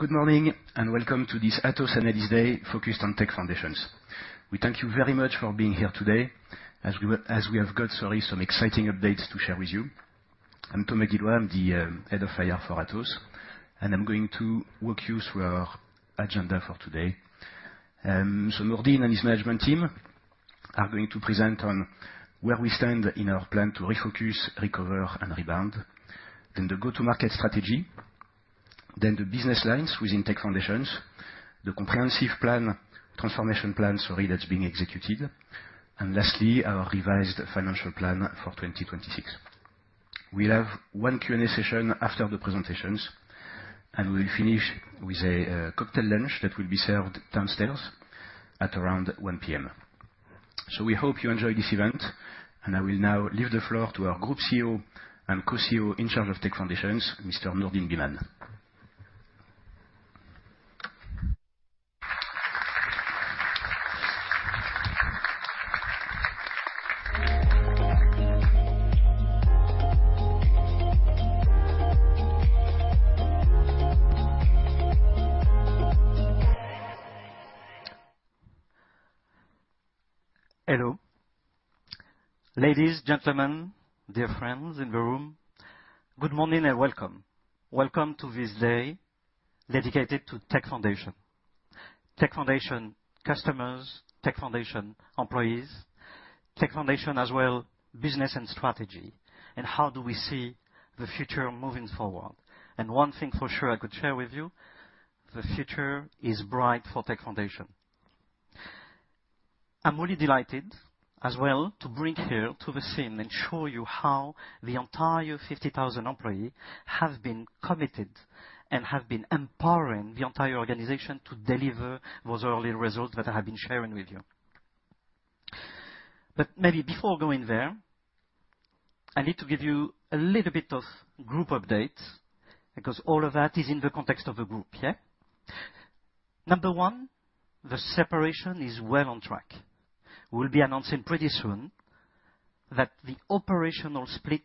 Good morning. Welcome to this Atos Analyst Day focused on Tech Foundations. We thank you very much for being here today, we have got some exciting updates to share with you. I'm Thomas Guillois, I'm the Head of IR for Atos, and I'm going to walk you through our agenda for today. Nourdine and his management team are going to present on where we stand in our plan to refocus, recover, and rebound, then the go-to-market strategy, then the business lines within Tech Foundations, the comprehensive transformation plan that's being executed, and lastly, our revised financial plan for 2026. We'll have one Q&A session after the presentations, and we'll finish with a cocktail lunch that will be served downstairs at around 1:00 P.M. We hope you enjoy this event, and I will now leave the floor to our Group CEO and Co-CEO in charge of Tech Foundations, Mr. Nourdine Bihmane. Hello. Ladies, gentlemen, dear friends in the room, good morning and welcome. Welcome to this day dedicated to Tech Foundations. Tech Foundations customers, Tech Foundations employees, Tech Foundations as well, business and strategy, how do we see the future moving forward? One thing for sure I could share with you, the future is bright for Tech Foundations. I'm really delighted as well to bring here to the scene and show you how the entire 50,000 employees have been committed and have been empowering the entire organization to deliver those early results that I have been sharing with you. Maybe before going there, I need to give you a little bit of group update, because all of that is in the context of the group, yeah? Number one, the separation is well on track. We'll be announcing pretty soon that the operational split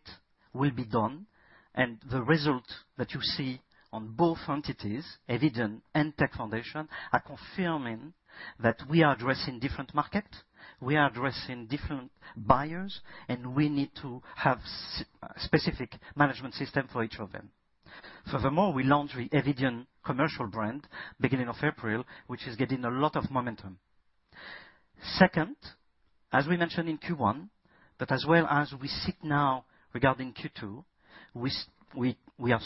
will be done, the result that you see on both entities, Eviden and Tech Foundation, are confirming that we are addressing different market, we are addressing different buyers, and we need to have specific management system for each of them. Furthermore, we launched the Eviden commercial brand beginning of April, which is getting a lot of momentum. Second, as we mentioned in Q1, but as well as we sit now regarding Q2, we are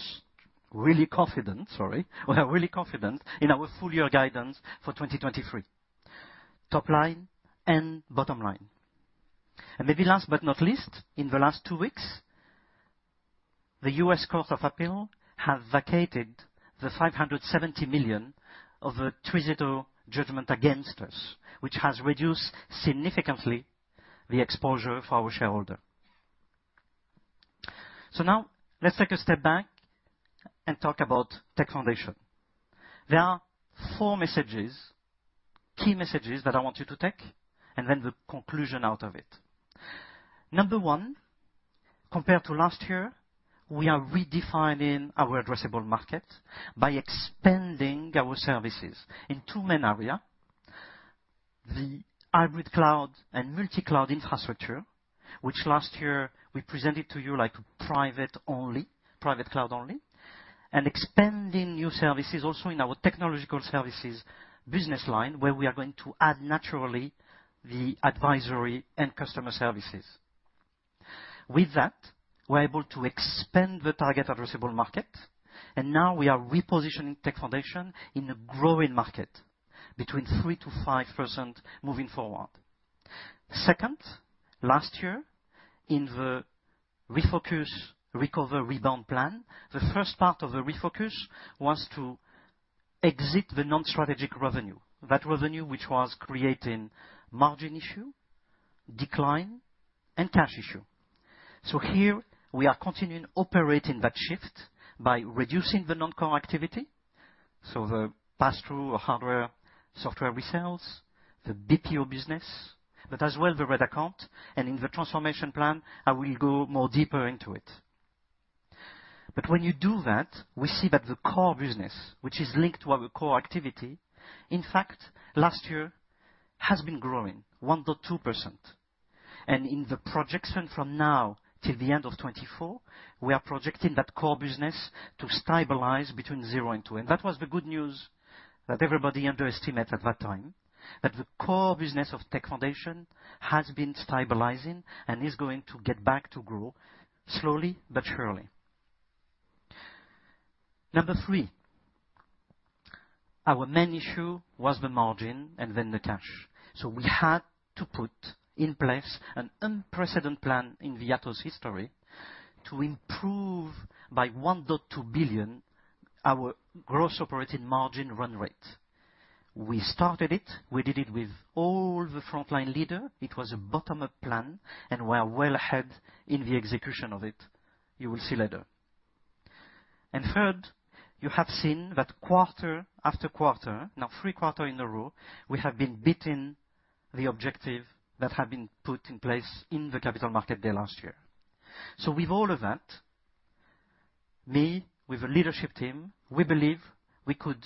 really confident, sorry. We are really confident in our full year guidance for 2023, top line and bottom line. Maybe last but not least, in the last two weeks, the U.S. Court of Appeal have vacated the $570 million of the TriZetto judgment against us, which has reduced significantly the exposure for our shareholder. Now let's take a step back and talk about Tech Foundations. There are four messages, key messages that I want you to take, and then the conclusion out of it. Number one compared to last year, we are redefining our addressable market by expanding our services in two main areas: the hybrid cloud and multi-cloud infrastructure, which last year we presented to you like private only, private cloud only, and expanding new services also in our technological services business line, where we are going to add naturally the advisory and customer services. With that, we're able to expand the target addressable market, and now we are repositioning Tech Foundations in a growing market between 3%-5% moving forward. Second, last year in the Refocus, Recover, Rebound plan, the first part of the refocus was to exit the non-strategic revenue. Revenue, which was creating margin issue, decline, and cash issue. Here we are continuing operating that shift by reducing the non-core activity, the pass-through or hardware, software resells, the BPO business, but as well the red account, and in the transformation plan, I will go deeper into it. When you do that, we see that the core business, which is linked to our core activity, in fact, last year has been growing 1.2%. In the projection from now till the end of 2024, we are projecting that core business to stabilize between 0% and 2%. That was the good news that everybody underestimated at that time, that the core business of Tech Foundations has been stabilizing and is going to get back to grow, slowly but surely. Number three, our main issue was the margin and then the cash. We had to put in place an unprecedented plan in the Atos history to improve by 1.2 billion our gross operating margin run rate. We started it, we did it with all the frontline leader. It was a bottom-up plan, we are well ahead in the execution of it. You will see later. Third, you have seen that quarter after quarter, now 3 quarters in a row, we have been beating the objective that had been put in place in the Capital Market Day last year. With all of that, me, with the leadership team, we believe we could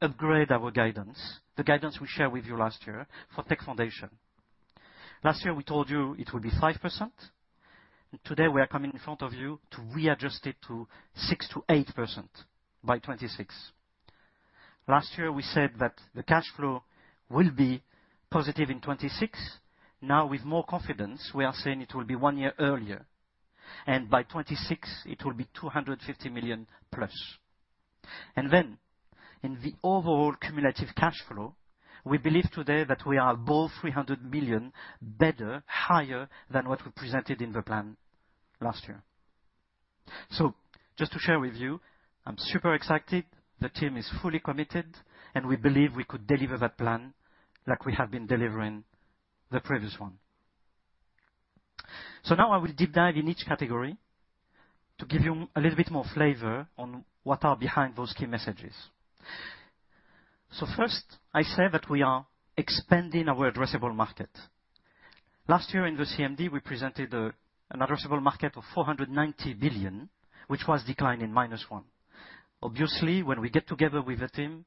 upgrade our guidance, the guidance we shared with you last year for Tech Foundations. Last year, we told you it would be 5%, today we are coming in front of you to readjust it to 6%-8% by 2026. Last year, we said that the cash flow will be positive in 2026. With more confidence, we are saying it will be one year earlier, and by 2026 it will be $250 million+. In the overall cumulative cash flow, we believe today that we are above $300 million, better, higher than what we presented in the plan last year. Just to share with you, I'm super excited. The team is fully committed, and we believe we could deliver that plan like we have been delivering the previous one. Now I will deep dive in each category to give you a little bit more flavor on what are behind those key messages. First, I say that we are expanding our addressable market. Last year in the CMD, we presented an addressable market of 490 billion, which was declined in -1%. When we get together with the team,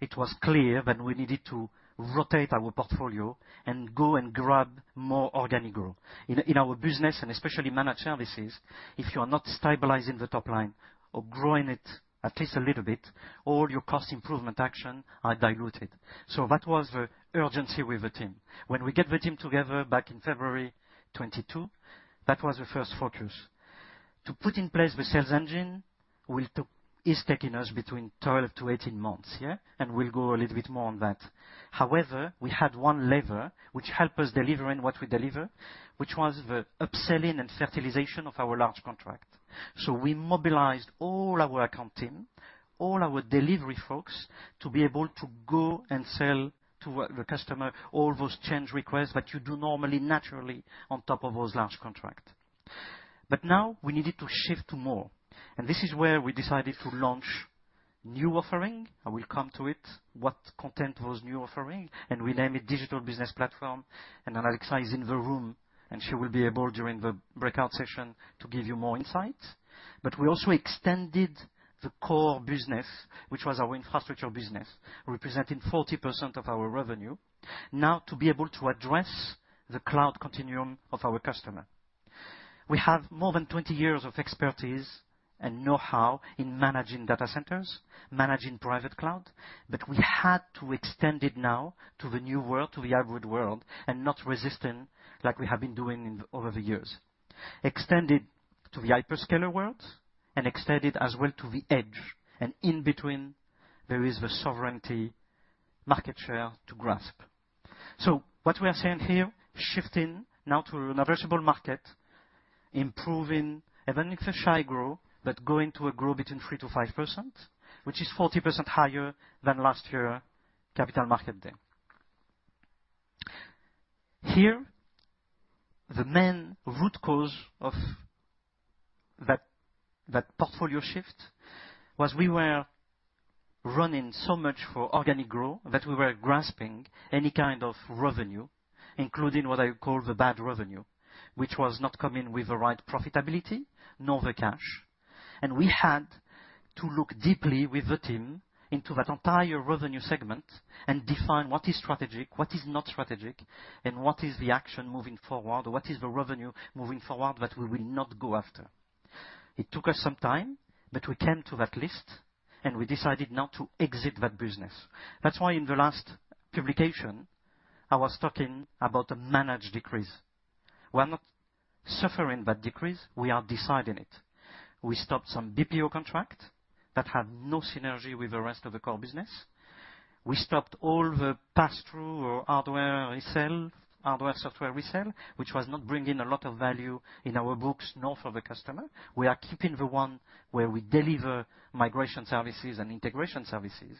it was clear that we needed to rotate our portfolio and go and grab more organic growth. In our business, and especially managed services, if you are not stabilizing the top line or growing it at least a little bit, all your cost improvement action are diluted. That was the urgency with the team. When we get the team together back in February 2022, that was the first focus. To put in place the sales engine is taking us between 12-18 months, yeah, and we'll go a little bit more on that. We had one lever which helped us delivering what we deliver, which was the upselling and fertilization of our large contract. We mobilized all our account team, all our delivery folks, to be able to go and sell to the customer all those change requests that you do normally, naturally, on top of those large contract. Now we needed to shift to more. This is where we decided to launch new offering. I will come to it, what content was new offering. We name it Digital Business Platform. Alexa is in the room, and she will be able, during the breakout session, to give you more insight. We also extended the core business, which was our infrastructure business, representing 40% of our revenue, now to be able to address the cloud continuum of our customer. We have more than 20 years of expertise and know-how in managing data centers, managing private cloud, but we had to extend it now to the new world, to the hybrid world, and not resistant like we have been doing over the years. Extend it to the hyperscaler worlds and extend it as well to the edge, and in between, there is the sovereignty market share to grasp. What we are saying here, shifting now to an addressable market, improving, even if a shy growth, but going to a growth between 3%-5%, which is 40% higher than last year capital market day. Here, the main root cause of that portfolio shift was we were running so much for organic growth that we were grasping any kind of revenue, including what I call the bad revenue, which was not coming with the right profitability nor the cash. We had to look deeply with the team into that entire revenue segment and define what is strategic, what is not strategic, and what is the action moving forward, or what is the revenue moving forward that we will not go after? It took us some time, but we came to that list, and we decided now to exit that business. That's why in the last publication, I was talking about a managed decrease. We are not suffering that decrease, we are deciding it. We stopped some BPO contract that had no synergy with the rest of the core business. We stopped all the pass-through or hardware resell, hardware-software resell, which was not bringing a lot of value in our books, nor for the customer. We are keeping the one where we deliver migration services and integration services,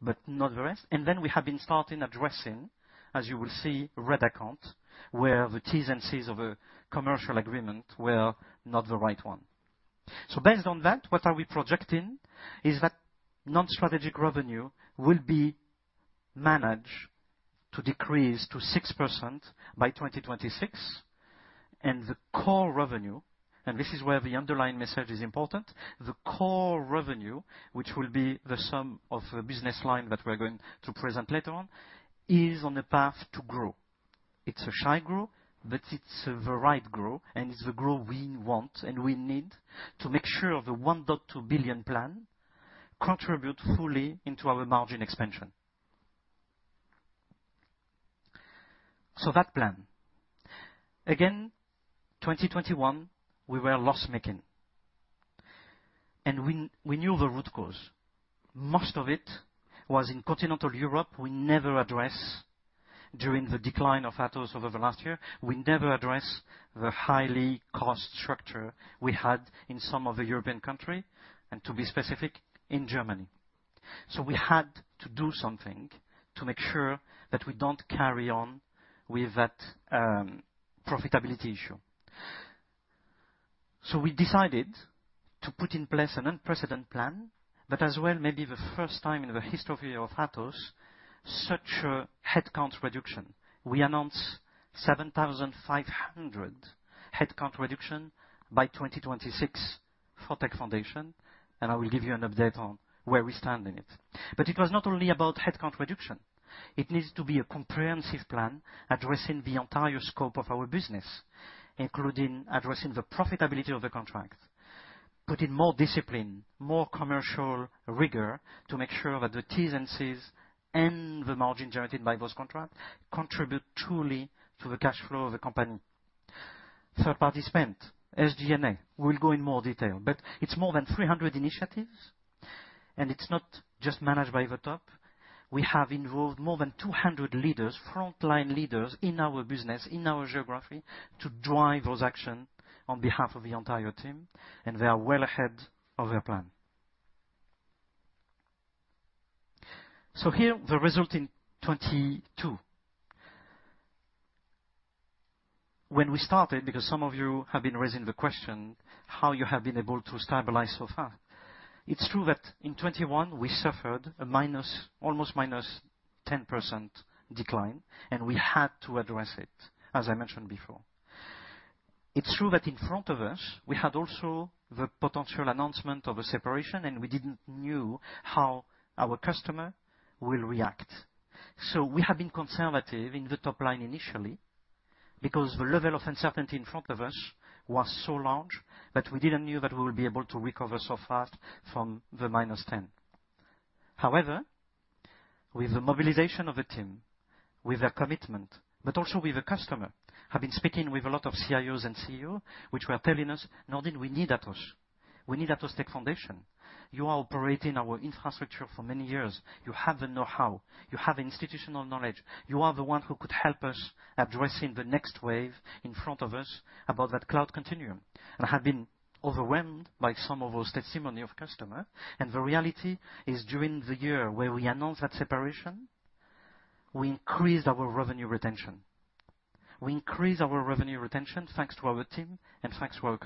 but not the rest. Then we have been starting addressing, as you will see, red account, where the T's and C's of a commercial agreement were not the right one. Based on that, what are we projecting is that non-strategic revenue will be managed to decrease to 6% by 2026, and the core revenue, and this is where the underlying message is important, the core revenue, which will be the sum of the business line that we're going to present later on, is on a path to grow. It's a shy growth, it's the right growth, it's the growth we want, we need to make sure the 1.2 billion plan contribute fully into our margin expansion. That plan. Again, 2021, we were loss-making, we knew the root cause. Most of it was in continental Europe. We never address during the decline of Atos over the last year, we never address the highly cost structure we had in some of the European country, to be specific, in Germany. We had to do something to make sure that we don't carry on with that profitability issue. We decided to put in place an unprecedented plan, as well, maybe the first time in the history of Atos, such a headcount reduction. We announced 7,500 headcount reduction by 2026 for Tech Foundations. I will give you an update on where we stand in it. It was not only about headcount reduction, it needs to be a comprehensive plan addressing the entire scope of our business, including addressing the profitability of the contract, putting more discipline, more commercial rigor to make sure that the T's and C's and the margin generated by those contracts contribute truly to the cash flow of the company. Third-party spend, SG&A. We'll go in more detail, but it's more than 300 initiatives, and it's not just managed by the top. We have involved more than 200 leaders, frontline leaders in our business, in our geography, to drive those action on behalf of the entire team, and they are well ahead of their plan. Here, the result in 2022. When we started, because some of you have been raising the question, how you have been able to stabilize so far? It's true that in 2021, we suffered almost -10% decline, and we had to address it, as I mentioned before. It's true that in front of us, we had also the potential announcement of a separation, and we didn't know how our customer will react. We have been conservative in the top line initially, because the level of uncertainty in front of us was so large that we didn't know that we would be able to recover so fast from the -10. However, with the mobilization of the team, with their commitment, but also with the customer, I've been speaking with a lot of CIOs and CEO, which were telling us, "Nourdine, we need Atos. We need Atos Tech Foundations. You are operating our infrastructure for many years. You have the know-how, you have institutional knowledge. You are the one who could help us addressing the next wave in front of us about that cloud continuum. I have been overwhelmed by some of those testimony of customer, and the reality is, during the year where we announced that separation, we increased our revenue retention. We increased our revenue retention, thanks to our team and thanks to our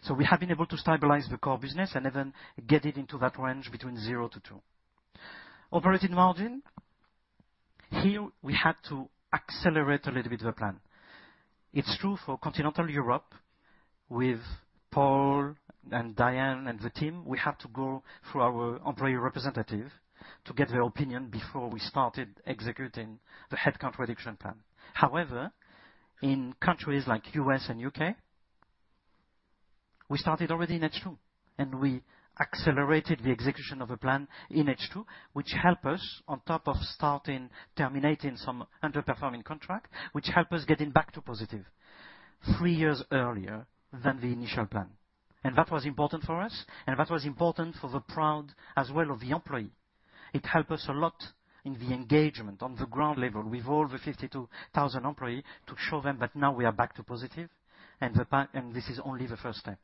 customer. We have been able to stabilize the core business and even get it into that range between 0%-2%. Operating margin, here, we had to accelerate a little bit the plan. It's true for continental Europe with Paul and Diane and the team, we had to go through our employee representative to get their opinion before we started executing the headcount reduction plan. However, in countries like U.S. and U.K., we started already in H2. We accelerated the execution of a plan in H2, which help us on top of starting terminating some underperforming contract, which help us getting back to positive three years earlier than the initial plan. That was important for us, that was important for the pride as well of the employee. It helped us a lot in the engagement on the ground level with all the 52,000 employee to show them that now we are back to positive and this is only the first step.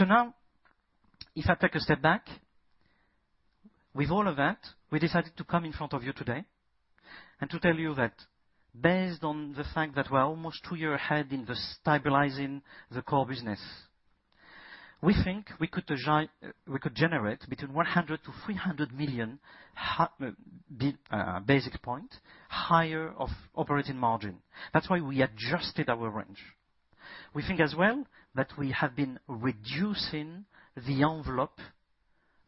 Now, if I take a step back, with all of that, we decided to come in front of you today and to tell you that based on the fact that we're almost two year ahead in the stabilizing the core business, we think we could. We could generate between 100 million-300 million hi, basis points higher of operating margin. That's why we adjusted our range. We think as well, that we have been reducing the envelope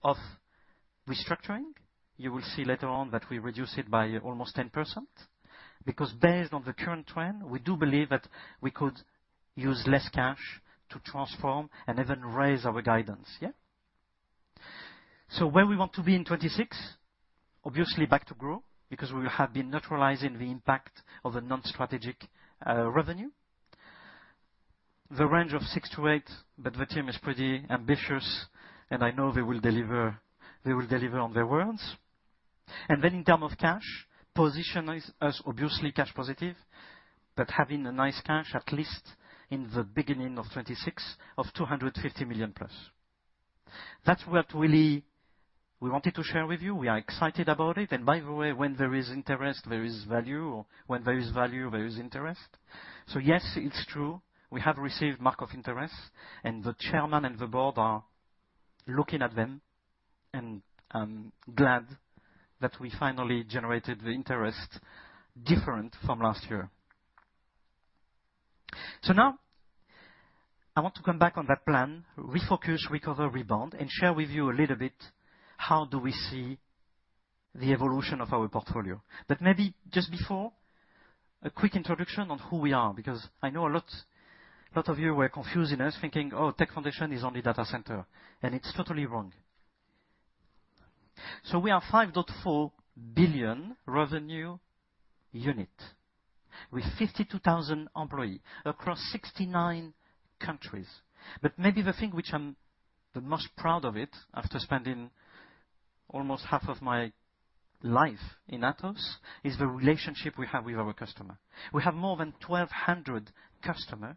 of restructuring. You will see later on that we reduce it by almost 10%, because based on the current trend, we do believe that we could use less cash to transform and even raise our guidance. Yeah? Where we want to be in 2026, obviously back to growth, because we have been neutralizing the impact of the non-strategic revenue. The range of 6%-8%, but the team is pretty ambitious, and I know they will deliver on their words. In term of cash, position us, obviously, cash positive, but having a nice cash, at least in the beginning of 2026, of $250 million plus. That's what really we wanted to share with you. We are excited about it, and by the way, when there is interest, there is value, or when there is value, there is interest. Yes, it's true, we have received mark of interest, and the chairman and the board are looking at them, and I'm glad that we finally generated the interest different from last year. Now, I want to come back on that plan, refocus, recover, rebound, and share with you a little bit, how do we see the evolution of our portfolio? Maybe just before, a quick introduction on who we are, because I know a lot of you were confusing us, thinking, "Oh, Tech Foundations is only data center," and it's totally wrong. We are a 5.4 billion revenue unit with 52,000 employee across 69 countries. Maybe the thing which I'm the most proud of it, after spending almost half of my life in Atos, is the relationship we have with our customer. We have more than 1,200 customer,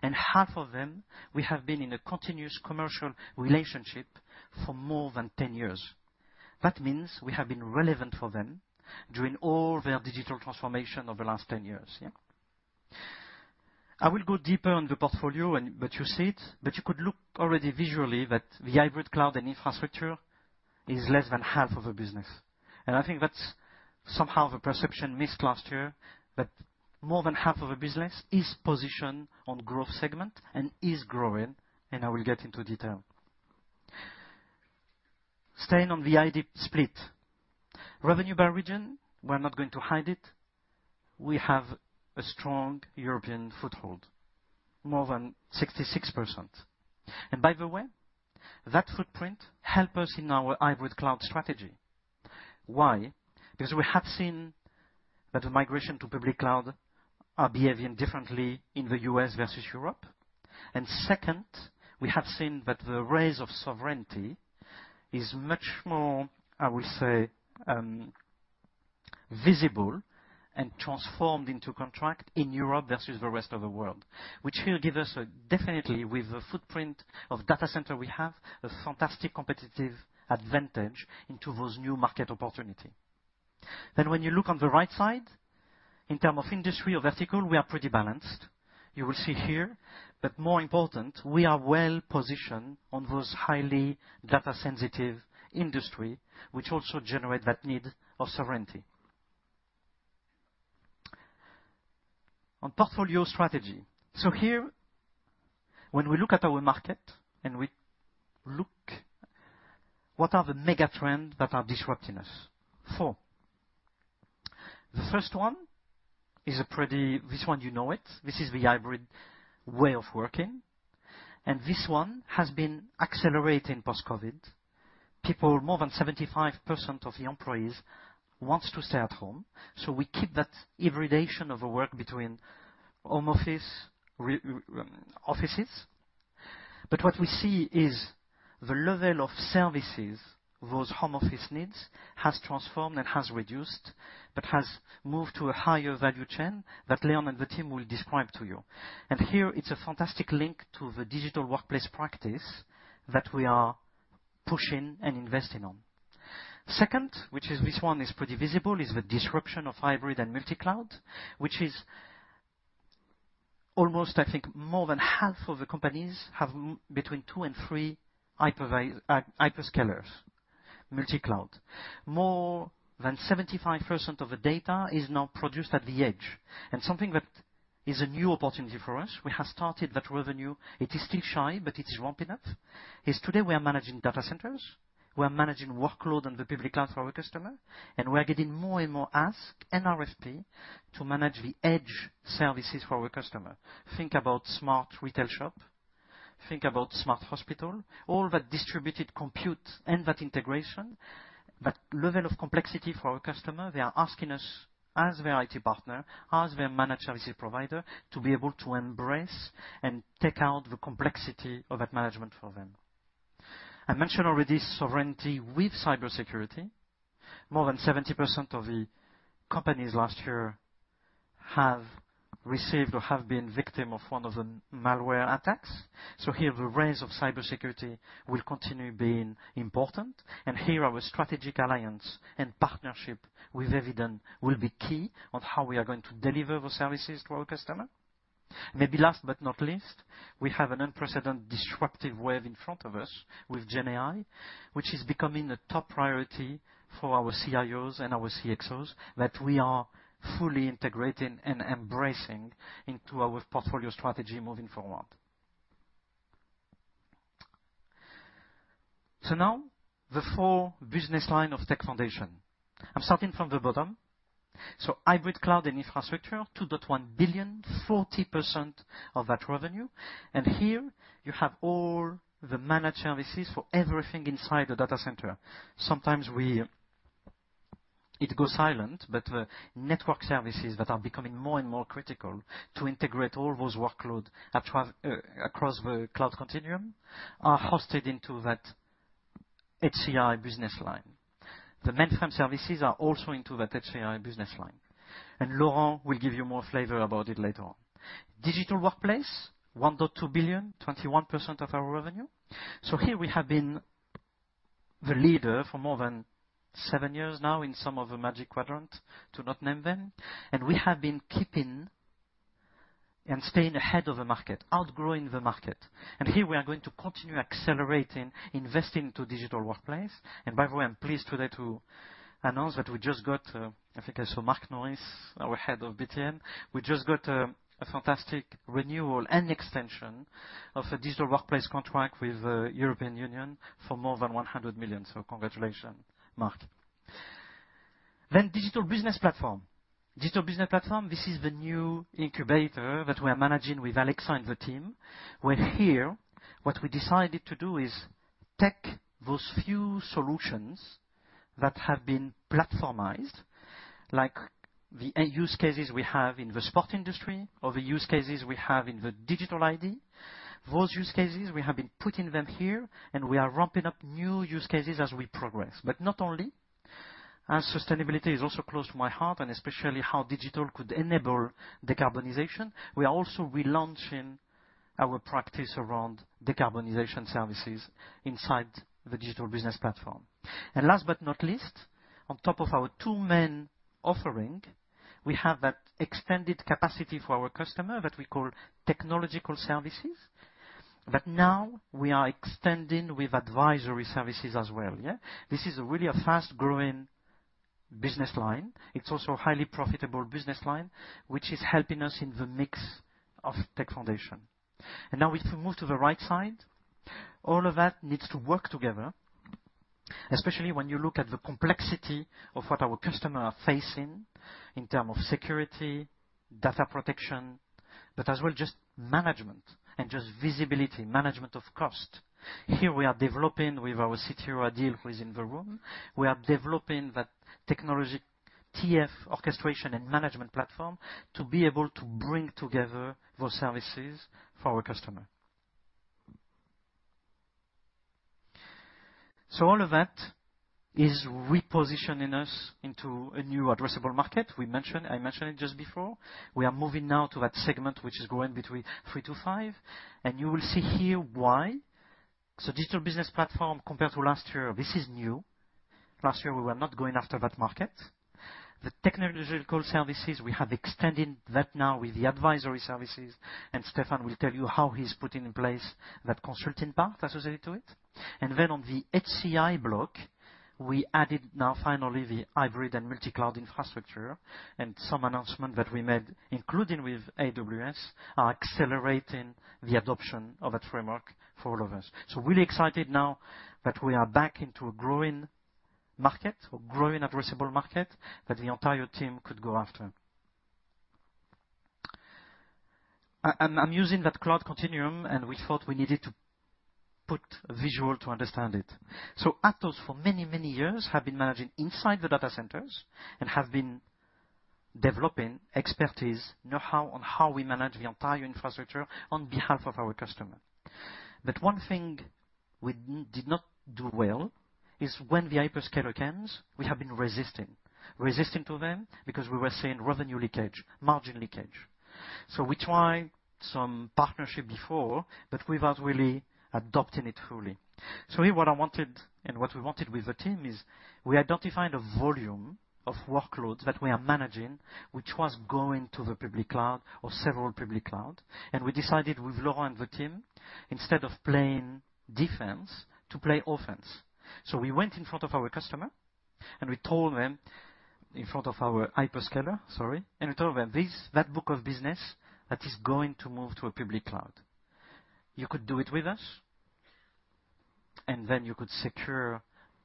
and half of them, we have been in a continuous commercial relationship for more than 10 years. That means we have been relevant for them during all their digital transformation over the last 10 years, yeah. I will go deeper on the portfolio, but you could look already visually that the Hybrid Cloud & Infrastructure is less than half of the business. I think that's somehow the perception missed last year, but more than half of the business is positioned on growth segment and is growing, and I will get into detail. Staying on the ID split, revenue by region, we're not going to hide it. We have a strong European foothold, more than 66%. By the way, that footprint help us in our hybrid cloud strategy. Why? Because we have seen that the migration to public cloud are behaving differently in the U.S. versus Europe. Second, we have seen that the raise of sovereignty is much more, I will say, visible and transformed into contract in Europe versus the rest of the world. Which will give us a definitely, with the footprint of data center we have, a fantastic competitive advantage into those new market opportunity. When you look on the right side, in terms of industry or vertical, we are pretty balanced. You will see here, more importantly, we are well positioned on those highly data-sensitive industries, which also generate that need of sovereignty. On portfolio strategy. Here, when we look at our market and we look what are the mega trends that are disrupting us, four. The first one is a pretty. This one, you know it. This is the hybrid way of working, and this one has been accelerating post-COVID. People, more than 75% of the employees want to stay at home, we keep that hybridization of the work between home office, offices. What we see is the level of services those home office needs has transformed and has reduced, but has moved to a higher value chain that Leon and the team will describe to you. Here, it's a fantastic link to the Digital Workplace practice that we are pushing and investing on. Second, which is this one, is pretty visible, is the disruption of hybrid and multi-cloud, which is almost, I think, more than half of the companies have between two and three hyperscalers, multi-cloud. More than 75% of the data is now produced at the edge. Something that is a new opportunity for us, we have started that revenue, it is still shy, but it is ramping up, is today we are managing data centers, we are managing workload on the public cloud for our customer. We are getting more and more ask and RFP to manage the edge services for our customer. Think about smart retail shop, think about smart hospital, all that distributed compute and that integration, that level of complexity for our customer, they are asking us as their IT partner, as their managed services provider, to be able to embrace and take out the complexity of that management for them. I mentioned already sovereignty with cybersecurity. More than 70% of the companies last year have received or have been victim of one of the malware attacks. Here, the rise of cybersecurity will continue being important, and here, our strategic alliance and partnership with Eviden will be key on how we are going to deliver those services to our customer. Maybe last but not least, we have an unprecedented disruptive wave in front of us with GenAI, which is becoming a top priority for our CIOs and our CXOs, that we are fully integrating and embracing into our portfolio strategy moving forward. Now, the four business line of Tech Foundations. I'm starting from the bottom. Hybrid Cloud & Infrastructure, 2.1 billion, 40% of that revenue. Here you have all the managed services for everything inside the data center. Sometimes it goes silent, but the network services that are becoming more and more critical to integrate all those workload across the cloud continuum, are hosted into that HCI business line. The mainframe services are also into that HCI business line. Laurent will give you more flavor about it later on. Digital Workplace, $1.2 billion, 21% of our revenue. Here we have been the leader for more than seven years now in some of the Magic Quadrant, to not name them. We have been keeping and staying ahead of the market, outgrowing the market. Here we are going to continue accelerating, investing into Digital Workplace. By the way, I'm pleased today to announce that we just got, I think I saw Mark Nouris, our Head of BTN. We just got a fantastic renewal and extension of the Digital Workplace contract with the European Union for more than $100 million. Congratulations, Mark. Digital Business Platform. Digital Business Platform, this is the new incubator that we are managing with Alexa and the team, where here, what we decided to do is take those few solutions that have been platformized, the use cases we have in the sport industry or the use cases we have in the digital ID, those use cases, we have been putting them here, and we are ramping up new use cases as we progress. Not only, as sustainability is also close to my heart, and especially how digital could enable decarbonization, we are also relaunching our practice around decarbonization services inside the Digital Business Platform. Last but not least, on top of our two main offering, we have that extended capacity for our customer that we call technological services, but now we are extending with advisory services as well, yeah? This is really a fast-growing business line. It's also a highly profitable business line, which is helping us in the mix of Tech Foundations. Now if we move to the right side, all of that needs to work together, especially when you look at the complexity of what our customer are facing in term of security, data protection, but as well, just management and just visibility, management of cost. Here we are developing with our CTO, Adil, who is in the room. We are developing that technology, TF orchestration and management platform, to be able to bring together those services for our customer. All of that is repositioning us into a new addressable market. I mentioned it just before. We are moving now to that segment, which is growing between 3%-5%, and you will see here why. Digital Business Platform, compared to last year, this is new. Last year, we were not going after that market. The technological services, we have extended that now with the advisory services, and Stéphane will tell you how he's putting in place that consulting part associated to it. On the HCI block, we added now finally, the Hybrid and Multi-Cloud Infrastructure, and some announcement that we made, including with AWS, are accelerating the adoption of that framework for all of us. Really excited now that we are back into a growing market or growing addressable market that the entire team could go after. I'm using that cloud continuum. We thought we needed to put a visual to understand it. Atos, for many, many years, have been managing inside the data centers and have been developing expertise, know-how on how we manage the entire infrastructure on behalf of our customer. One thing we did not do well is when the hyperscaler comes, we have been resisting to them because we were seeing revenue leakage, margin leakage. We tried some partnership before, but without really adopting it fully. Here, what I wanted and what we wanted with the team is we identified a volume of workloads that we are managing, which was going to the public cloud or several public cloud. We decided with Laura and the team, instead of playing defense, to play offense. We went in front of our customer, and we told them, in front of our hyperscaler, sorry, and we told them this, that book of business, that is going to move to a public cloud. You could do it with us, and then you could secure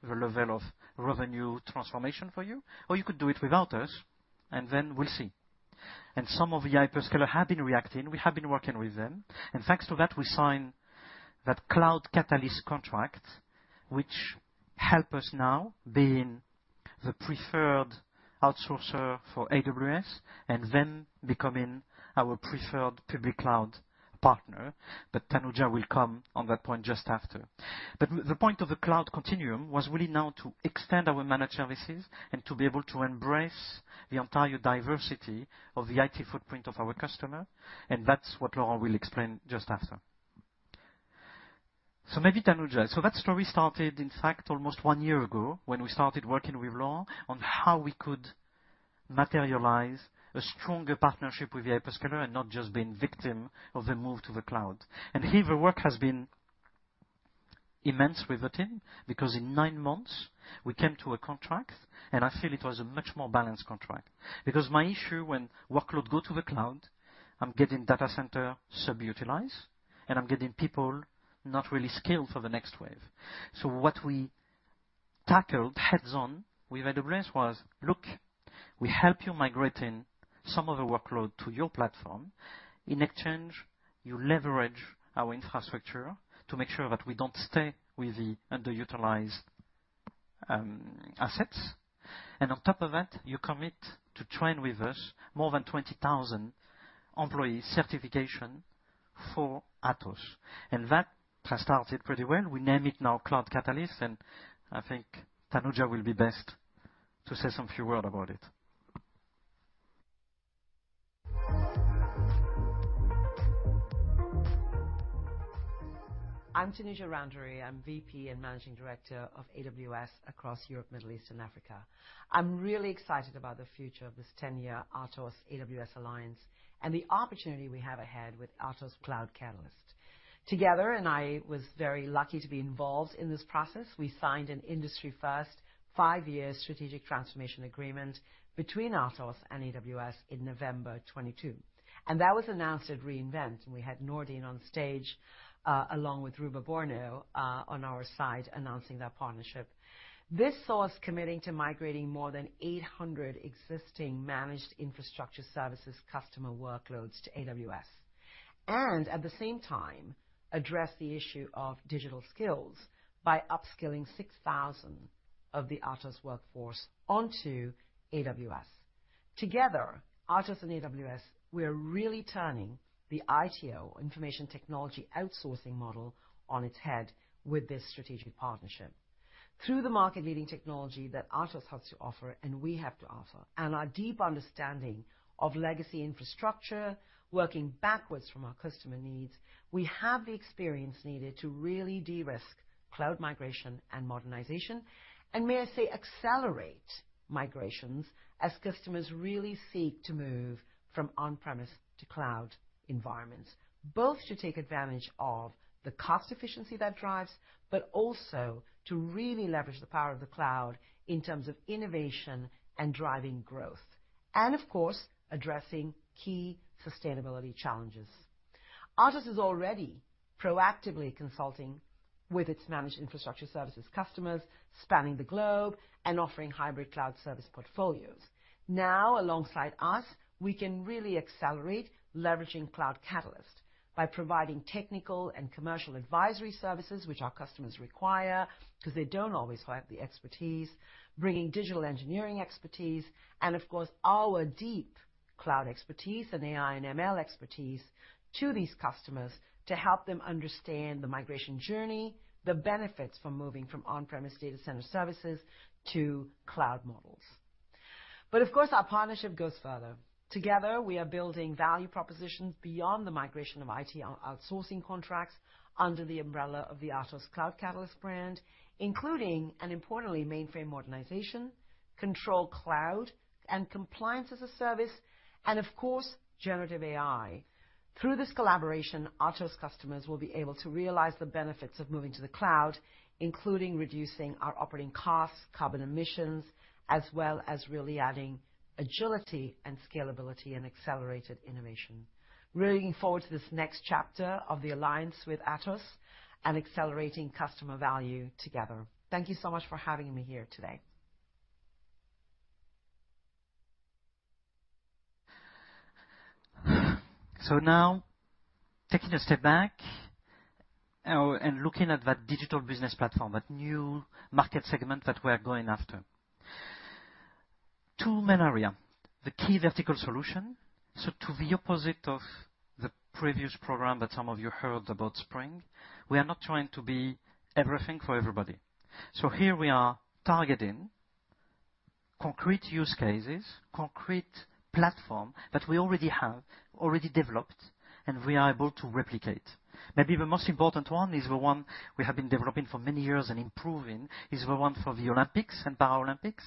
the level of revenue transformation for you, or you could do it without us, and then we'll see. Some of the hyperscaler have been reacting. We have been working with them, and thanks to that, we signed that Cloud Catalyst contract, which help us now being the preferred outsourcer for AWS and then becoming our preferred public cloud partner. Thanuja will come on that point just after. The point of the cloud continuum was really now to extend our managed services and to be able to embrace the entire diversity of the IT footprint of our customer, and that's what Laura will explain just after. Maybe, Thanuja. That story started, in fact, almost one year ago, when we started working with Laura on how we could materialize a stronger partnership with the hyperscaler and not just being victim of the move to the cloud. Here, the work has been immense with the team, because in nine months we came to a contract, and I feel it was a much more balanced contract. My issue, when workload go to the cloud, I'm getting data center sub-utilized, and I'm getting people not really skilled for the next wave. What we tackled heads-on with AWS was: "Look, we help you migrate in some of the workload to your platform. In exchange, you leverage our infrastructure to make sure that we don't stay with the underutilized assets. And on top of that, you commit to train with us more than 20,000 employee certification for Atos." That has started pretty well. We name it now Cloud Catalyst, and I think Thanuja will be best to say some few word about it. I'm Thanuja Randery. I'm VP and Managing Director of AWS across Europe, Middle East, and Africa. I'm really excited about the future of this 10-year Atos AWS alliance and the opportunity we have ahead with Atos CloudCatalyst. Together, and I was very lucky to be involved in this process, we signed an industry-first five-year strategic transformation agreement between Atos and AWS in November 2022, and that was announced at re:Invent, and we had Nourdine on stage along with Ruba Borno on our side, announcing that partnership. This saw us committing to migrating more than 800 existing managed infrastructure services customer workloads to AWS, and at the same time, address the issue of digital skills by upskilling 6,000 of the Atos workforce onto AWS. Together, Atos and AWS, we are really turning the ITO, information technology outsourcing model, on its head with this strategic partnership. Through the market-leading technology that Atos has to offer, and we have to offer, and our deep understanding of legacy infrastructure, working backwards from our customer needs, we have the experience needed to really de-risk cloud migration and modernization, and may I say, accelerate migrations as customers really seek to move from on-premise to cloud environments. Both to take advantage of the cost efficiency that drives, but also to really leverage the power of the cloud in terms of innovation and driving growth, and of course, addressing key sustainability challenges. Atos is already proactively consulting with its managed infrastructure services customers, spanning the globe and offering hybrid cloud service portfolios. Alongside us, we can really accelerate leveraging CloudCatalyst by providing technical and commercial advisory services, which our customers require, because they don't always have the expertise, bringing digital engineering expertise, and of course, our deep cloud expertise and AI and ML expertise to these customers to help them understand the migration journey, the benefits from moving from on-premise data center services to cloud models. Of course, our partnership goes further. Together, we are building value propositions beyond the migration of IT outsourcing contracts under the umbrella of the Atos CloudCatalyst brand, including, and importantly, mainframe modernization, control cloud and compliance as a service, and of course, generative AI. Through this collaboration, Atos customers will be able to realize the benefits of moving to the cloud, including reducing our operating costs, carbon emissions, as well as really adding agility and scalability and accelerated innovation. Really looking forward to this next chapter of the alliance with Atos and accelerating customer value together. Thank you so much for having me here today. Now, taking a step back, and looking at that Digital Business Platform, that new market segment that we are going after. Two main area, the key vertical solution. To the opposite of the previous program that some of you heard about Spring, we are not trying to be everything for everybody. Here we are targeting concrete use cases, concrete platform that we already have, already developed, and we are able to replicate. Maybe the most important one is the one we have been developing for many years and improving, is the one for the Olympics and Paralympics,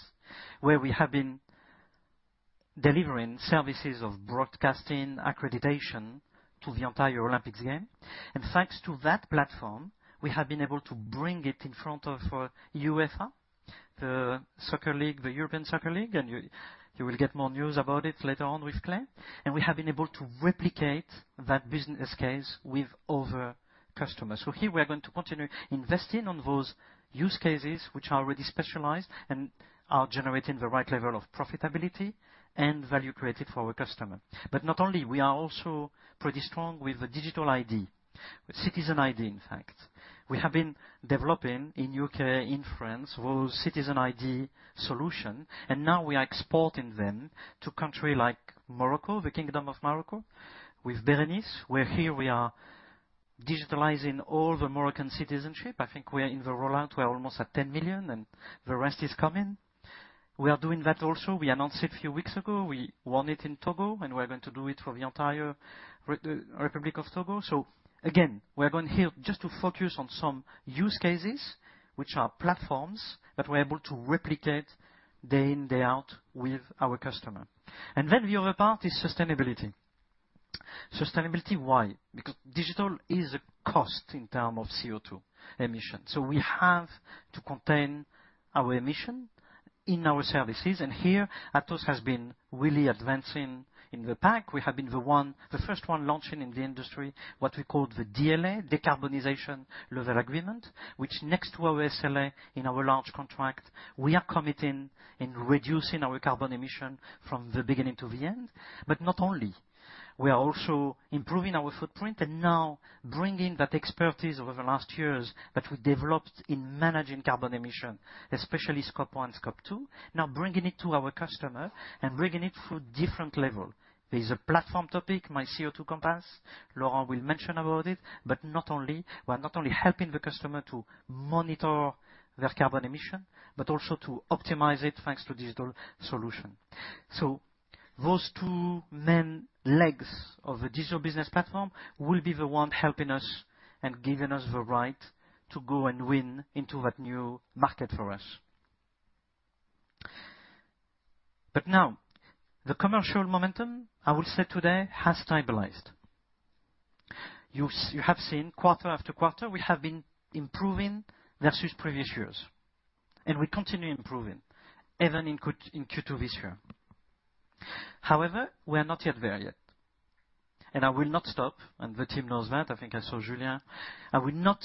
where we have been delivering services of broadcasting accreditation to the entire Olympics game. Thanks to that platform, we have been able to bring it in front of UEFA, the Soccer League, the European Soccer League, and you will get more news about it later on with Clay. We have been able to replicate that business case with other customers. Here we are going to continue investing on those use cases which are already specialized and are generating the right level of profitability and value created for our customer. Not only, we are also pretty strong with the digital ID, with citizen ID, in fact. We have been developing in U.K., in France, those citizen ID solution, and now we are exporting them to country like Morocco, the Kingdom of Morocco, with Bérénice, where here we are digitalizing all the Moroccan citizenship. I think we are in the rollout. We are almost at 10 million, the rest is coming. We are doing that also, we announced it a few weeks ago, we won it in Togo, and we are going to do it for the entire Republic of Togo. Again, we are going here just to focus on some use cases, which are platforms that we're able to replicate day in, day out with our customer. Then the other part is sustainability. Sustainability why? Because digital is a cost in term of CO2 emissions, so we have to contain our emission in our services. Here, Atos has been really advancing in the pack. We have been the first one launching in the industry, what we call the DLA, Decarbonization Level Agreement, which next to our SLA in our large contract, we are committing in reducing our carbon emission from the beginning to the end. Not only, we are also improving our footprint and now bringing that expertise over the last years that we developed in managing carbon emission, especially Scope one, Scope two, now bringing it to our customer and bringing it through different level. There is a platform topic, MyCO2Compass, Laura will mention about it, but not only. We are not only helping the customer to monitor their carbon emission, but also to optimize it, thanks to digital solution. Those two main legs of the Digital Business Platform will be the one helping us and giving us the right to go and win into that new market for us. Now, the commercial momentum, I will say today, has stabilized. You have seen quarter after quarter, we have been improving versus previous years, and we continue improving even in Q2 this year. However, we are not yet there yet, and I will not stop, and the team knows that. I think I saw Julien. I will not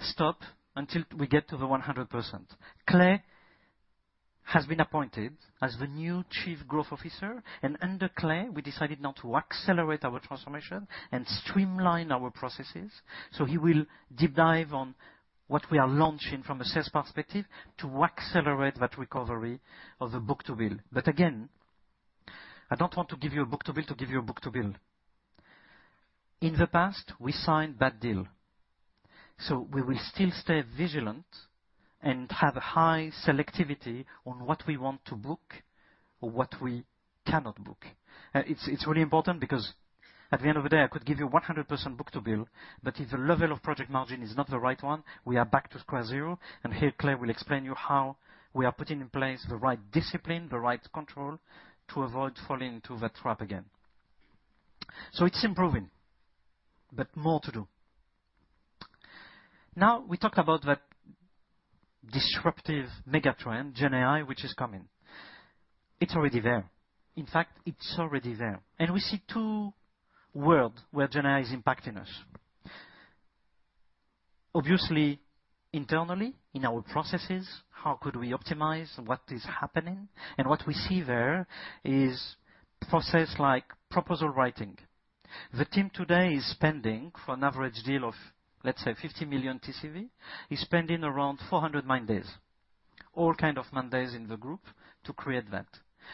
stop until we get to the 100%. Clay has been appointed as the new Chief Growth Officer, and under Clay, we decided now to accelerate our transformation and streamline our processes. He will deep dive what we are launching from a sales perspective to accelerate that recovery of the book-to-bill. Again, I don't want to give you a book-to-bill to give you a book-to-bill. In the past, we signed bad deal, so we will still stay vigilant and have a high selectivity on what we want to book or what we cannot book. It's really important because at the end of the day, I could give you 100% book-to-bill, but if the level of project margin is not the right one, we are back to square zero, and here Clay will explain you how we are putting in place the right discipline, the right control, to avoid falling into that trap again. It's improving, but more to do. Now, we talk about that disruptive megatrend, GenAI, which is coming. It's already there. In fact, it's already there. We see two world where GenAI is impacting us. Obviously, internally, in our processes, how could we optimize what is happening? What we see there is process like proposal writing. The team today is spending, for an average deal of, let's say, 50 million TCV, is spending around 400 man days, all kind of man days in the group to create that.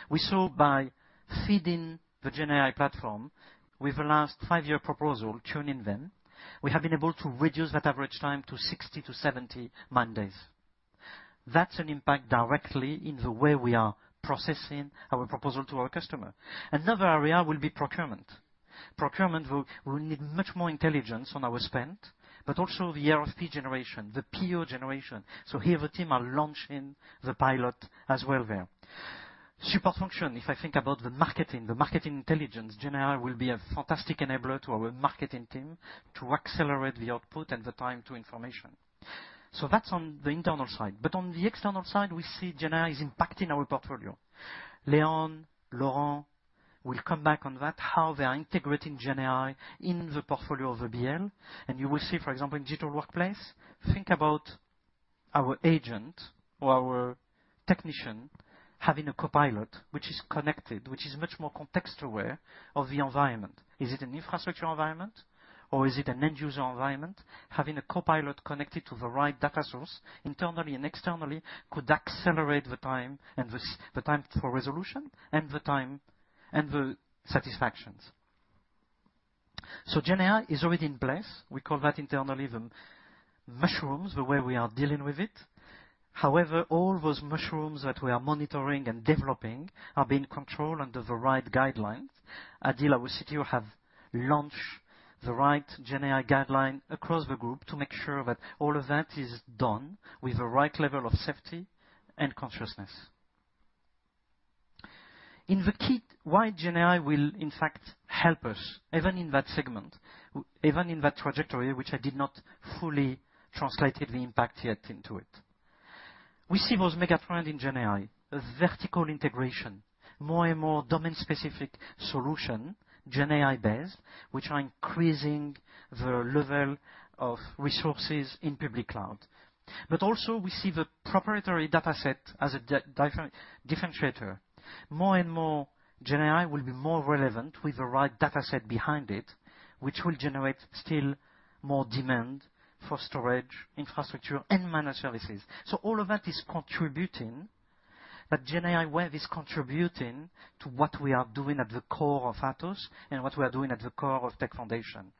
We saw by feeding the GenAI platform with the last five-year proposal, tuning them, we have been able to reduce that average time to 60-70 man days. That's an impact directly in the way we are processing our proposal to our customer. Another area will be procurement. Procurement will need much more intelligence on our spend, but also the RFP generation, the PO generation. Here the team are launching the pilot as well there. Support function, if I think about the marketing, the marketing intelligence, GenAI will be a fantastic enabler to our marketing team to accelerate the output and the time to information. That's on the internal side, but on the external side, we see GenAI is impacting our portfolio. Leon, Laurent will come back on that, how they are integrating GenAI in the portfolio of the BL. You will see, for example, in Digital Workplace, think about our agent or our technician having a Copilot, which is connected, which is much more context aware of the environment. Is it an infrastructure environment or is it an end-user environment? Having a Copilot connected to the right data source, internally and externally, could accelerate the time and the time for resolution and the time and the satisfactions. GenAI is already in place. We call that internally the mushrooms, the way we are dealing with it. All those mushrooms that we are monitoring and developing are being controlled under the right guidelines. Adil, our CTO, have launched the right GenAI guideline across the group to make sure that all of that is done with the right level of safety and consciousness. In the key, why GenAI will, in fact, help us, even in that segment, even in that trajectory, which I did not fully translate the impact yet into it. We see those mega trend in GenAI, a vertical integration, more and more domain-specific solution, GenAI-based, which are increasing the level of resources in public cloud. Also we see the proprietary data set as a differentiator. More and more GenAI will be more relevant with the right data set behind it, which will generate still more demand for storage, infrastructure, and managed services. All of that is contributing, that GenAI wave is contributing to what we are doing at the core of Atos and what we are doing at the core of Tech Foundations.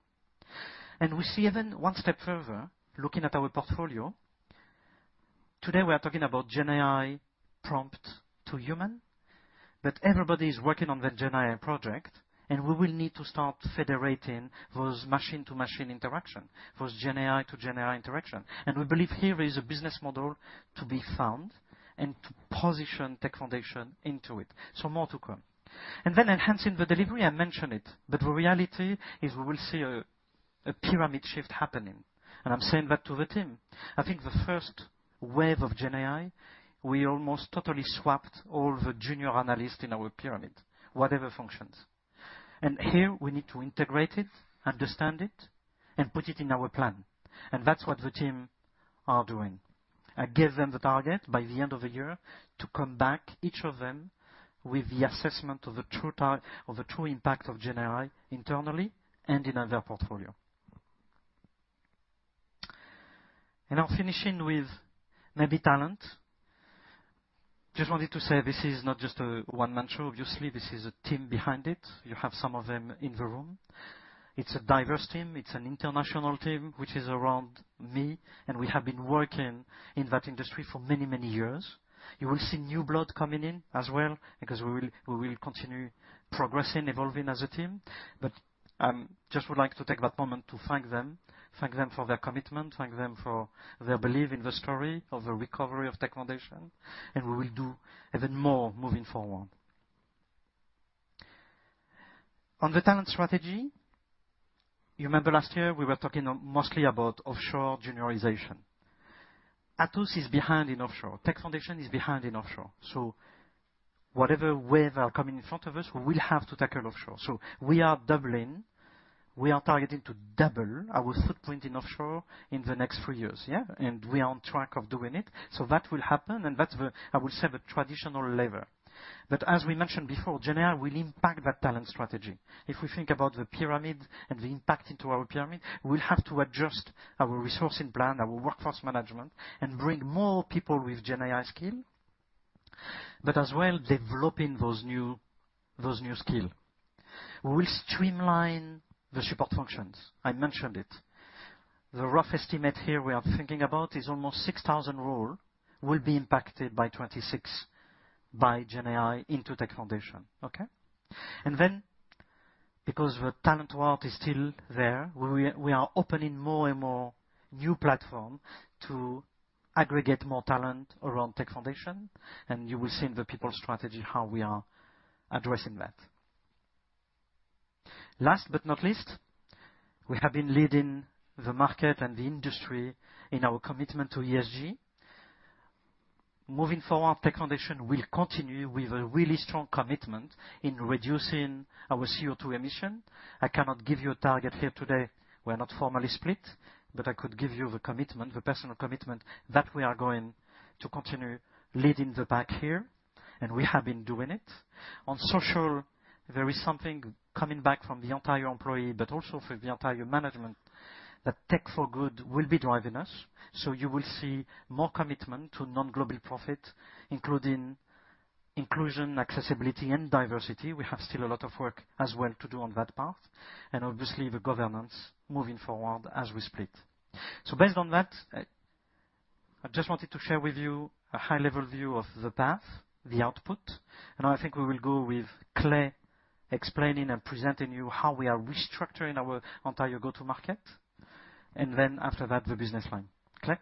We see even one step further, looking at our portfolio. Today, we are talking about GenAI prompt to human, but everybody is working on the GenAI project, and we will need to start federating those machine-to-machine interaction, those GenAI to GenAI interaction. We believe here is a business model to be found and to position Tech Foundations into it. More to come. Enhancing the delivery, I mentioned it, but the reality is we will see a pyramid shift happening, and I'm saying that to the team. I think the first wave of GenAI, we almost totally swapped all the junior analysts in our pyramid, whatever functions. Here we need to integrate it, understand it, and put it in our plan, and that's what the team are doing. I gave them the target by the end of the year to come back, each of them, with the assessment of the true impact of GenAI internally and in their portfolio. I'm finishing with maybe talent. Just wanted to say this is not just a one-man show obviously, this is a team behind it. You have some of them in the room. It's a diverse team. It's an international team, which is around me, and we have been working in that industry for many, many years. You will see new blood coming in as well, because we will continue progressing, evolving as a team. Just would like to take that moment to thank them, thank them for their commitment, thank them for their belief in the story of the recovery of Tech Foundations, and we will do even more moving forward. On the talent strategy, you remember last year, we were talking mostly about offshore juniorization. Atos is behind in offshore. Tech Foundations is behind in offshore. Whatever waves are coming in front of us, we will have to tackle offshore. We are doubling. We are targeting to double our footprint in offshore in the next three years, yeah, and we are on track of doing it. That will happen, and that's the, I would say, the traditional level. As we mentioned before, GenAI will impact that talent strategy. If we think about the pyramid and the impact into our pyramid, we'll have to adjust our resourcing plan, our workforce management, and bring more people with GenAI skill but as well, developing those new skill. We will streamline the support functions. I mentioned it. The rough estimate here we are thinking about is almost 6,000 role will be impacted by 2026 by GenAI into Tech Foundations, okay. Because the talent world is still there, we are opening more and more new platform to aggregate more talent around Tech Foundations, and you will see in the people strategy how we are addressing that. Last but not least, we have been leading the market and the industry in our commitment to ESG. Moving forward, Tech Foundations will continue with a really strong commitment in reducing our CO2 emission. I cannot give you a target here today. We are not formally split, but I could give you the commitment, the personal commitment, that we are going to continue leading the pack here, and we have been doing it. You will see more commitment to non-global profit, including inclusion, accessibility, and diversity. We have still a lot of work as well to do on that path, and obviously, the governance moving forward as we split. Based on that, I just wanted to share with you a high-level view of the path, the output, and I think we will go with Clay explaining and presenting you how we are restructuring our entire go-to market, and then after that, the business line. Clay?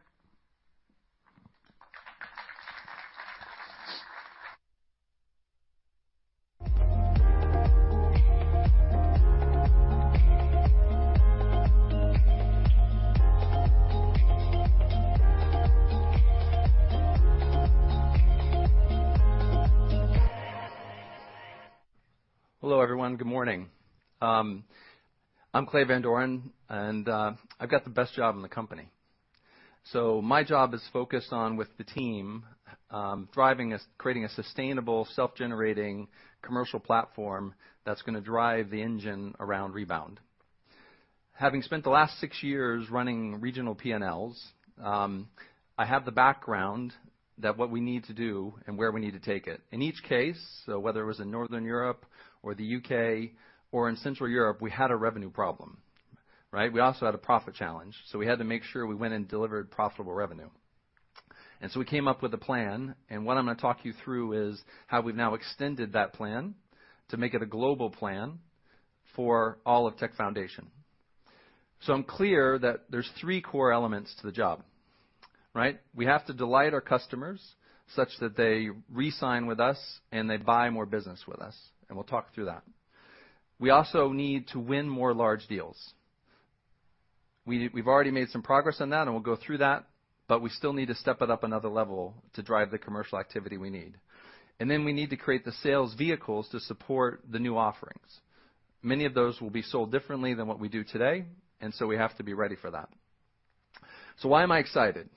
Hello, everyone. Good morning. I'm Clay Van Doren, and I've got the best job in the company. My job is focused on, with the team, thriving as creating a sustainable, self-generating commercial platform that's gonna drive the engine around Rebound. Having spent the last six years running regional PNLs, I have the background that what we need to do and where we need to take it. In each case, so whether it was in Northern Europe or the U.K. or in Central Europe, we had a revenue problem, right? We also had a profit challenge, so we had to make sure we went and delivered profitable revenue. We came up with a plan, and what I'm going to talk you through is how we've now extended that plan to make it a global plan for all of Tech Foundations. I'm clear that there's three core elements to the job, right? We have to delight our customers such that they re-sign with us and they buy more business with us, and we'll talk through that. We also need to win more large deals. We've already made some progress on that, and we'll go through that, but we still need to step it up another level to drive the commercial activity we need. We need to create the sales vehicles to support the new offerings. Many of those will be sold differently than what we do today, and so we have to be ready for that. Why am I excited?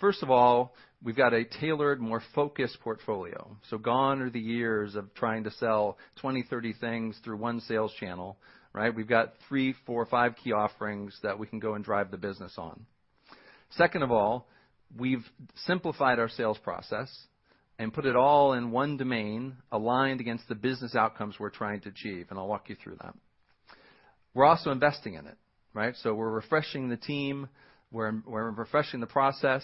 First of all, we've got a tailored, more focused portfolio. Gone are the years of trying to sell 20, 30 things through one sales channel, right? We've got three, four, five key offerings that we can go and drive the business on. Second of all, we've simplified our sales process and put it all in one domain, aligned against the business outcomes we're trying to achieve. I'll walk you through that. We're also investing in it, right? We're refreshing the team, we're refreshing the process,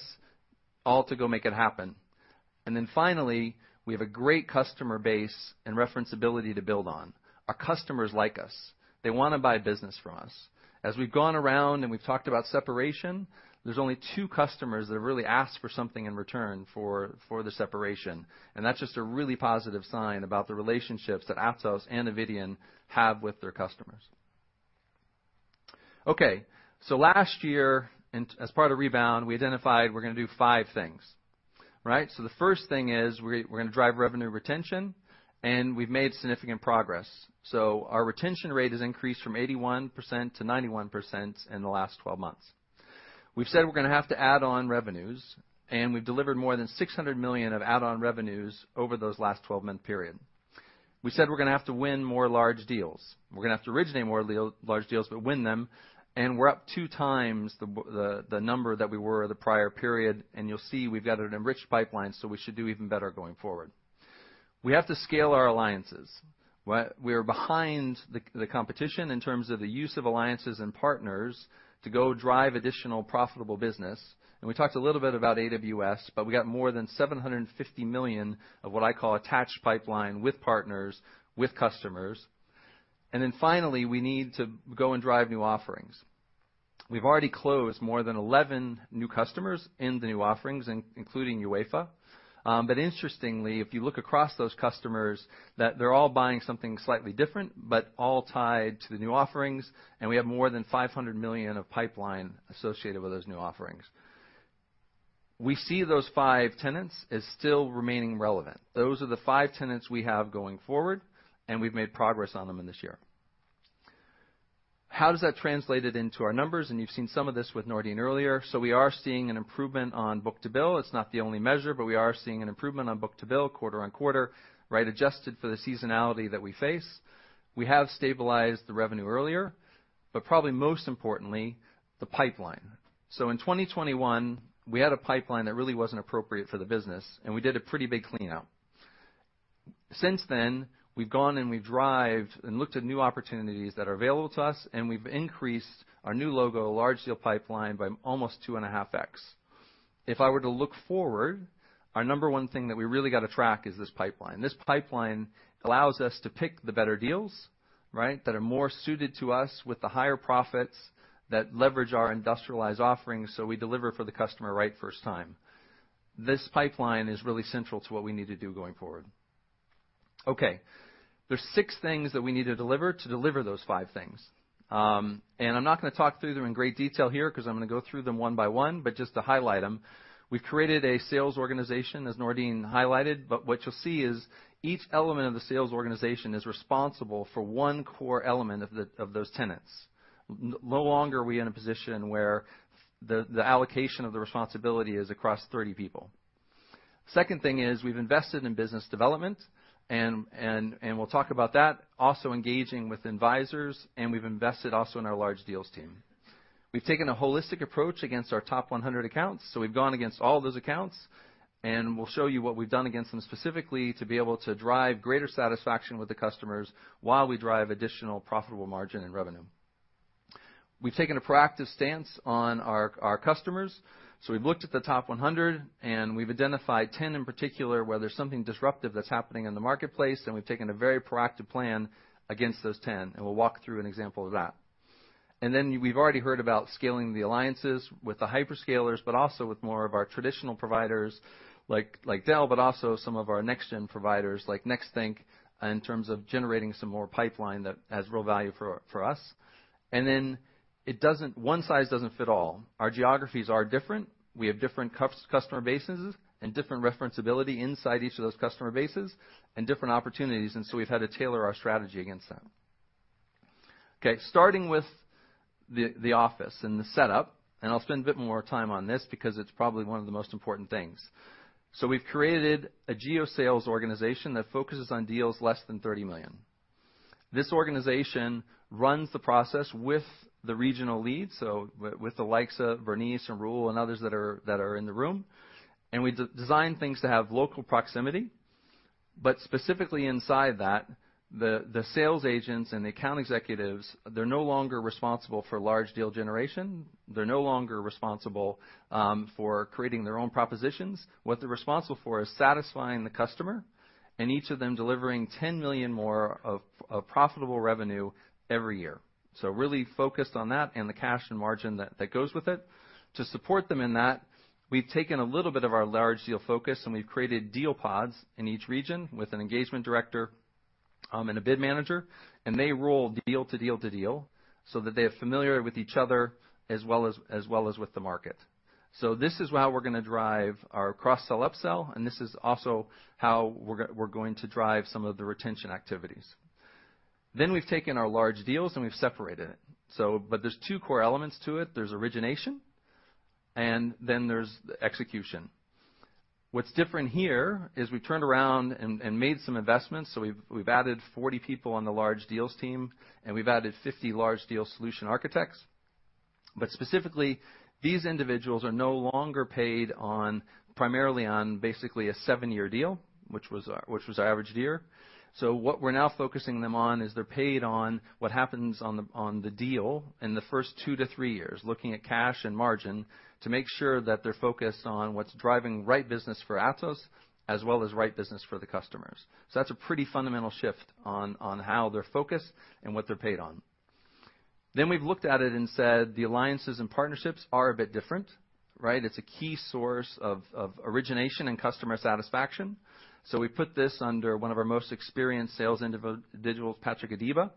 all to go make it happen. Finally, we have a great customer base and reference ability to build on. Our customers like us. They want to buy business from us. As we've gone around and we've talked about separation, there's only two customers that have really asked for something in return for the separation. That's just a really positive sign about the relationships that Atos and Eviden have with their customers. Okay, last year, and as part of Rebound, we identified we're going to do five things, right? The first thing is, we're going to drive revenue retention, and we've made significant progress. Our retention rate has increased from 81%-91% in the last 12 months. We've said we're going to have to add on revenues, and we've delivered more than $600 million of add-on revenues over those last 12-month period. We said we're going to have to win more large deals. We're going to have to originate more large deals, but win them, and we're up 2x the number that we were the prior period, and you'll see we've got an enriched pipeline, so we should do even better going forward. We have to scale our alliances. We are behind the competition in terms of the use of alliances and partners to go drive additional profitable business. We talked a little bit about AWS, but we got more than $750 million of what I call attached pipeline with partners, with customers. Finally, we need to go and drive new offerings. We've already closed more than 11 new customers in the new offerings, including UEFA. But interestingly, if you look across those customers, they're all buying something slightly different, but all tied to the new offerings, and we have more than $500 million of pipeline associated with those new offerings. We see those five tenets as still remaining relevant. Those are the five tenets we have going forward, and we've made progress on them in this year. How does that translate it into our numbers? You've seen some of this with Nourdine earlier. We are seeing an improvement on book to bill. It's not the only measure, but we are seeing an improvement on book to bill, quarter-on-quarter, right? Adjusted for the seasonality that we face. We have stabilized the revenue earlier, but probably most importantly, the pipeline. In 2021, we had a pipeline that really wasn't appropriate for the business, and we did a pretty big clean out. Since then, we've gone and we've drived and looked at new opportunities that are available to us, and we've increased our new logo, large deal pipeline, by almost 2.5x. If I were to look forward, our number one thing that we really got to track is this pipeline. This pipeline allows us to pick the better deals, right, that are more suited to us with the higher profits that leverage our industrialized offerings, so we deliver for the customer right first time. This pipeline is really central to what we need to do going forward. There's six things that we need to deliver to deliver those five things. I'm not going to talk through them in great detail here 'cause I'm gonna go through them one by one, but just to highlight them. We've created a sales organization, as Nordine highlighted, but what you'll see is each element of the sales organization is responsible for one core element of the, of those tenants. No longer are we in a position where the allocation of the responsibility is across 30 people. Second thing is we've invested in business development, and we'll talk about that, also engaging with advisors, and we've invested also in our large deals team. We've taken a holistic approach against our top 100 accounts. We've gone against all those accounts, and we'll show you what we've done against them specifically to be able to drive greater satisfaction with the customers while we drive additional profitable margin and revenue. We've taken a proactive stance on our customers. We've looked at the top 100, and we've identified 10 in particular, where there's something disruptive that's happening in the marketplace, and we've taken a very proactive plan against those 10, and we'll walk through an example of that. We've already heard about scaling the alliances with the hyperscalers, but also with more of our traditional providers, like Dell, but also some of our next gen providers, like Nexthink, in terms of generating some more pipeline that adds real value for us. It doesn't one size doesn't fit all. Our geographies are different. We have different customer bases and different reference ability inside each of those customer bases and different opportunities. We've had to tailor our strategy against them. Starting with the office and the setup, and I'll spend a bit more time on this because it's probably one of the most important things. We've created a geo sales organization that focuses on deals less than $30 million. This organization runs the process with the regional lead, so with the likes of Bérénice and Rul and others that are in the room. We designed things to have local proximity, but specifically inside that, the sales agents and account executives, they're no longer responsible for large deal generation. They're no longer responsible for creating their own propositions. What they're responsible for is satisfying the customer, and each of them delivering $10 million more of profitable revenue every year. Really focused on that and the cash and margin that goes with it. To support them in that, we've taken a little bit of our large deal focus, and we've created deal pods in each region with an engagement director, and a bid manager, and they roll deal to deal to deal so that they are familiar with each other as well as with the market. This is how we're gonna drive our cross-sell, upsell, and this is also how we're going to drive some of the retention activities. We've taken our large deals, and we've separated it. There's two core elements to it. There's origination, and then there's the execution. What's different here is we turned around and made some investments, so we've added 40 people on the large deals team, and we've added 50 large deal solution architects. Specifically, these individuals are no longer paid on, primarily on, basically a seven-year deal, which was our average year. What we're now focusing them on is they're paid on what happens on the deal in the first two-three years, looking at cash and margin to make sure that they're focused on what's driving right business for Atos as well as right business for the customers. That's a pretty fundamental shift on how they're focused and what they're paid on. We've looked at it and said, the alliances and partnerships are a bit different, right? It's a key source of origination and customer satisfaction. We put this under one of our most experienced sales individuals, Patrick Adiba.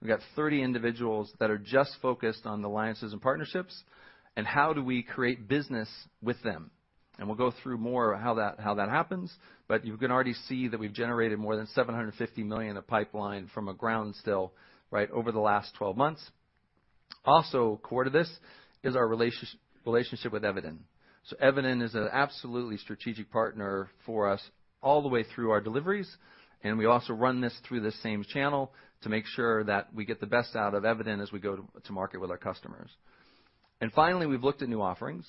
We've got 30 individuals that are just focused on the alliances and partnerships, how do we create business with them? We'll go through more how that happens, but you can already see that we've generated more than $750 million in the pipeline from a ground still, right, over the last 12 months. Also, core to this is our relationship with Eviden. Eviden is an absolutely strategic partner for us all the way through our deliveries, and we also run this through the same channel to make sure that we get the best out of Eviden as we go to market with our customers. Finally, we've looked at new offerings,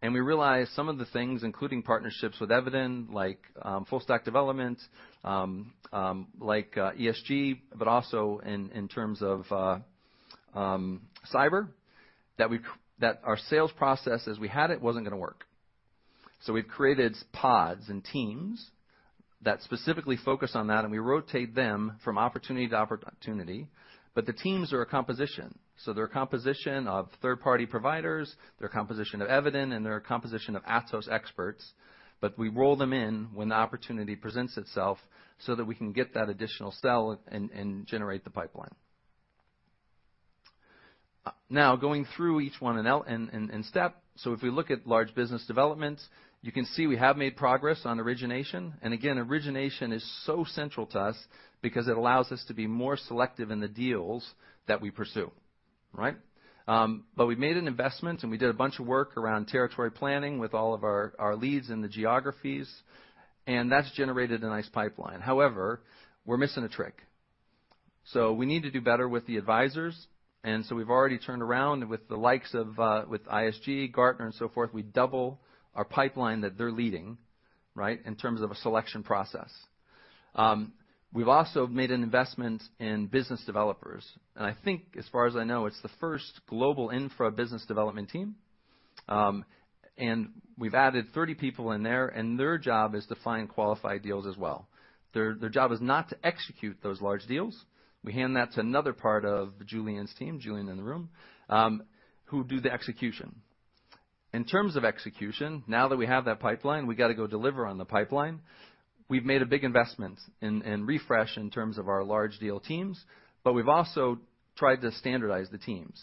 and we realized some of the things, including partnerships with Eviden, like, full stack development, like, ESG, but also in terms of cyber, that our sales process as we had it, wasn't gonna work. We've created pods and teams that specifically focus on that, and we rotate them from opportunity to opportunity, but the teams are a composition, so they're a composition of third-party providers, they're a composition of Eviden, and they're a composition of Atos experts. We roll them in when the opportunity presents itself so that we can get that additional sell and generate the pipeline. Now, going through each one in step. If we look at large business developments, you can see we have made progress on origination. Again, origination is so central to us because it allows us to be more selective in the deals that we pursue. Right? We made an investment, and we did a bunch of work around territory planning with all of our leads in the geographies, and that's generated a nice pipeline. However, we're missing a trick. We need to do better with the advisors, and so we've already turned around with the likes of ISG, Gartner, and so forth. We double our pipeline that they're leading, right? In terms of a selection process. We've also made an investment in business developers, and I think as far as I know, it's the first global infra business development team. We've added 30 people in there, and their job is to find qualified deals as well. Their job is not to execute those large deals. We hand that to another part of Julien's team, Julien in the room, who do the execution. In terms of execution, now that we have that pipeline, we got to go deliver on the pipeline. We've made a big investment in refresh in terms of our large deal teams, but we've also tried to standardize the teams.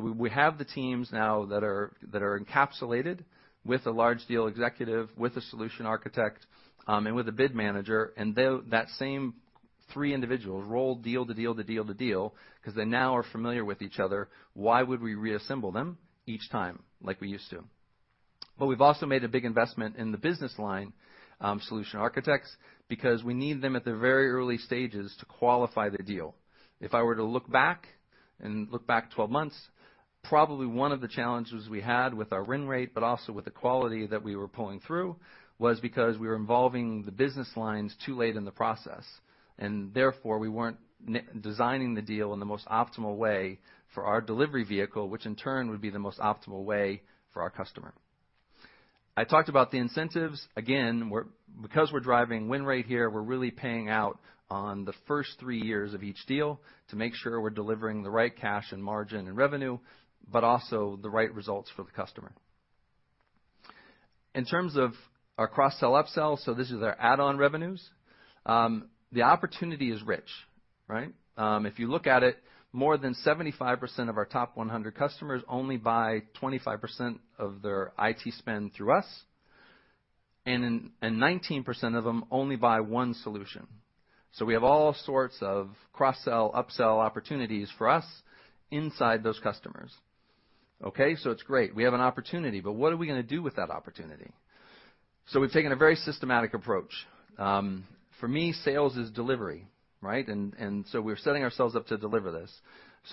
We have the teams now that are encapsulated with a large deal executive, with a solution architect, and with a bid manager, that same three individuals roll deal to deal to deal to deal, 'cause they now are familiar with each other. Why would we reassemble them each time like we used to? We've also made a big investment in the business line solution architects, because we need them at the very early stages to qualify the deal. If I were to look back and look back 12 months, probably one of the challenges we had with our win rate, but also with the quality that we were pulling through, was because we were involving the business lines too late in the process, therefore, we weren't designing the deal in the most optimal way for our delivery vehicle, which in turn, would be the most optimal way for our customer. I talked about the incentives. Because we're driving win rate here, we're really paying out on the first three years of each deal to make sure we're delivering the right cash and margin and revenue, but also the right results for the customer. In terms of our cross-sell, up-sell, this is our add-on revenues. The opportunity is rich, right? If you look at it, more than 75% of our top 100 customers only buy 25% of their IT spend through us, and 19% of them only buy one solution. We have all sorts of cross-sell, up-sell opportunities for us inside those customers. Okay, it's great. We have an opportunity, what are we gonna do with that opportunity? We've taken a very systematic approach. For me, sales is delivery, right? We're setting ourselves up to deliver this.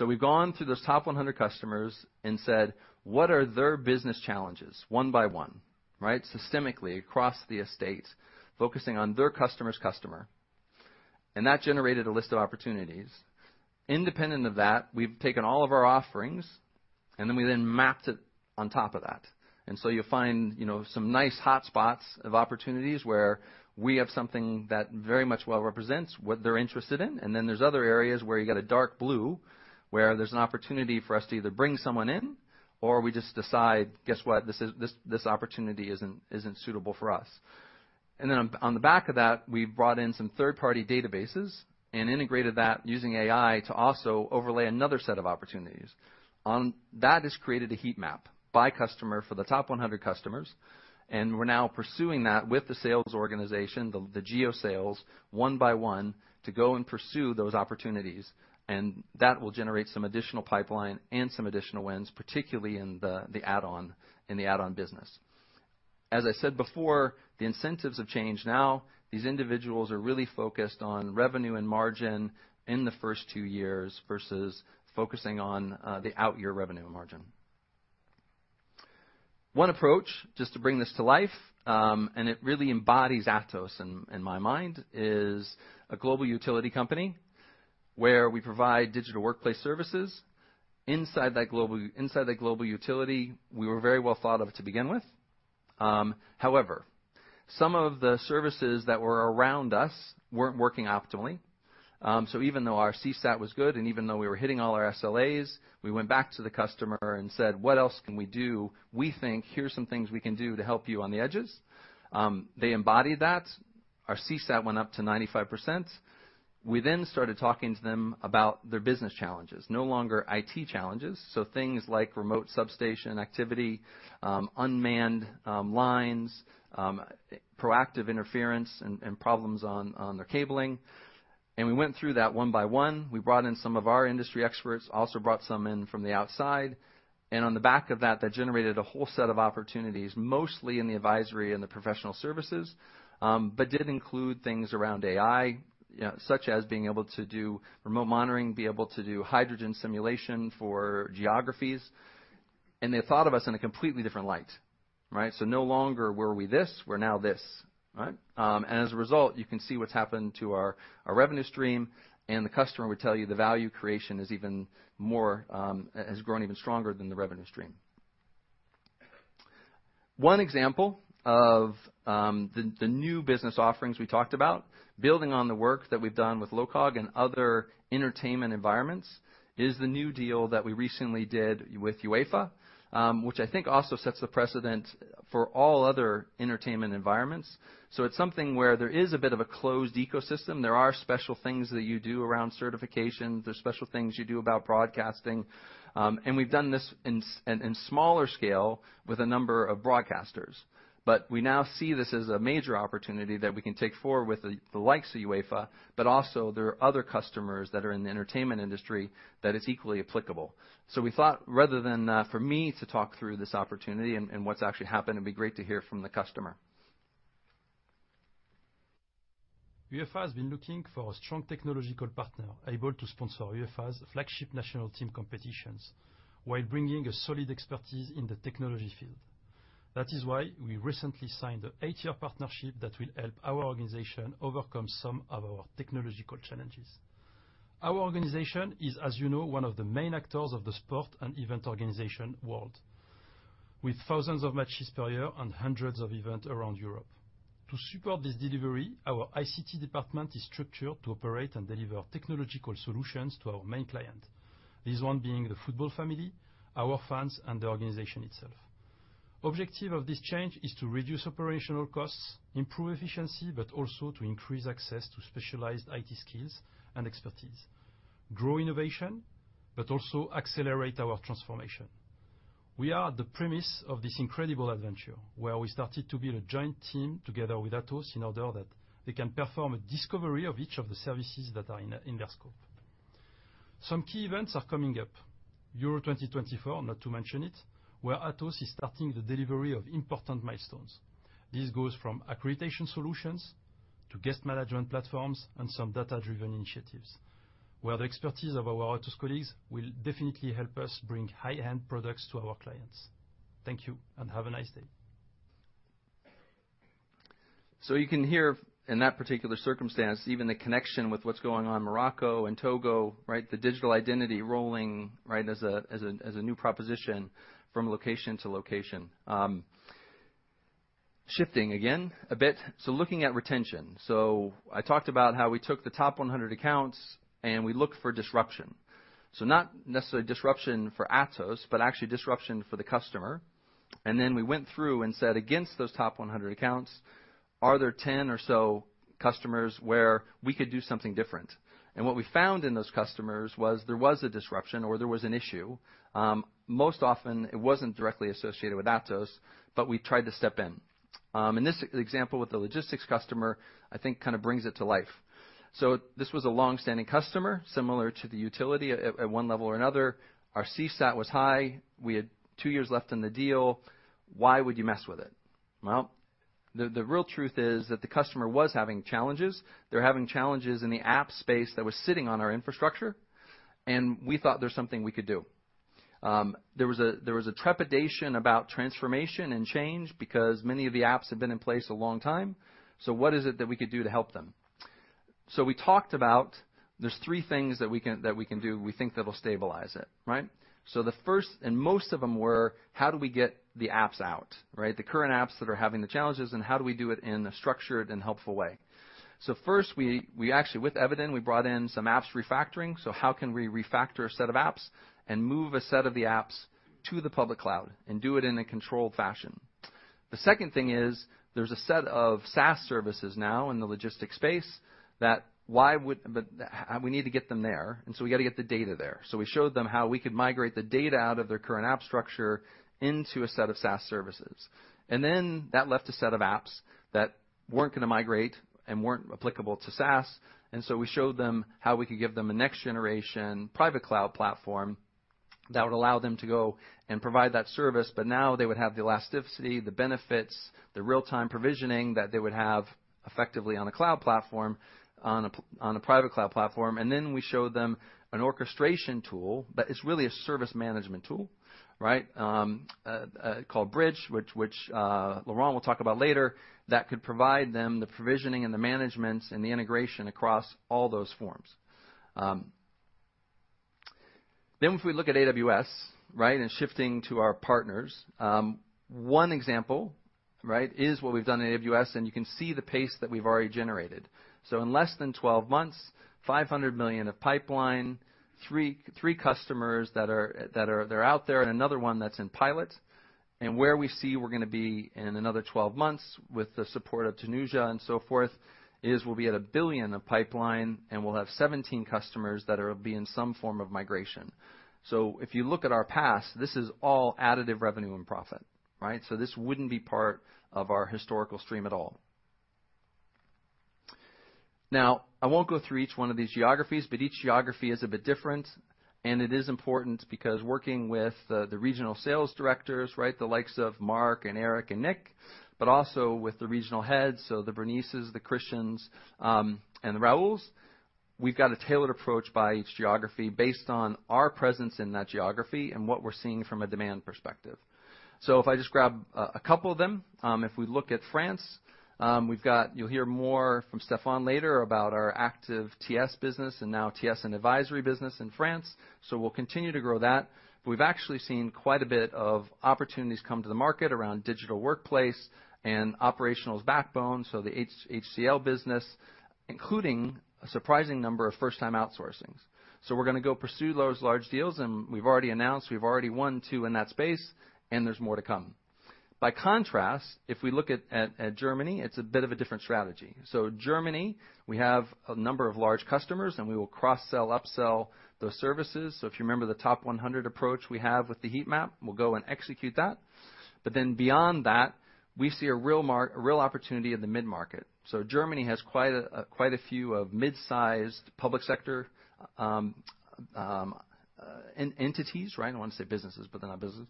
We've gone through those top 100 customers and said, "What are their business challenges?" One by one, right? Systemically, across the estate, focusing on their customer's customer, and that generated a list of opportunities. Independent of that, we've taken all of our offerings, and then we then mapped it on top of that. You'll find, you know, some nice hotspots of opportunities where we have something that very much well represents what they're interested in. There's other areas where you get a dark blue, where there's an opportunity for us to either bring someone in or we just decide, guess what? This opportunity isn't suitable for us. On the back of that, we've brought in some third-party databases and integrated that using AI to also overlay another set of opportunities. That has created a heat map by customer for the top 100 customers. We're now pursuing that with the sales organization, the geo sales, one by one, to go and pursue those opportunities. That will generate some additional pipeline and some additional wins, particularly in the add-on business. As I said before, the incentives have changed. Now, these individuals are really focused on revenue and margin in the first two years versus focusing on the out-year revenue margin. One approach, just to bring this to life, and it really embodies Atos in my mind, is a global utility company where we provide Digital Workplace services. Inside that global utility, we were very well thought of to begin with. However, some of the services that were around us weren't working optimally. Even though our CSAT was good and even though we were hitting all our SLAs, we went back to the customer and said: What else can we do? We think here's some things we can do to help you on the edges. They embodied that. Our CSAT went up to 95%. We started talking to them about their business challenges, no longer IT challenges, so things like remote substation activity, unmanned lines, proactive interference and problems on their cabling. We went through that one by one. We brought in some of our industry experts, also brought some in from the outside, and on the back of that generated a whole set of opportunities, mostly in the advisory and the professional services, but did include things around AI, you know, such as being able to do remote monitoring, be able to do hydrogen simulation for geographies. They thought of us in a completely different light, right? No longer were we this, we're now this, right? As a result, you can see what's happened to our revenue stream, and the customer would tell you the value creation is even more has grown even stronger than the revenue stream. One example of the new business offerings we talked about, building on the work that we've done with LOCOG and other entertainment environments, is the new deal that we recently did with UEFA, which I think also sets the precedent for all other entertainment environments. It's something where there is a bit of a closed ecosystem. There are special things that you do around certification. There are special things you do about broadcasting. We've done this in smaller scale with a number of broadcasters. We now see this as a major opportunity that we can take forward with the likes of UEFA, but also there are other customers that are in the entertainment industry that is equally applicable. We thought, rather than, for me to talk through this opportunity and what's actually happened, it'd be great to hear from the customer. UEFA has been looking for a strong technological partner able to sponsor UEFA's flagship national team competitions, while bringing a solid expertise in the technology field. We recently signed an eight-year partnership that will help our organization overcome some of our technological challenges. Our organization is, as you know, one of the main actors of the sport and event organization world, with thousands of matches per year and hundreds of events around Europe. To support this delivery, our ICT department is structured to operate and deliver technological solutions to our main client, this one being the football family, our fans, and the organization itself. Objective of this change is to reduce operational costs, improve efficiency, but also to increase access to specialized IT skills and expertise, grow innovation, but also accelerate our transformation. We are at the premise of this incredible adventure, where we started to build a joint team together with Atos, in order that they can perform a discovery of each of the services that are in their scope. Some key events are coming up. UEFA EURO 2024, not to mention it, where Atos is starting the delivery of important milestones. This goes from accreditation solutions to guest management platforms and some data-driven initiatives, where the expertise of our Atos colleagues will definitely help us bring high-end products to our clients. Thank you, have a nice day. You can hear in that particular circumstance, even the connection with what's going on in Morocco and Togo, right? The digital identity rolling, right, as a new proposition from location to location. Shifting again a bit. Looking at retention. I talked about how we took the top 100 accounts, and we looked for disruption. Not necessarily disruption for Atos, but actually disruption for the customer. We went through and said, against those top 100 accounts, are there 10 or so customers where we could do something different? What we found in those customers was there was a disruption or there was an issue. Most often it wasn't directly associated with Atos, but we tried to step in. This example with the logistics customer, I think, kind of brings it to life. This was a long-standing customer, similar to the utility at one level or another. Our CSAT was high. We had two years left on the deal. Why would you mess with it? The real truth is that the customer was having challenges. They're having challenges in the app space that was sitting on our infrastructure, and we thought there's something we could do. There was a trepidation about transformation and change because many of the apps had been in place a long time, so what is it that we could do to help them? We talked about there's three things that we can do, we think that'll stabilize it, right? The first and most of them were: How do we get the apps out, right? The current apps that are having the challenges, how do we do it in a structured and helpful way? First, we actually, with Eviden, we brought in some apps refactoring. How can we refactor a set of apps and move a set of the apps to the public cloud and do it in a controlled fashion? The second thing is, there's a set of SaaS services now in the logistics space we need to get them there, we got to get the data there. We showed them how we could migrate the data out of their current app structure into a set of SaaS services. That left a set of apps that weren't going to migrate and weren't applicable to SaaS, and so we showed them how we could give them a next-generation private cloud platform that would allow them to go and provide that service, but now they would have the elasticity, the benefits, the real-time provisioning that they would have effectively on a cloud platform, on a private cloud platform. We showed them an orchestration tool, but it's really a service management tool, right, called Bridge, which Laurent will talk about later, that could provide them the provisioning and the managements and the integration across all those forms. If we look at AWS, right, and shifting to our partners, one example, right, is what we've done in AWS, and you can see the pace that we've already generated. In less than 12 months, $500 million of pipeline, three customers that are out there, and another one that's in pilot. Where we see we're going to be in another 12 months with the support of Tunisia and so forth, is we'll be at $1 billion of pipeline, and we'll have 17 customers that will be in some form of migration. If you look at our past, this is all additive revenue and profit, right? This wouldn't be part of our historical stream at all. Now, I won't go through each one of these geographies, but each geography is a bit different, and it is important because working with the regional sales directors, right, the likes of Mark and Eric and Nick, but also with the regional heads, so the Bérénices, the Christians, and the Rauls. We've got a tailored approach by each geography based on our presence in that geography and what we're seeing from a demand perspective. If I just grab a couple of them, if we look at France, you'll hear more from Stéphane later about our active TS business and now TS and advisory business in France. We'll continue to grow that. We've actually seen quite a bit of opportunities come to the market around Digital Workplace and operational backbone, so the HCL business, including a surprising number of first-time outsourcings. We're going to go pursue those large deals, and we've already announced, we've already won two in that space, and there's more to come. By contrast, if we look at Germany, it's a bit of a different strategy. Germany, we have a number of large customers, and we will cross-sell, upsell those services. If you remember the top 100 approach we have with the heat map, we'll go and execute that. Beyond that, we see a real mark, a real opportunity in the mid-market. Germany has quite a few of mid-sized public sector entities, right. I don't want to say businesses, but they're not businesses.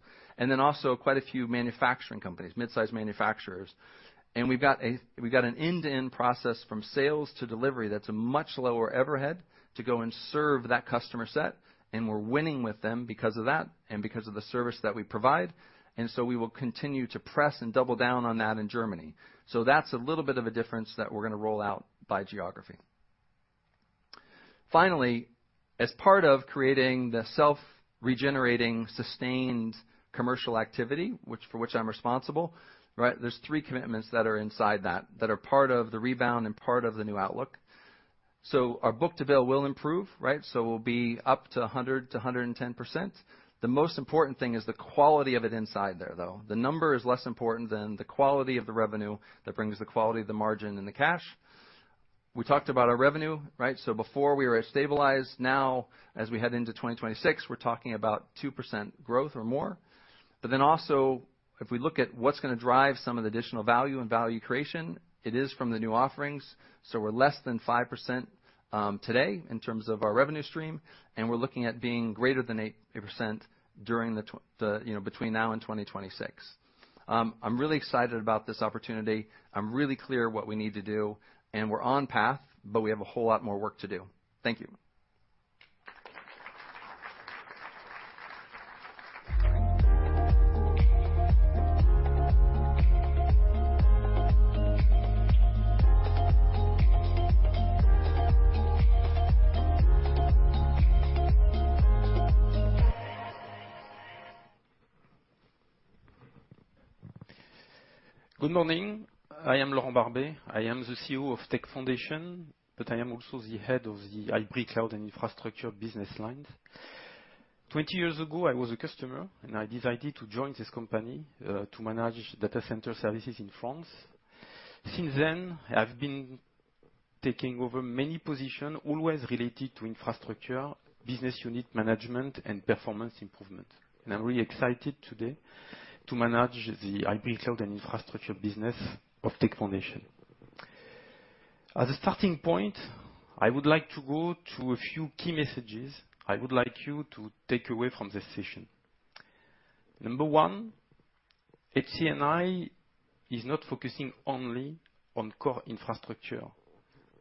Also quite a few manufacturing companies, mid-sized manufacturers. We've got an end-to-end process from sales to delivery that's a much lower overhead to go and serve that customer set, and we're winning with them because of that and because of the service that we provide. We will continue to press and double down on that in Germany. That's a little bit of a difference that we're gonna roll out by geography. Finally, as part of creating the self-regenerating, sustained commercial activity, which, for which I'm responsible, right. There's three commitments that are inside that are part of the rebound and part of the new outlook. Our book-to-bill will improve, right. We'll be up to 100%-110%. The most important thing is the quality of it inside there, though. The number is less important than the quality of the revenue that brings the quality of the margin and the cash. We talked about our revenue, right. Before we were at stabilized. Now, as we head into 2026, we're talking about 2% growth or more. Also, if we look at what's gonna drive some of the additional value and value creation, it is from the new offerings. We're less than 5% today in terms of our revenue stream, and we're looking at being greater than 8% during the, you know, between now and 2026. I'm really excited about this opportunity. I'm really clear what we need to do, and we're on path, but we have a whole lot more work to do. Thank you. Good morning. I am Laurent Barbet. I am the COO of Tech Foundations. I am also the head of the Hybrid Cloud and Infrastructure business line. 20 years ago, I was a customer. I decided to join this company to manage data center services in France. Since then, I've been taking over many positions, always related to infrastructure, business unit management, and performance improvement. I'm really excited today to manage the hybrid cloud and infrastructure business of Tech Foundations. As a starting point, I would like to go to a few key messages I would like you to take away from this session. Number one, HCNI is not focusing only on core infrastructure.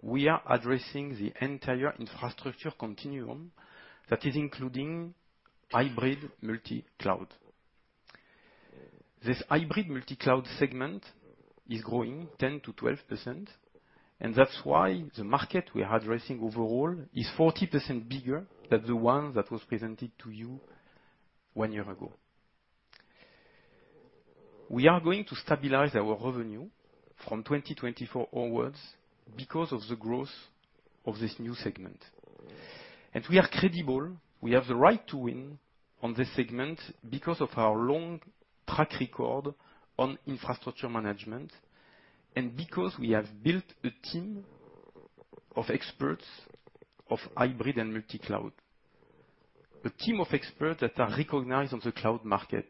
We are addressing the entire infrastructure continuum that is including hybrid multi-cloud. This hybrid multi-cloud segment is growing 10%-12%, and that's why the market we are addressing overall is 40% bigger than the one that was presented to you 1 year ago. We are going to stabilize our revenue from 2024 onwards because of the growth of this new segment. We are credible, we have the right to win on this segment because of our long track record on infrastructure management, and because we have built a team of experts of hybrid and multi-cloud, a team of experts that are recognized on the cloud market.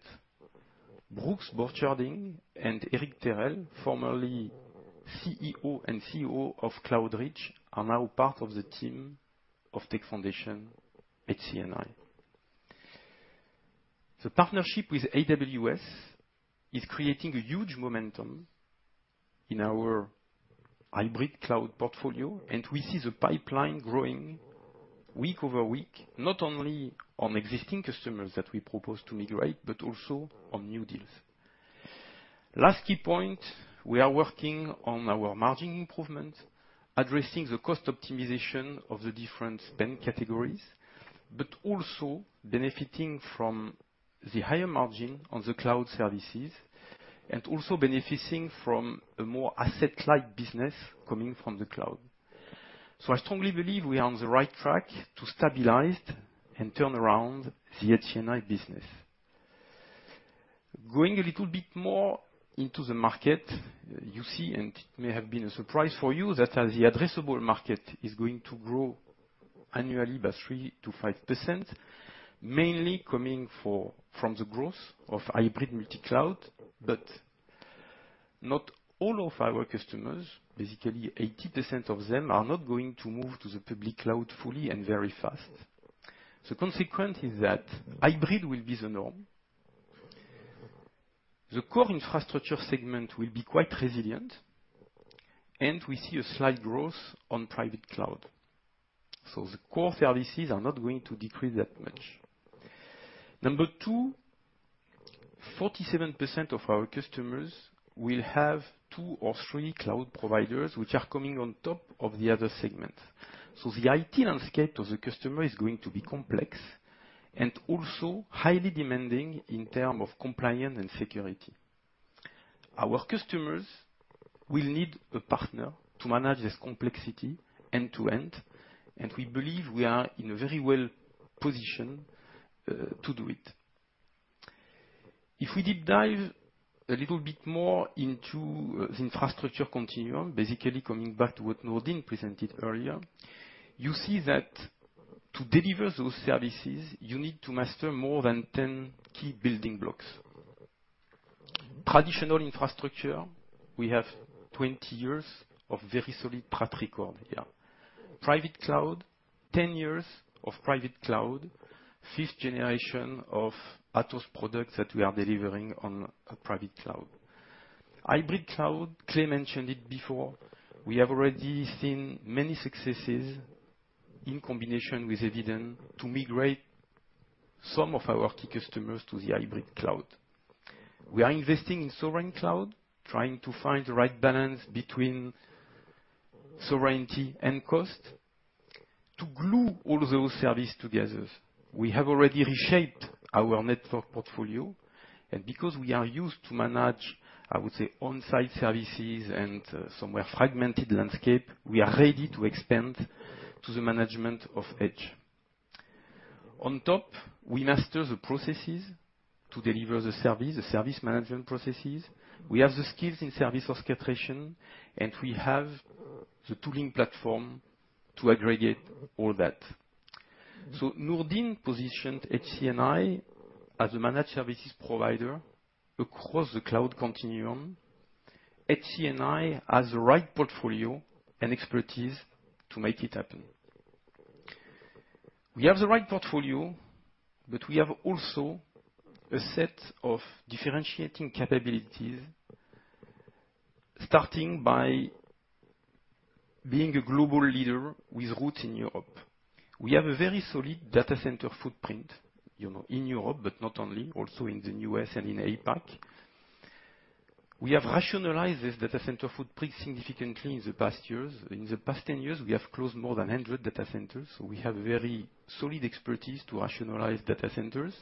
Brooks Borcherding and Eric Terrell, formerly CEO and COO of Cloudreach, are now part of the team of Tech Foundations at CNI. The partnership with AWS is creating a huge momentum in our hybrid cloud portfolio, and we see the pipeline growing week over week, not only on existing customers that we propose to migrate, but also on new deals. Last key point, we are working on our margin improvement, addressing the cost optimization of the different spend categories, but also benefiting from the higher margin on the cloud services, and also benefiting from a more asset-like business coming from the cloud. I strongly believe we are on the right track to stabilize and turn around the HCNI business. Going a little bit more into the market, you see, and it may have been a surprise for you, that as the addressable market is going to grow annually by 3%-5%, mainly coming from the growth of hybrid multi-cloud, but not all of our customers, basically 80% of them, are not going to move to the public cloud fully and very fast. The consequence is that hybrid will be the norm. The core infrastructure segment will be quite resilient, and we see a slight growth on private cloud. The core services are not going to decrease that much. Number two, 47% of our customers will have two or three cloud providers, which are coming on top of the other segments. The IT landscape of the customer is going to be complex and also highly demanding in term of compliance and security. Our customers will need a partner to manage this complexity end to end. We believe we are in a very well position to do it. If we deep dive a little bit more into the infrastructure continuum, basically coming back to what Nordin presented earlier, you see that to deliver those services, you need to master more than 10 key building blocks. Traditional infrastructure, we have 20 years of very solid track record here. Private cloud, 10 years of private cloud, fifth generation of Atos products that we are delivering on a private cloud. Hybrid cloud, Clay mentioned it before, we have already seen many successes in combination with Eviden to migrate some of our key customers to the hybrid cloud. We are investing in sovereign cloud, trying to find the right balance between sovereignty and cost to glue all those services together. We have already reshaped our network portfolio, and because we are used to manage, I would say, on-site services and somewhere fragmented landscape, we are ready to expand to the management of Edge. On top, we master the processes to deliver the service, the service management processes. We have the skills in service orchestration, and we have the tooling platform to aggregate all that. Nourdine positioned HCNI as a managed services provider across the cloud continuum. HCNI has the right portfolio and expertise to make it happen. We have the right portfolio, but we have also a set of differentiating capabilities, starting by being a global leader with roots in Europe. We have a very solid data center footprint, you know, in Europe, but not only, also in the U.S. and in APAC. We have rationalized this data center footprint significantly in the past years. In the past 10 years, we have closed more than 100 data centers. We have very solid expertise to rationalize data centers.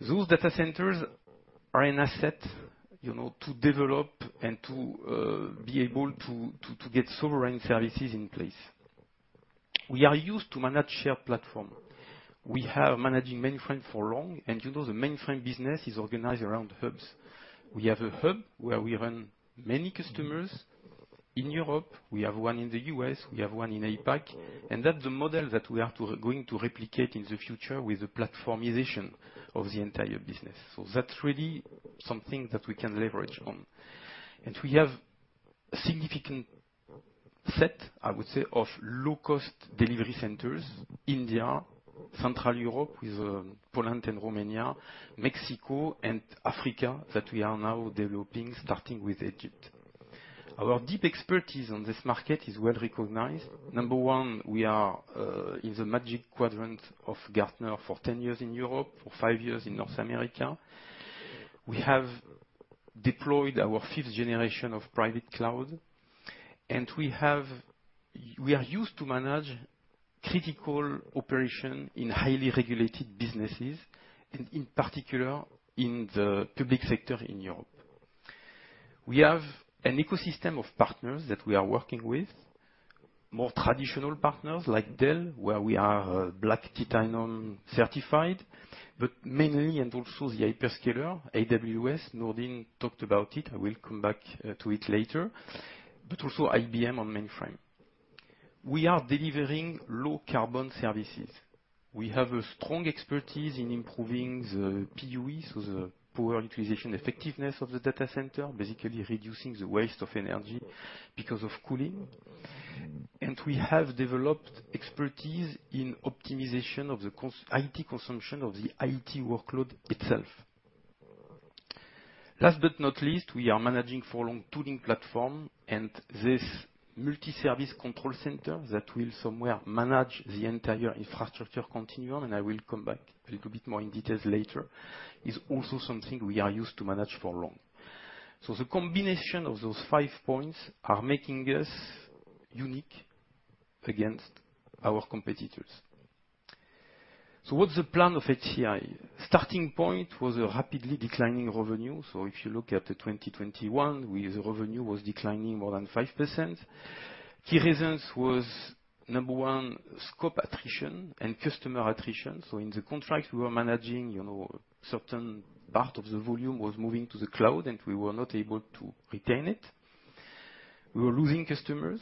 Those data centers are an asset, you know, to develop and to be able to get sovereign services in place. We are used to manage shared platform. We have managing mainframe for long. You know, the mainframe business is organized around hubs. We have a hub where we run many customers in Europe, we have one in the U.S., we have one in APAC. That's the model that we are going to replicate in the future with the platformization of the entire business. That's really something that we can leverage on. We have a significant set, I would say, of low-cost delivery centers, India, Central Europe, with Poland and Romania, Mexico and Africa, that we are now developing, starting with Egypt. Our deep expertise on this market is well recognized. Number one, we are in the magic quadrant of Gartner for 10 years in Europe, for five years in North America. We have deployed our 5th generation of private cloud, and we are used to manage critical operation in highly regulated businesses, and in particular in the public sector in Europe. We have an ecosystem of partners that we are working with, more traditional partners like Dell, where we are Black Titanium certified, but mainly and also the hyperscaler, AWS, Nourdine talked about it. I will come back to it later, but also IBM on mainframe. We are delivering low carbon services. We have a strong expertise in improving the PUE, so the poor utilization effectiveness of the data center, basically reducing the waste of energy because of cooling. We have developed expertise in optimization of the IT consumption of the IT workload itself. Last but not least, we are managing for long tooling platform and this multi-service control center that will somewhere manage the entire infrastructure continuum, and I will come back a little bit more in details later, is also something we are used to manage for long. The combination of those five points are making us unique against our competitors. What's the plan of HCII? Starting point was a rapidly declining revenue. If you look at the 2021, the revenue was declining more than 5%. Key reasons was, number one, scope attrition and customer attrition. In the contract, we were managing, you know, certain part of the volume was moving to the cloud, and we were not able to retain it. We were losing customers.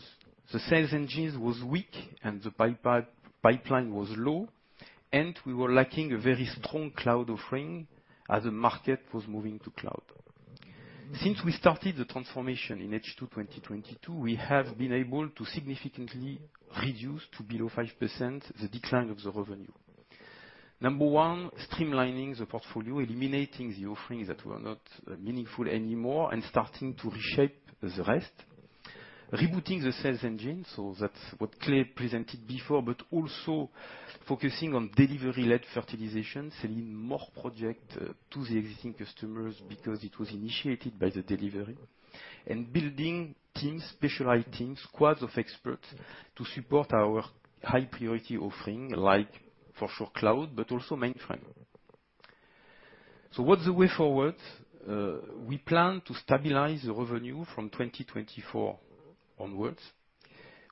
The sales engines was weak and the pipeline was low, and we were lacking a very strong cloud offering as the market was moving to cloud. Since we started the transformation in H2 2022, we have been able to significantly reduce to below 5% the decline of the revenue. Number one, streamlining the portfolio, eliminating the offerings that were not meaningful anymore, and starting to reshape the rest. Rebooting the sales engine, so that's what Clay presented before, but also focusing on delivery-led fertilization, selling more project to the existing customers because it was initiated by the delivery. Building teams, specialized teams, squads of experts, to support our high priority offering, like for sure, cloud, but also mainframe. What's the way forward? We plan to stabilize the revenue from 2024 onwards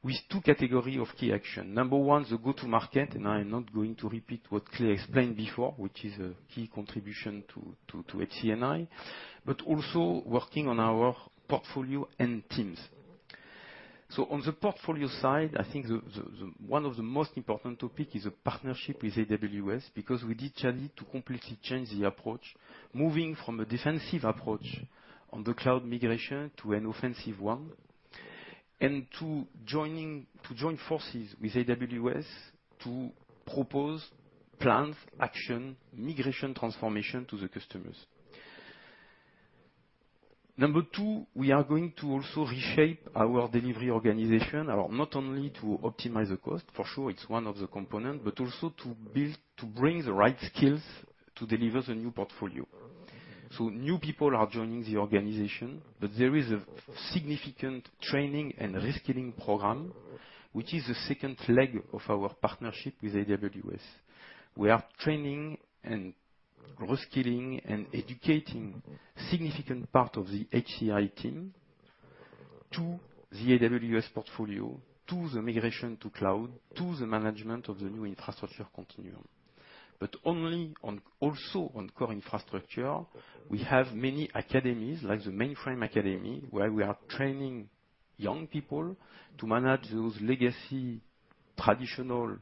with two category of key action. Number one, the go-to market, and I'm not going to repeat what Clay explained before, which is a key contribution to HCNI, but also working on our portfolio and teams. On the portfolio side, I think the, one of the most important topic is a partnership with AWS, because we did need to completely change the approach, moving from a defensive approach on the cloud migration to an offensive one, and to join forces with AWS to propose plans, action, migration, transformation to the customers. Number two, we are going to also reshape our delivery organization, not only to optimize the cost, for sure, it's one of the component, but also to bring the right skills to deliver the new portfolio. New people are joining the organization, but there is a significant training and reskilling program, which is the second leg of our partnership with AWS. We are training and reskilling and educating significant part of the HCI team to the AWS portfolio, to the migration to cloud, to the management of the new infrastructure continuum. Also on core infrastructure, we have many academies, like the Mainframe Academy, where we are training young people to manage those legacy traditional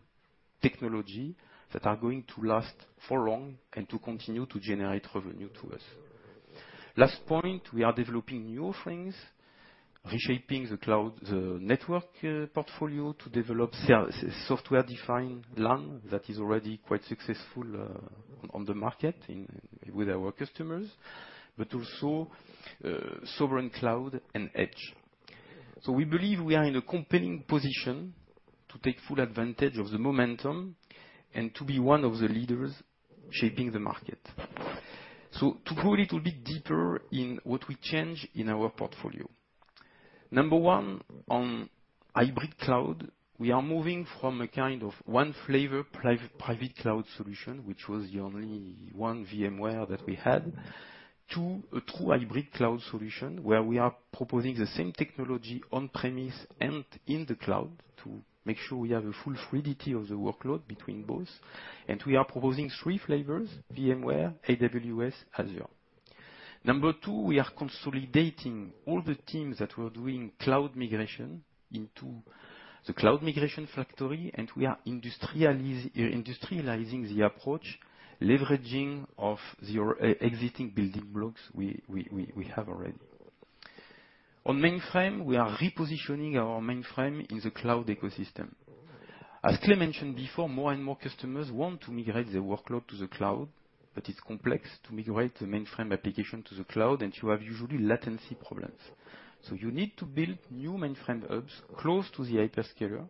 technology that are going to last for long and to continue to generate revenue to us. Last point, we are developing new things, reshaping the cloud, the network, portfolio to develop services, software-defined LAN, that is already quite successful on the market with our customers, but also, sovereign cloud and edge. We believe we are in a compelling position to take full advantage of the momentum and to be one of the leaders shaping the market. To go a little bit deeper in what we change in our portfolio. Number one, on hybrid cloud, we are moving from a kind of one flavor, private cloud solution, which was the only one VMware that we had, to a true hybrid cloud solution, where we are proposing the same technology on-premise and in the cloud to make sure we have a full fluidity of the workload between both. We are proposing three flavors: VMware, AWS, Azure. Number two, we are consolidating all the teams that were doing cloud migration into the cloud migration factory. We are industrializing the approach, leveraging your existing building blocks we have already. On mainframe, we are repositioning our mainframe in the cloud ecosystem. As Clay mentioned before, more and more customers want to migrate their workload to the cloud. It's complex to migrate the mainframe application to the cloud, and you have usually latency problems. You need to build new mainframe hubs close to the hyperscaler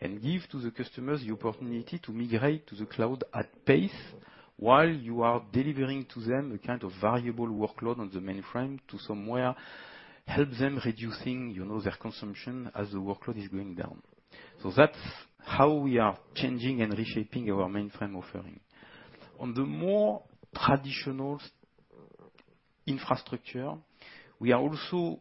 and give to the customers the opportunity to migrate to the cloud at pace, while you are delivering to them a kind of variable workload on the mainframe to somewhere help them reducing, you know, their consumption as the workload is going down. That's how we are changing and reshaping our mainframe offering. On the more traditional infrastructure, we are also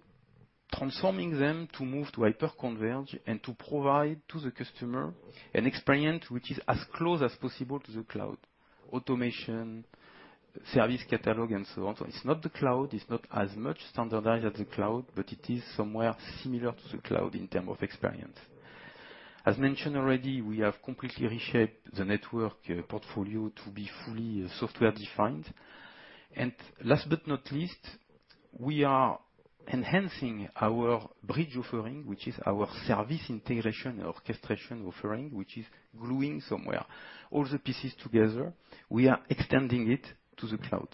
transforming them to move to hyperconverge and to provide to the customer an experience which is as close as possible to the cloud, automation, service catalog, and so on. It's not the cloud, it's not as much standardized as the cloud, but it is somewhere similar to the cloud in term of experience. As mentioned already, we have completely reshaped the network portfolio to be fully software-defined. Last but not least, we are enhancing our Bridge offering, which is our service integration, orchestration offering, which is growing somewhere. All the pieces together, we are extending it to the cloud.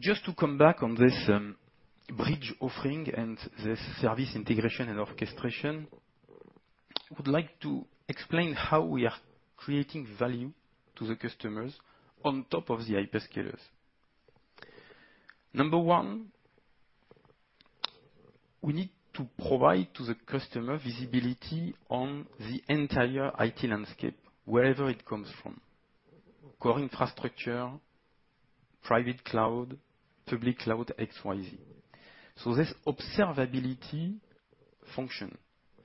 Just to come back on this Bridge offering and this service integration and orchestration, I would like to explain how we are creating value to the customers on top of the hyperscalers. Number one, we need to provide to the customer visibility on the entire IT landscape, wherever it comes from, core infrastructure, private cloud, public cloud, XYZ. This observability function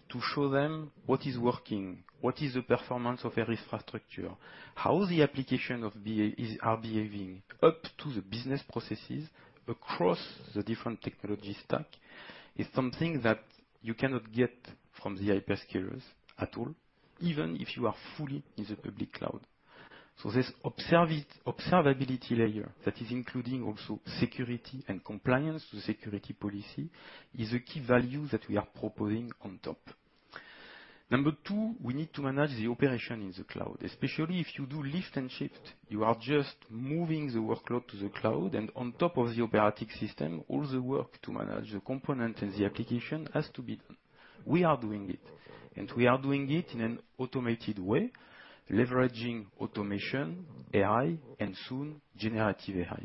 to show them what is working, what is the performance of their infrastructure, how the application are behaving up to the business processes across the different technology stack, is something that you cannot get from the hyperscalers at all, even if you are fully in the public cloud. This observability layer, that is including also security and compliance to security policy, is a key value that we are proposing on top. Number two, we need to manage the operation in the cloud, especially if you do lift and shift. You are just moving the workload to the cloud, and on top of the operating system, all the work to manage the component and the application has to be done. We are doing it, and we are doing it in an automated way, leveraging automation, AI, and soon, Generative AI.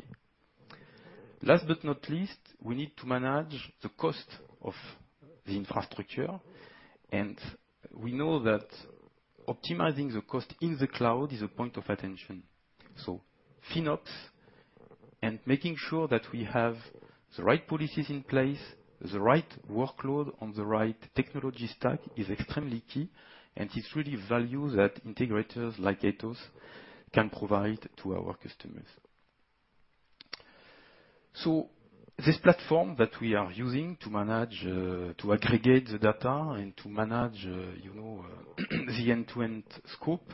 Last but not least, we need to manage the cost of the infrastructure, and we know that optimizing the cost in the cloud is a point of attention. FinOps and making sure that we have the right policies in place, the right workload on the right technology stack, is extremely key and is really value that integrators like Atos can provide to our customers. This platform that we are using to manage, to aggregate the data and to manage, you know, the end-to-end scope,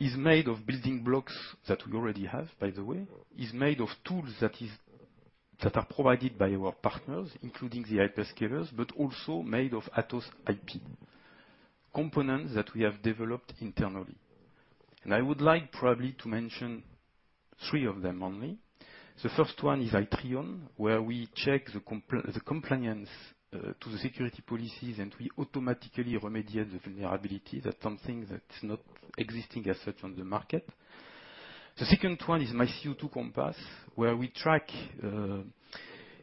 is made of building blocks that we already have, by the way, is made of tools that are provided by our partners, including the hyperscalers, but also made of Atos IP, components that we have developed internally. I would like probably to mention three of them only. The first one is Itrion, where we check the compliance to the security policies, and we automatically remediate the vulnerability. That's something that's not existing as such on the market. The second one is MyCO2Compass, where we track,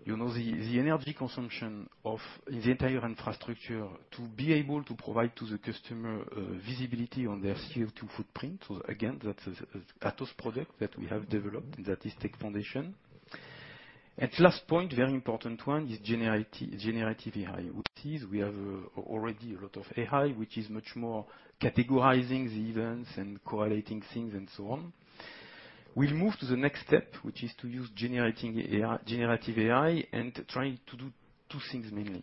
you know, the energy consumption of the entire infrastructure to be able to provide to the customer visibility on their CO2 footprint. Again, that is a, Atos product that we have developed, and that is Tech Foundations. Last point, very important one, is Generative AI. I would say is we have already a lot of AI, which is much more categorizing the events and correlating things and so on. We'll move to the next step, which is to use Generative AI, and trying to do two things, mainly.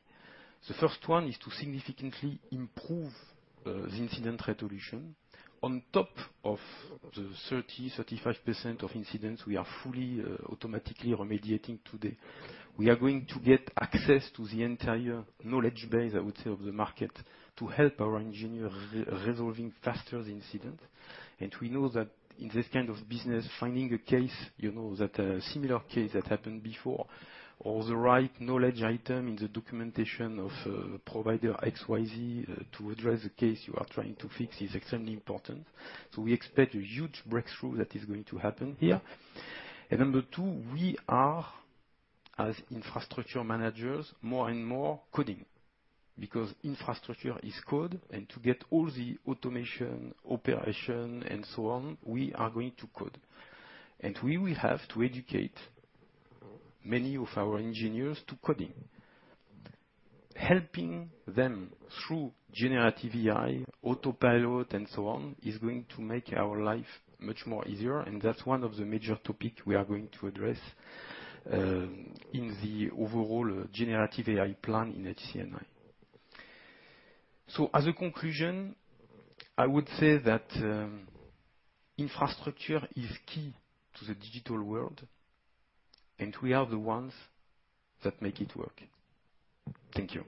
The first one is to significantly improve the incident resolution. On top of the 30%-35% of incidents, we are fully automatically remediating today. We are going to get access to the entire knowledge base, I would say, of the market, to help our engineers resolving faster the incident. We know that in this kind of business, finding a case, you know, that a similar case that happened before, or the right knowledge item in the documentation of provider XYZ, to address the case you are trying to fix, is extremely important. We expect a huge breakthrough that is going to happen here. Number two, we are, as infrastructure managers, more and more coding, because infrastructure is code, and to get all the automation, operation, and so on, we are going to code. We will have to educate many of our engineers to coding. Helping them through generative AI, autopilot, and so on, is going to make our life much more easier, and that's one of the major topics we are going to address in the overall generative AI plan in HCNI. As a conclusion, I would say that infrastructure is key to the digital world, and we are the ones that make it work. Thank you.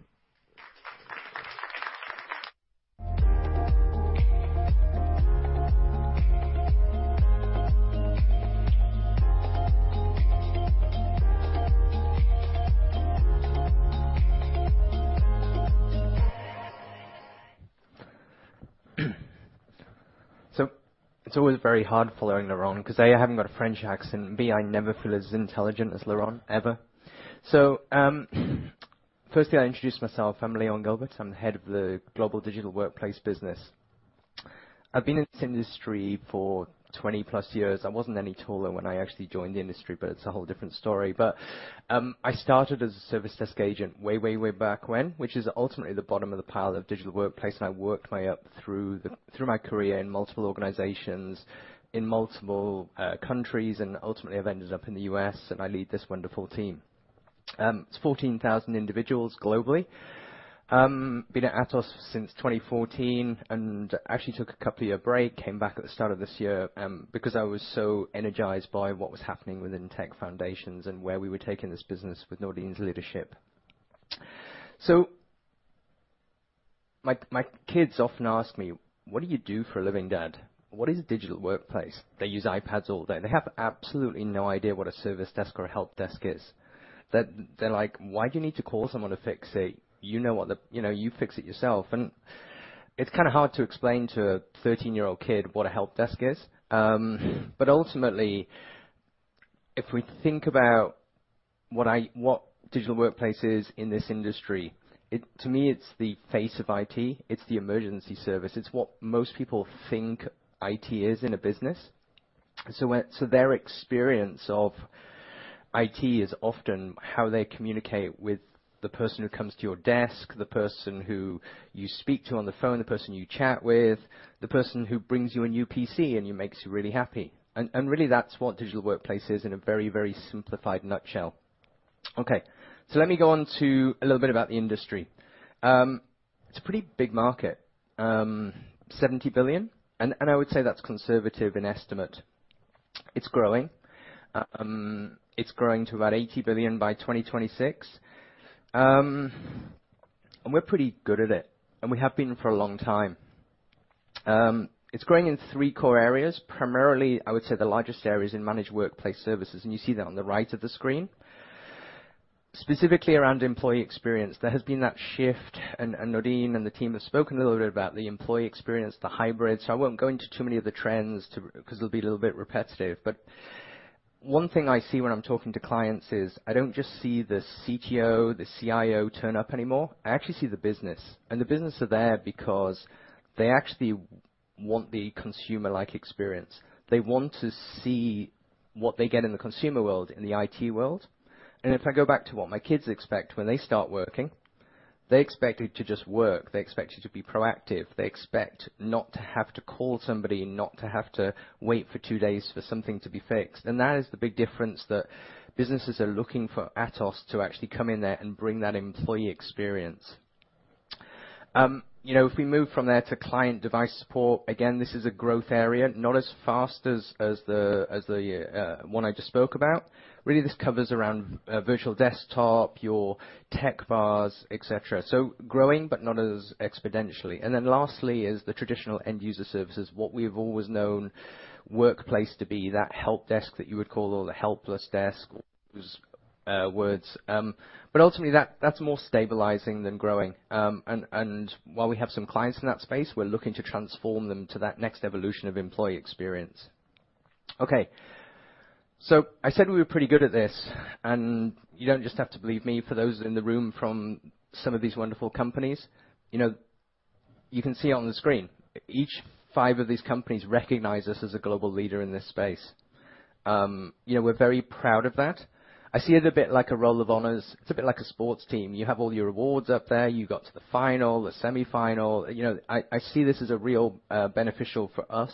It's always very hard following Laurent, 'cause, A, I haven't got a French accent, and, B, I never feel as intelligent as Laurent, ever. Firstly, I introduce myself. I'm Leon Gilbert. I'm the head of the Global Digital Workplace business. I've been in this industry for 20+ years. I wasn't any taller when I actually joined the industry, but it's a whole different story. I started as a service desk agent way, way back when, which is ultimately the bottom of the pile of Digital Workplace, and I worked my way up through my career in multiple organizations, in multiple countries, and ultimately, I've ended up in the U.S., and I lead this wonderful team. It's 14,000 individuals globally. Been at Atos since 2014, actually took a couple-year break, came back at the start of this year because I was so energized by what was happening within Tech Foundations and where we were taking this business with Nourdine's leadership. My kids often ask me: "What do you do for a living, Dad? What is Digital Workplace?" They use iPads all day. They have absolutely no idea what a service desk or a helpdesk is. They're like: "Why do you need to call someone to fix it? You know, you fix it yourself." It's kind of hard to explain to a 13-year-old kid what a helpdesk is. Ultimately, if we think about what Digital Workplace is in this industry, to me, it's the face of IT. It's the emergency service. It's what most people think IT is in a business. Their experience of IT is often how they communicate with the person who comes to your desk, the person who you speak to on the phone, the person you chat with, the person who brings you a new PC and who makes you really happy. Really, that's what Digital Workplace is in a very, very simplified nutshell. Let me go on to a little bit about the industry. It's a pretty big market, $70 billion, I would say that's conservative in estimate. It's growing. It's growing to about $80 billion by 2026. We're pretty good at it, and we have been for a long time. It's growing in three core areas. Primarily, I would say the largest area is in managed workplace services, and you see that on the right of the screen. Specifically around employee experience, there has been that shift, and Nadine and the team have spoken a little bit about the employee experience, the hybrid, so I won't go into too many of the trends because it'll be a little bit repetitive. One thing I see when I'm talking to clients is I don't just see the CTO, the CIO, turn up anymore. I actually see the business, and the business are there because they actually want the consumer-like experience. They want to see what they get in the consumer world, in the IT world. If I go back to what my kids expect when they start working, they expect it to just work. They expect you to be proactive. They expect not to have to call somebody, not to have to wait for two days for something to be fixed. That is the big difference, that businesses are looking for Atos to actually come in there and bring that employee experience. You know, if we move from there to client device support, again, this is a growth area, not as fast as the one I just spoke about. Really, this covers around virtual desktop, your tech bars, et cetera. Growing, but not as exponentially. Lastly is the traditional end-user services, what we've always known workplace to be, that helpdesk that you would call or the helpless desk, or whose words. Ultimately, that's more stabilizing than growing. While we have some clients in that space, we're looking to transform them to that next evolution of employee experience. Okay, I said we were pretty good at this, and you don't just have to believe me. For those in the room from some of these wonderful companies, you know, you can see it on the screen. Each five of these companies recognize us as a global leader in this space. You know, we're very proud of that. I see it a bit like a roll of honors. It's a bit like a sports team. You have all your awards up there. You got to the final, the semifinal. You know, I see this as a real beneficial for us,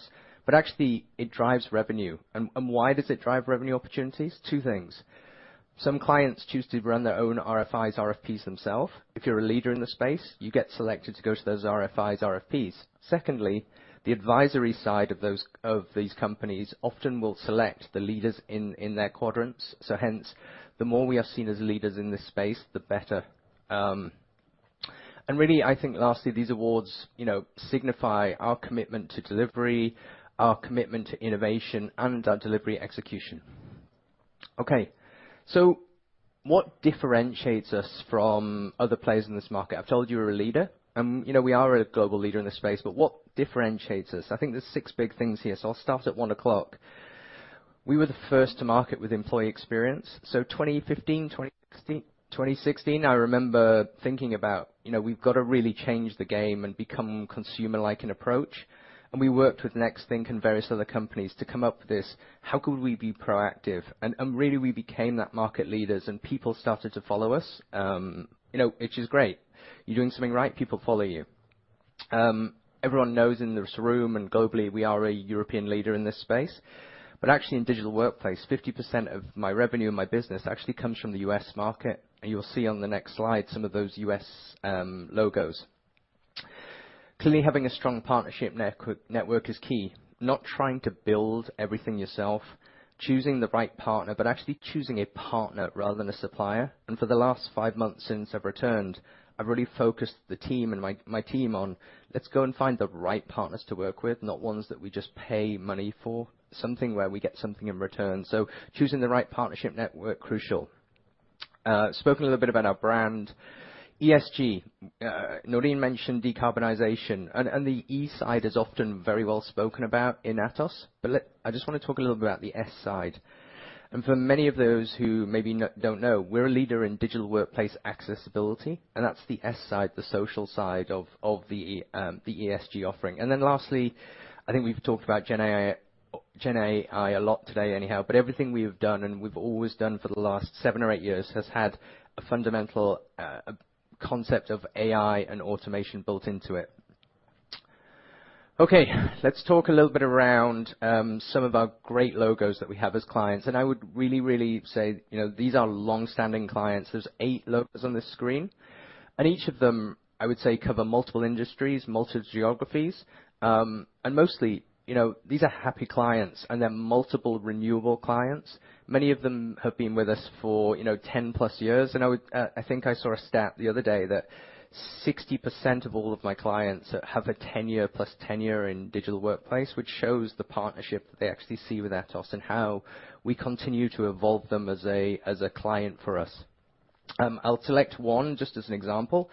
but actually it drives revenue. Why does it drive revenue opportunities? Two things: Some clients choose to run their own RFIs, RFPs themselves. If you're a leader in the space, you get selected to go to those RFIs, RFPs. Secondly, the advisory side of these companies often will select the leaders in their quadrants, hence, the more we are seen as leaders in this space, the better. Really, I think lastly, these awards, you know, signify our commitment to delivery, our commitment to innovation, and our delivery execution. Okay, what differentiates us from other players in this market? I've told you we're a leader, you know, we are a global leader in this space, what differentiates us? I think there's six big things here, I'll start at one o'clock. We were the first to market with employee experience. 2015, 2016, I remember thinking about, you know, we've got to really change the game and become consumer-like in approach. We worked with Nexthink and various other companies to come up with this, how could we be proactive? Really, we became that market leaders, and people started to follow us, you know, which is great. You're doing something right, people follow you. Everyone knows in this room and globally, we are a European leader in this space, but actually in Digital Workplace, 50% of my revenue and my business actually comes from the U.S. market, and you'll see on the next slide some of those U.S. logos. Clearly, having a strong partnership network is key. Not trying to build everything yourself, choosing the right partner, but actually choosing a partner rather than a supplier. For the last five months since I've returned, I've really focused the team and my team on, let's go and find the right partners to work with, not ones that we just pay money for, something where we get something in return. Choosing the right partnership network, crucial. Spoken a little bit about our brand. ESG, Noreen mentioned decarbonization, and the E side is often very well spoken about in Atos, but I just want to talk a little about the S side. For many of those who maybe not, don't know, we're a leader in Digital Workplace accessibility, and that's the S side, the social side of the ESG offering. Lastly, I think we've talked about Gen AI a lot today anyhow, but everything we have done and we've always done for the last seven or eight years, has had a fundamental concept of AI and automation built into it. Okay, let's talk a little bit around some of our great logos that we have as clients. I would really say, you know, these are long-standing clients. There's eight logos on the screen, and each of them, I would say, cover multiple industries, multiple geographies. Mostly, you know, these are happy clients, and they're multiple renewable clients. Many of them have been with us for, you know, 10+ years, and I would. I think I saw a stat the other day that 60% of all of my clients have a tenure, plus tenure in Digital Workplace, which shows the partnership that they actually see with Atos and how we continue to evolve them as a client for us. I'll select one just as an example.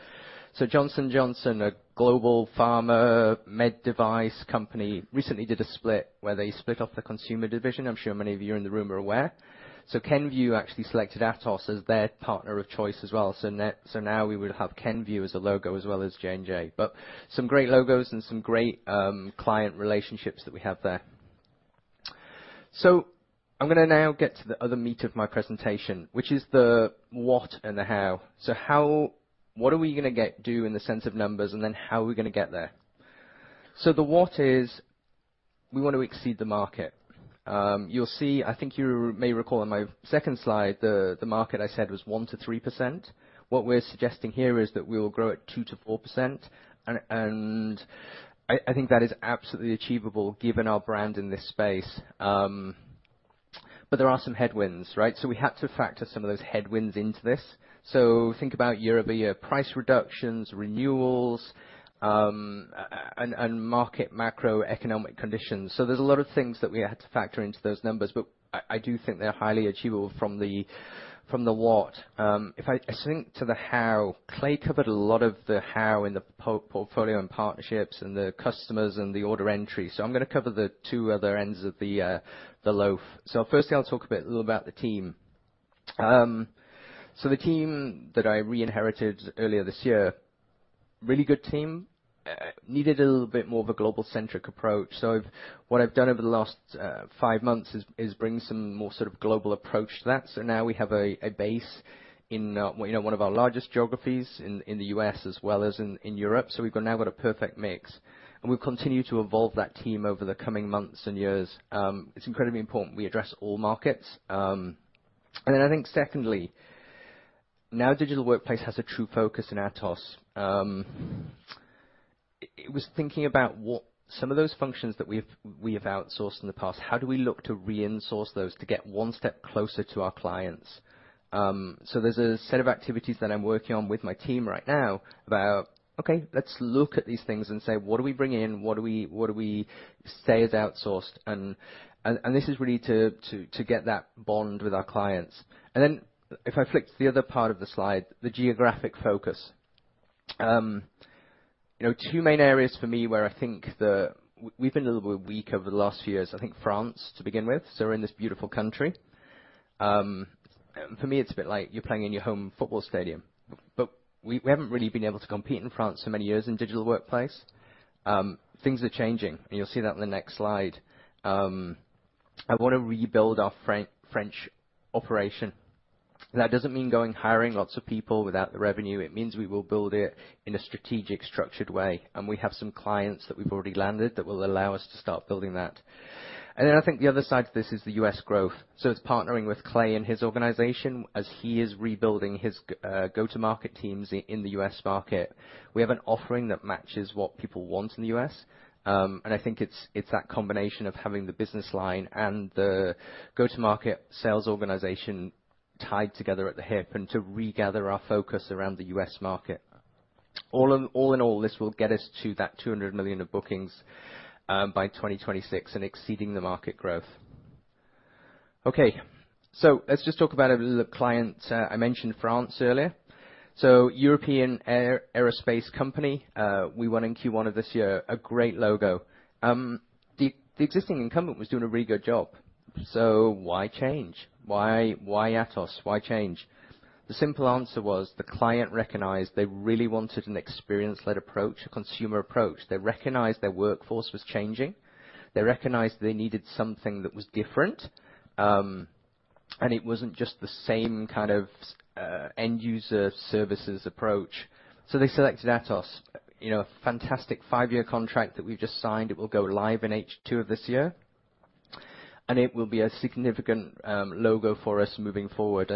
Johnson & Johnson, a global pharma med device company, recently did a split where they split off the consumer division. I'm sure many of you in the room are aware. Kenvue actually selected Atos as their partner of choice as well. Now we would have Kenvue as a logo as well as J&J, but some great logos and some great client relationships that we have there. I'm gonna now get to the other meat of my presentation, which is the what and the how. How... What are we gonna get do in the sense of numbers, and then how are we gonna get there? The what is, we want to exceed the market. You'll see, I think you may recall in my second slide, the market I said was 1%-3%. What we're suggesting here is that we will grow at 2%-4%, and I think that is absolutely achievable given our brand in this space. But there are some headwinds, right? We had to factor some of those headwinds into this. Think about year-over-year price reductions, renewals, and market macroeconomic conditions. There's a lot of things that we had to factor into those numbers, but I do think they're highly achievable from the what. If I swing to the how, Clay covered a lot of the how in the portfolio and partnerships and the customers and the order entry. I'm gonna cover the two other ends of the loaf. Firstly, I'll talk a bit little about the team. The team that I reinherited earlier this year. Really good team, needed a little bit more of a global-centric approach. What I've done over the last five months is bring some more sort of global approach to that. Now we have a base in, you know, one of our largest geographies in the U.S. as well as in Europe. We've got now got a perfect mix, and we'll continue to evolve that team over the coming months and years. It's incredibly important we address all markets. I think secondly, now Digital Workplace has a true focus in Atos. It was thinking about what some of those functions that we have outsourced in the past, how do we look to reinsource those to get one step closer to our clients? There's a set of activities that I'm working on with my team right now about, okay, let's look at these things and say: What do we bring in? What do we say is outsourced? This is really to get that bond with our clients. If I flick to the other part of the slide, the geographic focus. You know, two main areas for me where I think we've been a little bit weak over the last few years, I think France, to begin with. We're in this beautiful country. For me, it's a bit like you're playing in your home football stadium. We haven't really been able to compete in France for many years in Digital Workplace. Things are changing. You'll see that in the next slide. I want to rebuild our French operation. That doesn't mean going hiring lots of people without the revenue. It means we will build it in a strategic, structured way. We have some clients that we've already landed that will allow us to start building that. I think the other side to this is the U.S. growth. It's partnering with Clay Van Doren and his organization as he is rebuilding his go-to-market teams in the U.S. market. We have an offering that matches what people want in the U.S., and I think it's that combination of having the business line and the go-to-market sales organization tied together at the hip and to regather our focus around the U.S. market. All in, all in all, this will get us to that $200 million of bookings by 2026 and exceeding the market growth. Let's just talk about a little client. I mentioned France earlier, European Aerospace Company, we won in Q1 of this year, a great logo. The existing incumbent was doing a really good job, so why change? Why Atos? Why change? The simple answer was the client recognized they really wanted an experience-led approach, a consumer approach. They recognized their workforce was changing, they recognized they needed something that was different, and it wasn't just the same kind of end user services approach, so they selected Atos. You know, a fantastic five-year contract that we've just signed. It will go live in H2 of this year, and it will be a significant logo for us moving forward.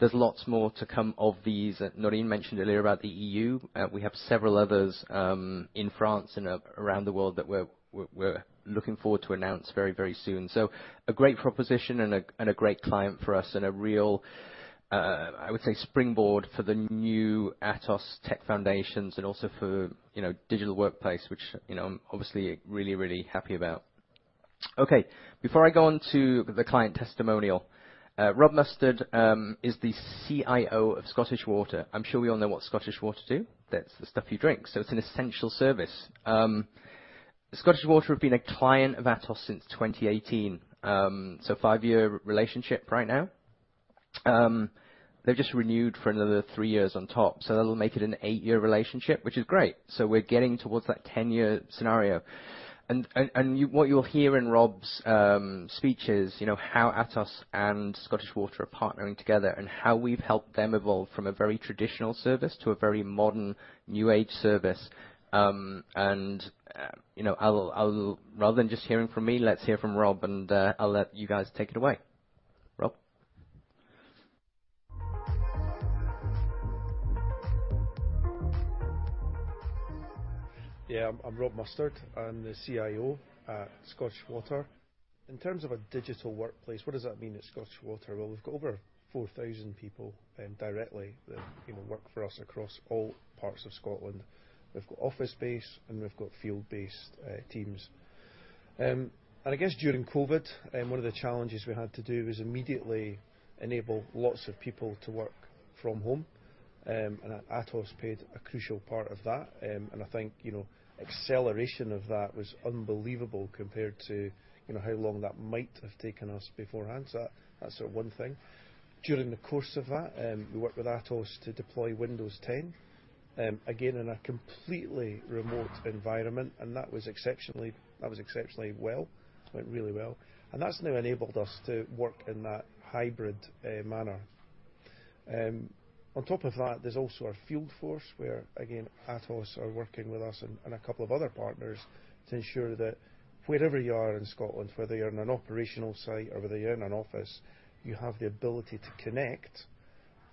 There's lots more to come of these. Nourdine mentioned earlier about the EU, we have several others in France and around the world that we're looking forward to announce very, very soon. A great proposition and a great client for us, and a real, I would say, springboard for the new Atos Tech Foundations and also for, you know, Digital Workplace, which, you know, I'm obviously really, really happy about. Before I go on to the client testimonial, Rob Mustard is the CIO of Scottish Water. I'm sure we all know what Scottish Water do. That's the stuff you drink, so it's an essential service. Scottish Water have been a client of Atos since 2018, so five-year relationship right now. They've just renewed for another three years on top, so that'll make it an eight-year relationship, which is great, so we're getting towards that 10-year scenario. What you'll hear in Rob's speech is, you know, how Atos and Scottish Water are partnering together, and how we've helped them evolve from a very traditional service to a very modern, new-age service. You know, rather than just hearing from me, let's hear from Rob, and I'll let you guys take it away. Rob? I'm Rob Mustard. I'm the CIO at Scottish Water. In terms of a Digital Workplace, what does that mean at Scottish Water? Well, we've got over 4,000 people, directly, that, you know, work for us across all parts of Scotland. We've got office-based, and we've got field-based teams. I guess during COVID, one of the challenges we had to do was immediately enable lots of people to work from home, Atos played a crucial part of that. I think, you know, acceleration of that was unbelievable compared to, you know, how long that might have taken us beforehand. That's one thing. During the course of that, we worked with Atos to deploy Windows 10, again, in a completely remote environment, and that was exceptionally well. It went really well, that's now enabled us to work in that hybrid manner. On top of that, there's also our field force, where, again, Atos are working with us and a couple of other partners to ensure that wherever you are in Scotland, whether you're in an operational site or whether you're in an office, you have the ability to connect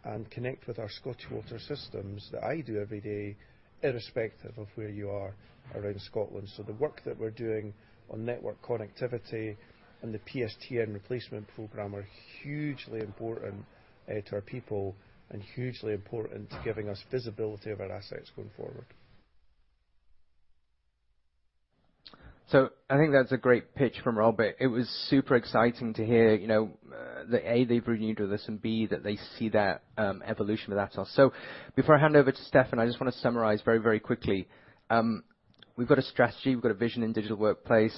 and connect with our Scottish Water systems, that I do every day, irrespective of where you are around Scotland. The work that we're doing on network connectivity and the PSTN replacement program are hugely important to our people and hugely important to giving us visibility of our assets going forward. I think that's a great pitch from Rob. It was super exciting to hear, you know, that, A, they've renewed with us, and B, that they see that evolution with Atos. Before I hand over to Stéphane, I just want to summarize very, very quickly. We've got a strategy, we've got a vision in Digital Workplace.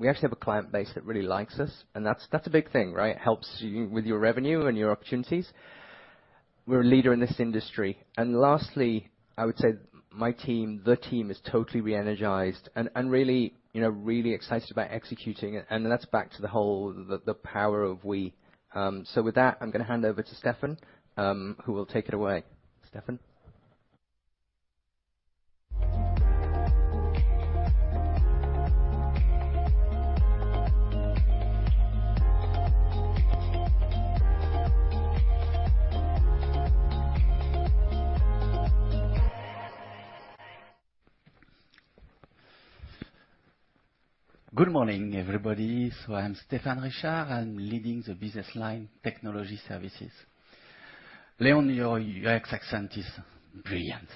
We actually have a client base that really likes us, and that's a big thing, right? Helps you with your revenue and your opportunities. We're a leader in this industry. Lastly, I would say my team, the team, is totally re-energized and really, you know, really excited about executing it, and that's back to the whole, the power of we. With that, I'm gonna hand over to Stéphane, who will take it away. Stéphane? Good morning, everybody. I'm Stéphane Richard. I'm leading the business line technology services. Leon, your accent is brilliant.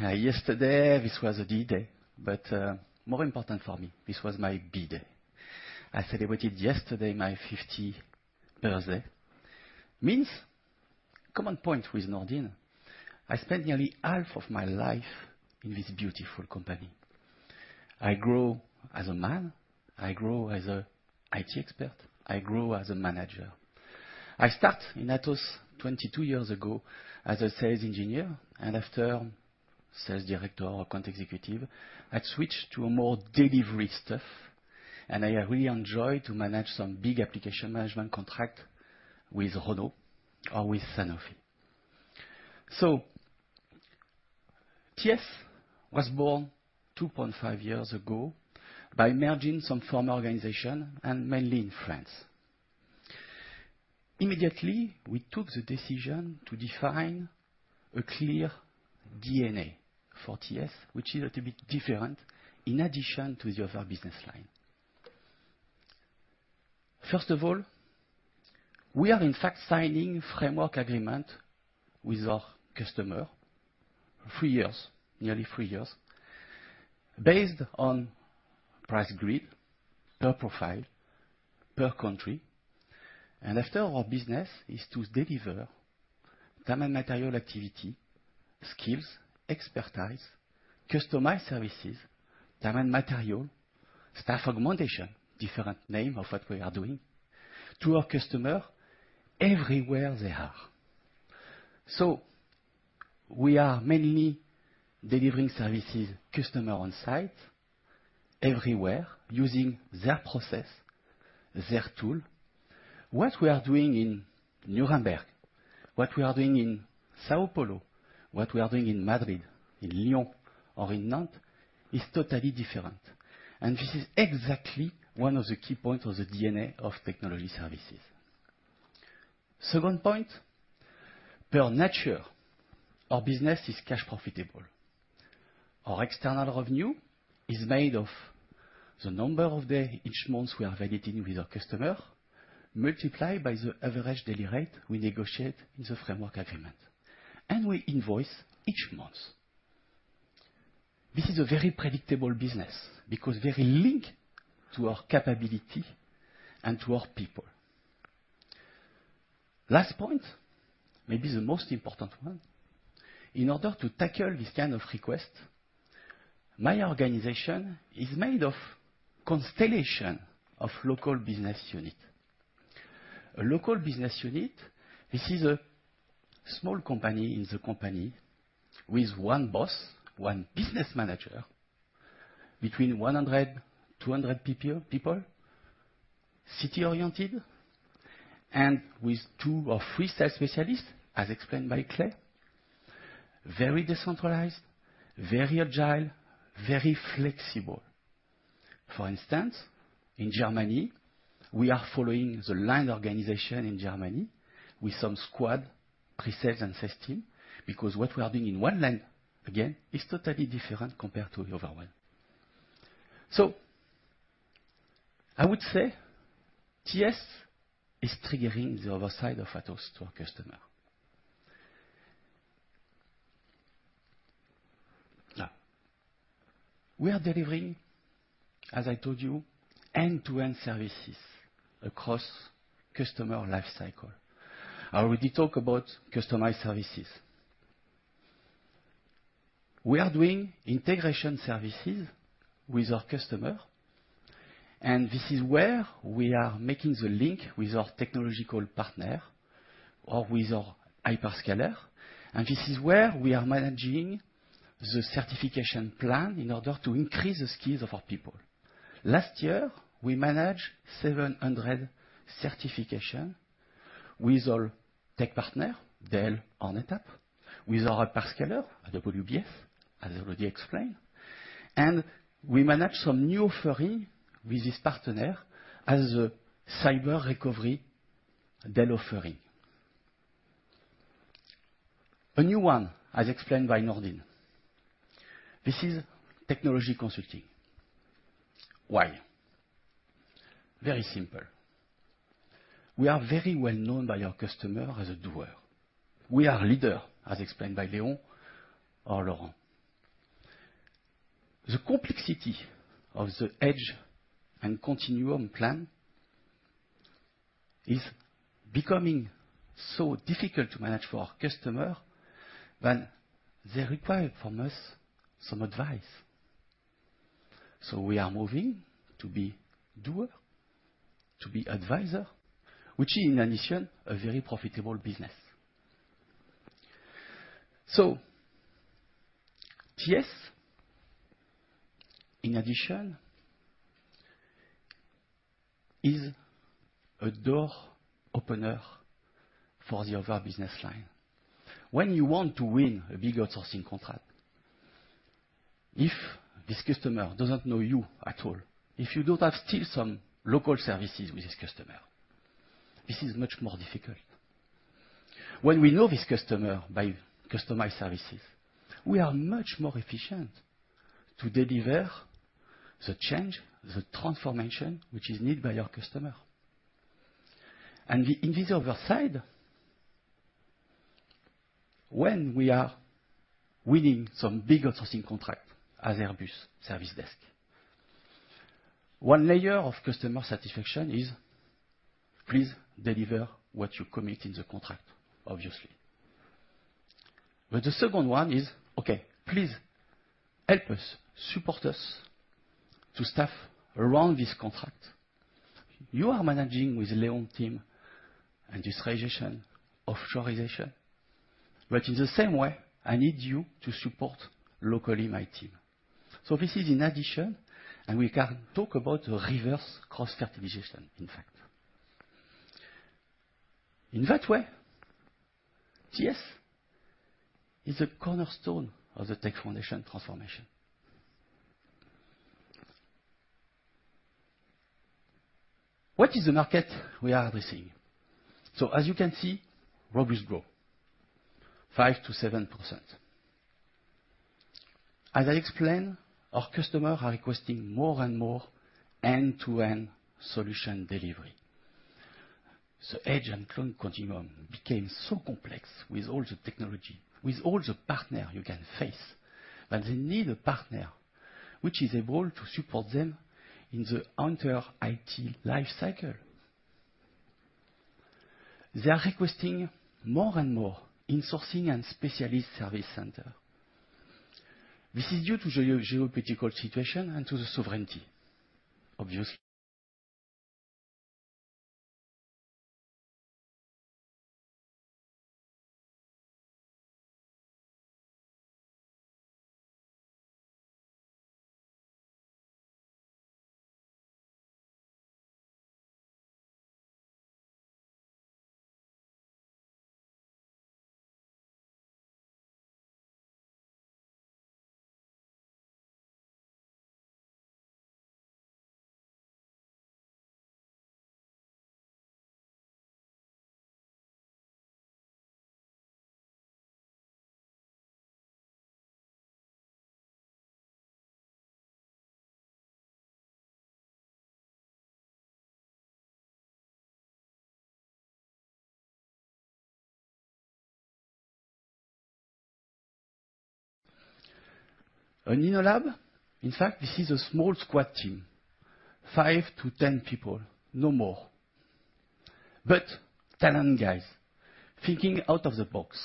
Yesterday, this was a B-Day, more important for me, this was my B-Day. I celebrated yesterday my 50 birthday. Means common point with Nordine. I spent nearly half of my life in this beautiful company. I grow as a man, I grow as a IT expert, I grow as a manager. I start in Atos 22 years ago as a sales engineer, after sales director or account executive, I switched to a more delivery stuff, I really enjoyed to manage some big application management contract with Renault or with Sanofi. TS was born 2.5 years ago by merging some former organization, mainly in France. Immediately, we took the decision to define a clear DNA for TS, which is a little bit different in addition to the other business line. First of all, we are in fact signing framework agreement with our customer, three years, nearly three years, based on price grid, per profile, per country. After our business is to deliver time and material activity, skills, expertise, customized services, time and material, staff augmentation, different name of what we are doing, to our customer everywhere they are. We are mainly delivering services customer on site, everywhere, using their process, their tool. What we are doing in Nuremberg, what we are doing in São Paulo, what we are doing in Madrid, in Lyon or in Nantes, is totally different. This is exactly one of the key points of the DNA of technology services. Second point, per nature, our business is cash profitable. Our external revenue is made of the number each month we are validating with our customer, multiplied by the average daily rate we negotiate in the framework agreement, and we invoice each month. This is a very predictable business because very linked to our capability and to our people. Last point, maybe the most important one. In order to tackle this kind of request, my organization is made of constellation of local business unit. A local business unit, this is a small company in the company with one boss, one business manager, between 100, 200 people, city-oriented, and with two or three sales specialists, as explained by Clay, very decentralized, very agile, very flexible. For instance, in Germany, we are following the line organization in Germany with some squad, pre-sales and sales team, because what we are doing in one line, again, is totally different compared to the other one. I would say TS is triggering the other side of Atos to our customer. We are delivering, as I told you, end-to-end services across customer life cycle. I already talk about customized services. We are doing integration services with our customer, and this is where we are making the link with our technological partner or with our hyperscaler, and this is where we are managing the certification plan in order to increase the skills of our people. Last year, we managed 700 certification with our tech partner, Dell and ETAP, with our hyperscaler, WBF, as I already explained, we managed some new offering with this partner as a cyber recovery Dell offering. A new one, as explained by Nourdine. This is technology consulting. Why? Very simple. We are very well known by our customer as a doer. We are leader, as explained by Leon or Laurent. The complexity of the edge and continuum plan... is becoming so difficult to manage for our customer, they require from us some advice. We are moving to be doer, to be advisor, which is in addition, a very profitable business. TS, in addition, is a door opener for the other business line. When you want to win a big outsourcing contract, if this customer doesn't know you at all, if you do not have still some local services with this customer, this is much more difficult. When we know this customer by customized services, we are much more efficient to deliver the change, the transformation which is needed by our customer. The, in this other side, when we are winning some big outsourcing contract as Airbus service desk, one layer of customer satisfaction is, please deliver what you commit in the contract, obviously. The second one is, "Okay, please help us, support us to staff around this contract. You are managing with Leon team, industrialization, offshoreization, but in the same way, I need you to support locally my team." This is in addition, and we can talk about the reverse cross-fertilization, in fact. In that way, TS is a cornerstone of the Tech Foundations transformation. What is the market we are addressing? As you can see, robust growth, 5%-7%. As I explained, our customer are requesting more and more end-to-end solution delivery. Edge and cloud continuum became so complex with all the technology, with all the partner you can face, that they need a partner which is able to support them in the entire IT life cycle. They are requesting more and more insourcing and specialist service center. This is due to the geopolitical situation and to the sovereignty, obviously. An InnoLab, in fact, this is a small squad team, 5-10 people, no more. Talent guys thinking out of the box,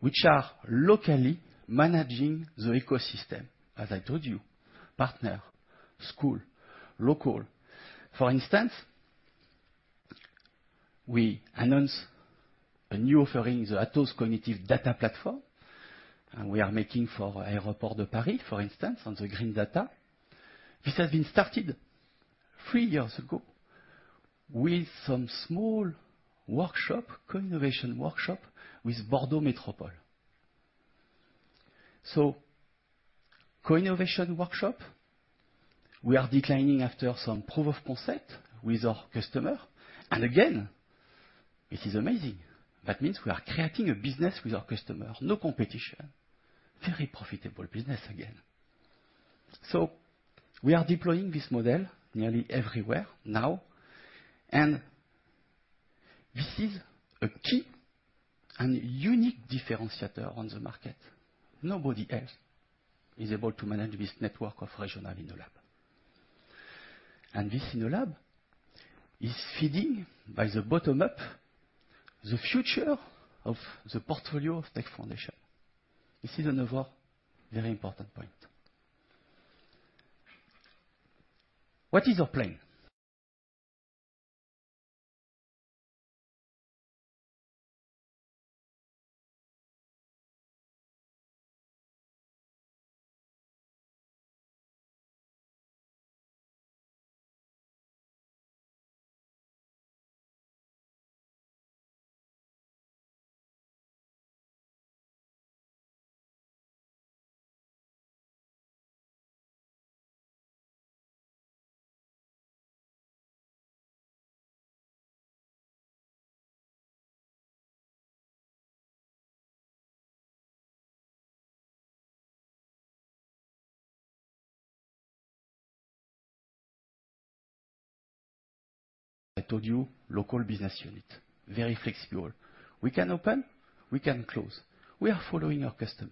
which are locally managing the ecosystem, as I told you, partner, school, local. For instance, we announce a new offering, the Atos Cognitive Data Platform, and we are making for Aéroports de Paris, for instance, on the green data. This has been started three years ago with some small workshop, co-innovation workshop with Bordeaux Métropole. Co-innovation workshop, we are declining after some proof of concept with our customer. Again, this is amazing. That means we are creating a business with our customer. No competition. Very profitable business again. We are deploying this model nearly everywhere now, and this is a key and unique differentiator on the market. Nobody else is able to manage this network of regional Innolab. This Innolab is feeding by the bottom up, the future of the portfolio of Tech Foundations. This is another very important point. What is our plan? I told you, local business unit, very flexible. We can open, we can close. We are following our customer.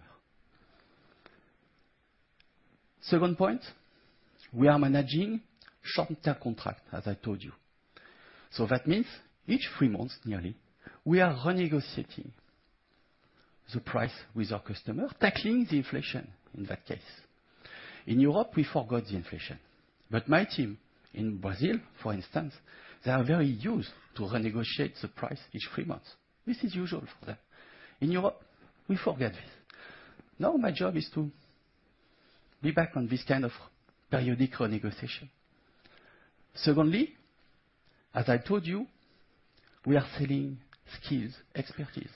Second point, we are managing short-term contract, as I told you. That means each three months, nearly, we are renegotiating the price with our customer, tackling the inflation in that case. In Europe, we forgot the inflation, but my team in Brazil, for instance, they are very used to renegotiate the price each three months. This is usual for them. In Europe, we forget this. Now my job is to be back on this kind of periodic renegotiation. Secondly, as I told you, we are selling skills, expertise,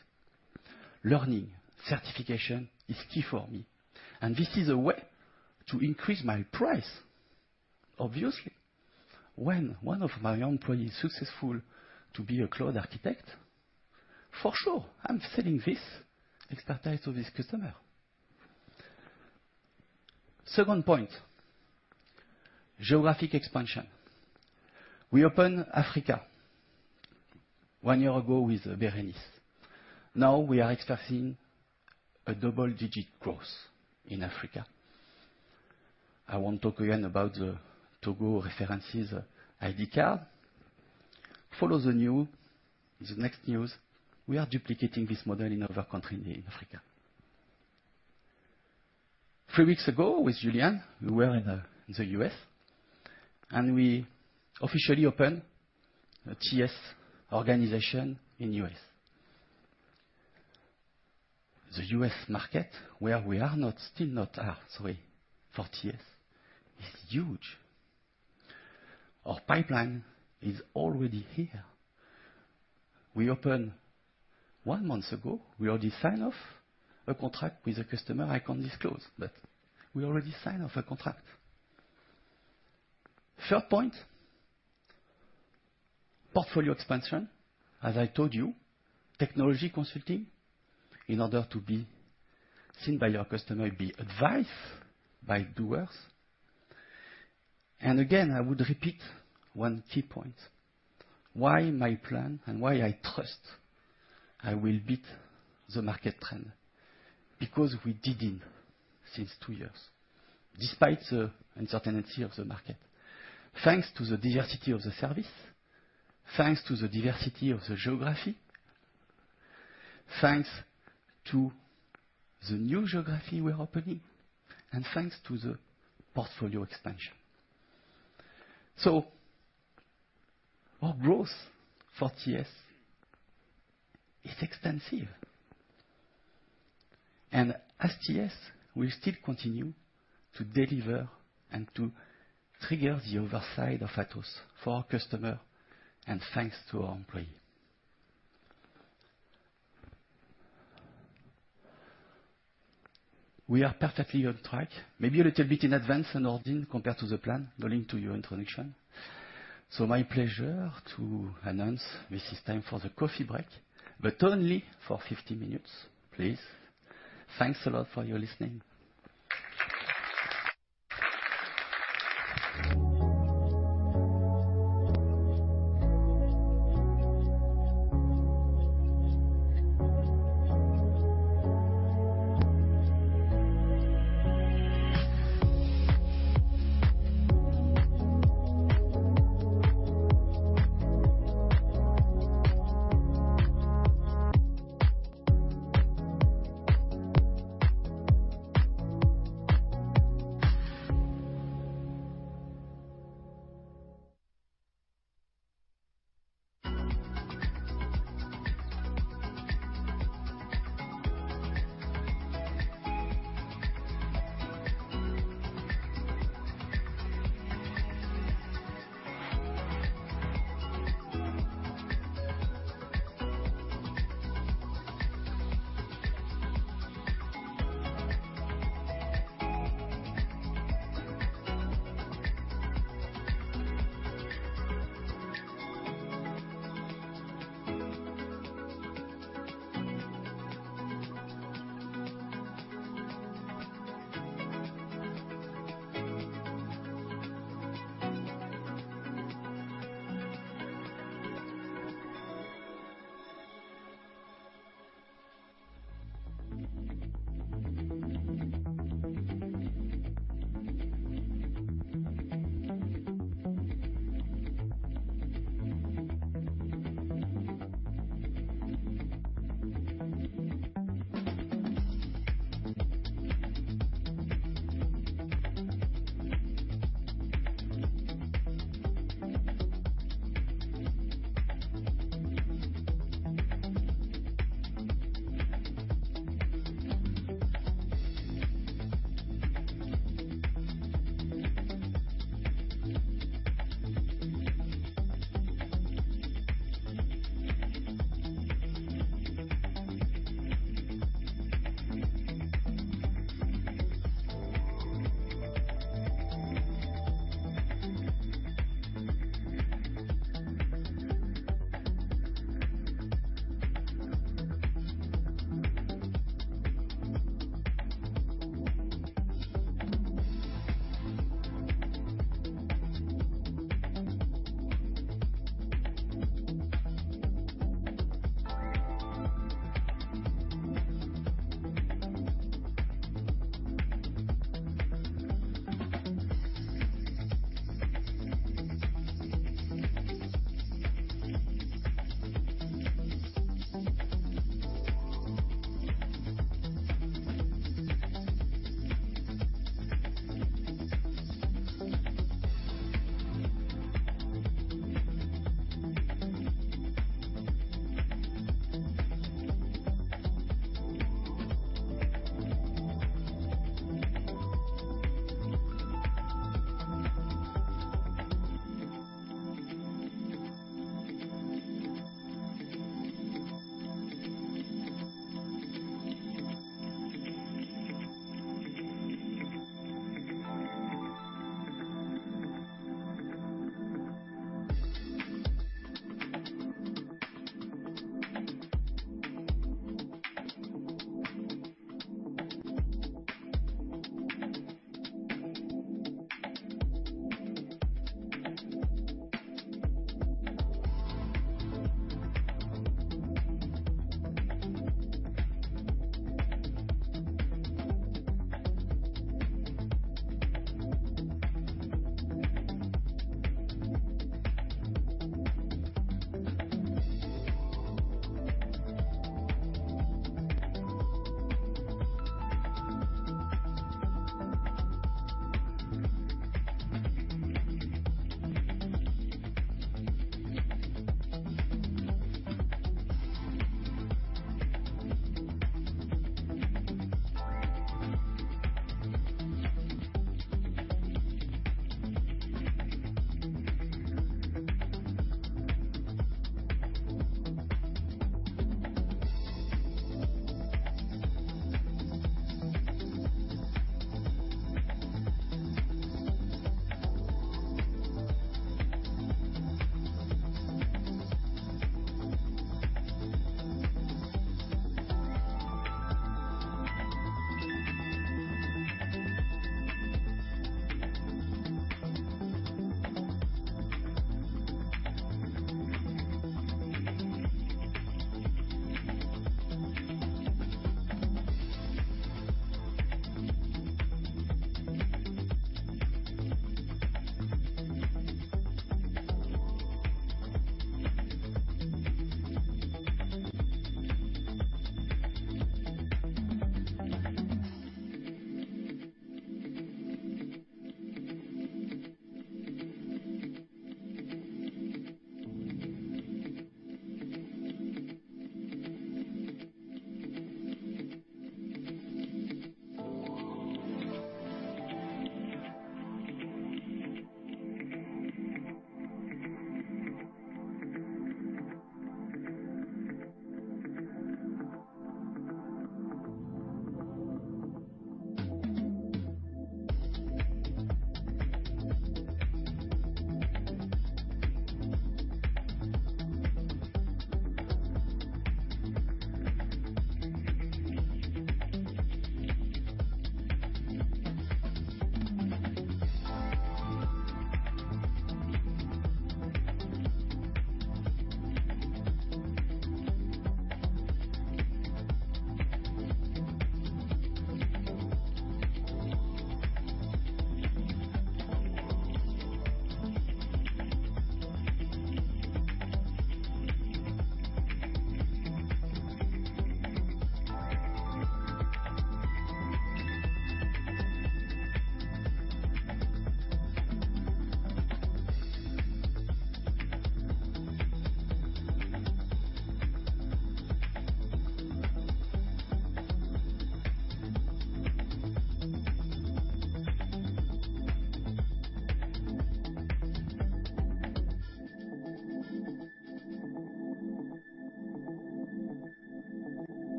learning, certification is key for me, and this is a way to increase my price. Obviously, when one of my employees is successful to be a cloud architect, for sure, I'm selling this expertise to this customer. Second point, geographic expansion. We opened Africa one year ago with Bérénice. We are expecting a double-digit growth in Africa. I won't talk again about the Togo references ID card. Follow the next news, we are duplicating this model in other country in Africa. Three weeks ago, with Julian, we were in the U.S., and we officially opened a TS organization in U.S. The U.S. market, where we are not, still not are, sorry, for TS, is huge. Our pipeline is already here. We opened one month ago. We already sign off a contract with a customer I can't disclose. We already sign off a contract. Third point, portfolio expansion. As I told you, technology consulting, in order to be seen by our customer, be advised by doers. Again, I would repeat one key point. Why my plan and why I trust I will beat the market trend? We did it since two years, despite the uncertainty of the market, thanks to the diversity of the service, thanks to the diversity of the geography, thanks to the new geography we are opening, and thanks to the portfolio expansion. Our growth for TS is extensive, and as TS, we still continue to deliver and to trigger the other side of Atos for our customer and thanks to our employee. We are perfectly on track, maybe a little bit in advance and ordering compared to the plan, going to your introduction. My pleasure to announce this is time for the coffee break, but only for 50 minutes, please. Thanks a lot for your listening.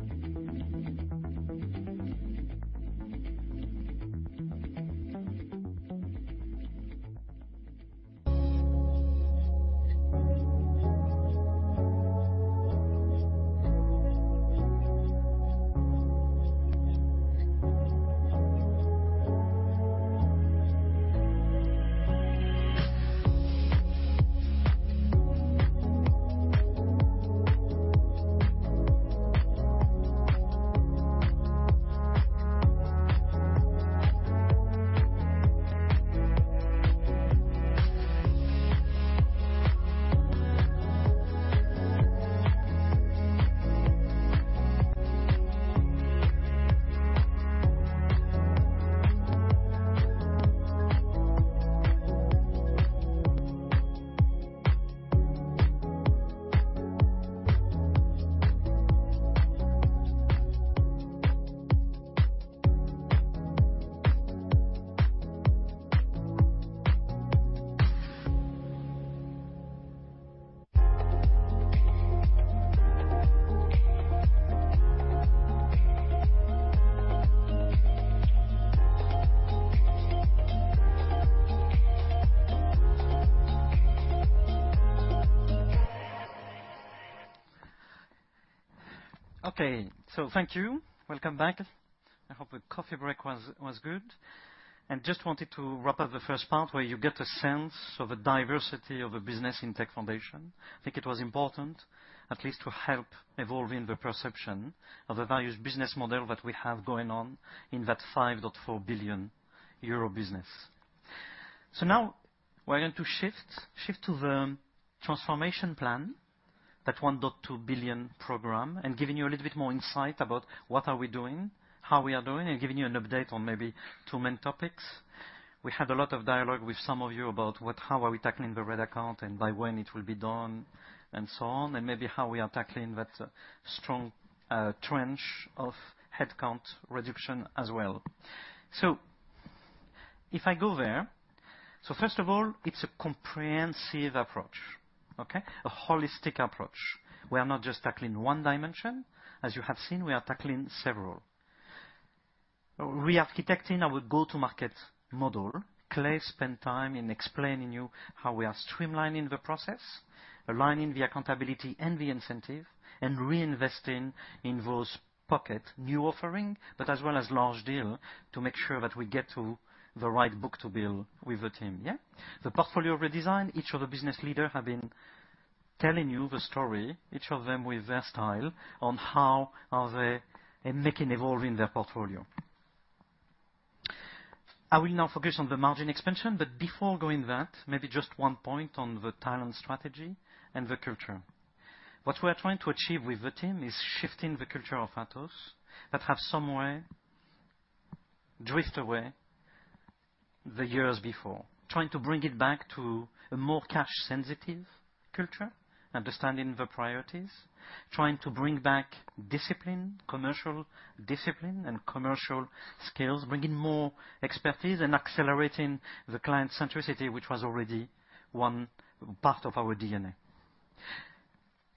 Okay, thank you. Welcome back! I hope the coffee break was good. Just wanted to wrap up the first part, where you get a sense of the diversity of the business in Tech Foundations. I think it was important, at least to help evolving the perception of the various business model that we have going on in that 5.4 billion euro business. Now we're going to shift to the transformation plan, that 1.2 billion program, and giving you a little bit more insight about what are we doing, how we are doing, and giving you an update on maybe two main topics. We had a lot of dialogue with some of you about how are we tackling the red account, and by when it will be done, and so on, and maybe how we are tackling that strong trench of headcount reduction as well. If I go there. First of all, it's a comprehensive approach, okay? A holistic approach. We are not just tackling one dimension. As you have seen, we are tackling several. Re-architecting our go-to-market model. Clay spent time in explaining you how we are streamlining the process, aligning the accountability and the incentive, and reinvesting in those pocket new offering, but as well as large deal, to make sure that we get to the right book to build with the team. Yeah? The portfolio redesign. Each of the business leader have been telling you the story, each of them with their style, on how are they making evolving their portfolio. Before going that, maybe just one point on the talent strategy and the culture. What we are trying to achieve with the team is shifting the culture of Atos, that have some way drift away the years before. Trying to bring it back to a more cash-sensitive culture, understanding the priorities, trying to bring back discipline, commercial discipline and commercial skills, bringing more expertise, and accelerating the client centricity, which was already one part of our DNA.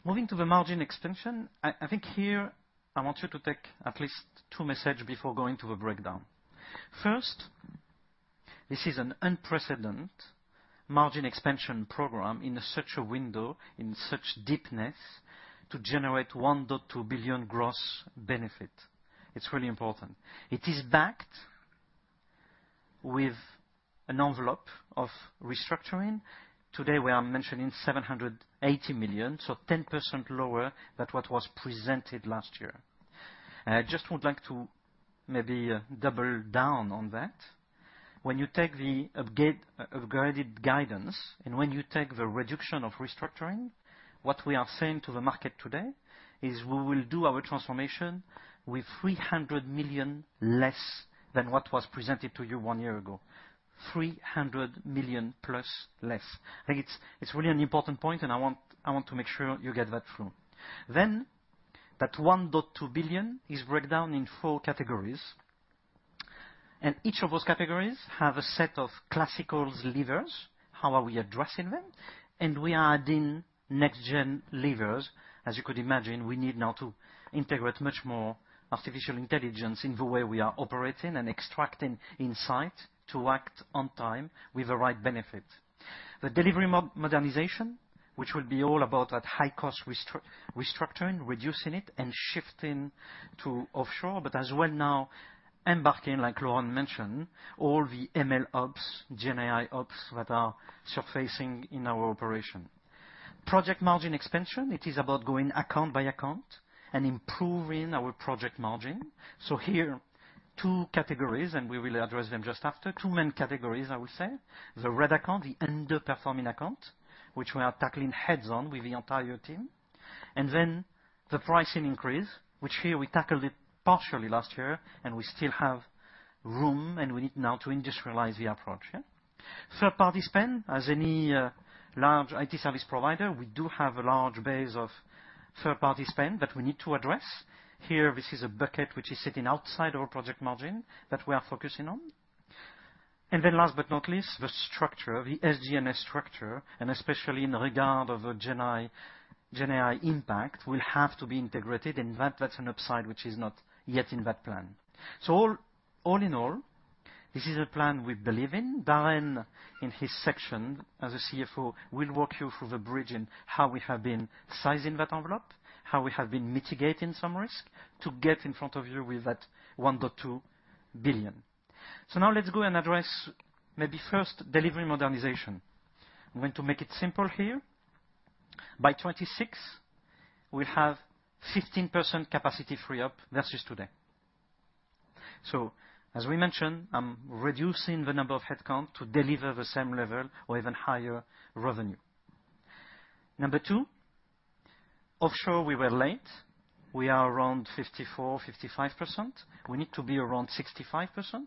Moving to the margin expansion, I think here I want you to take at least two message before going to the breakdown. This is an unprecedented margin expansion program in such a window, in such deepness, to generate $1.2 billion gross benefit. It's really important. It is backed with an envelope of restructuring. Today, we are mentioning $780 million, 10% lower than what was presented last year. I just would like to maybe double down on that. When you take the upgraded guidance, when you take the reduction of restructuring, what we are saying to the market today is we will do our transformation with $300 million less than what was presented to you one year ago. $300 million plus less. I think it's really an important point. I want to make sure you get that through. That $1.2 billion is breakdown in four categories. Each of those categories have a set of classical levers, how are we addressing them? We are adding next gen levers. As you could imagine, we need now to integrate much more artificial intelligence in the way we are operating and extracting insight to act on time with the right benefit. The delivery modernization, which will be all about that high cost restructuring, reducing it, and shifting to offshore, but as well now embarking, like Laurent mentioned, all the MLOps, GenAI Ops that are surfacing in our operation. Project margin expansion, it is about going account by account and improving our project margin. Here, two categories, and we will address them just after. Two main categories, I would say. The red account, the underperforming account, which we are tackling heads on with the entire team, and then the pricing increase, which here we tackled it partially last year, and we still have room, and we need now to industrialize the approach, yeah? Third-party spend. As any large IT service provider, we do have a large base of third-party spend that we need to address. Here, this is a bucket which is sitting outside our project margin that we are focusing on. Last but not least, the structure, the SG&A structure, and especially in regard of the GenAI impact, will have to be integrated, and that's an upside, which is not yet in that plan. All in all, this is a plan we believe in. Darren, in his section, as a CFO, will walk you through the bridge in how we have been sizing that envelope, how we have been mitigating some risk to get in front of you with that $1.2 billion. Now let's go and address maybe first, delivery modernization. I'm going to make it simple here. By 2026, we'll have 15% capacity free up versus today. As we mentioned, I'm reducing the number of headcount to deliver the same level or even higher revenue. Number two, offshore, we were late. We are around 54%, 55%. We need to be around 65%.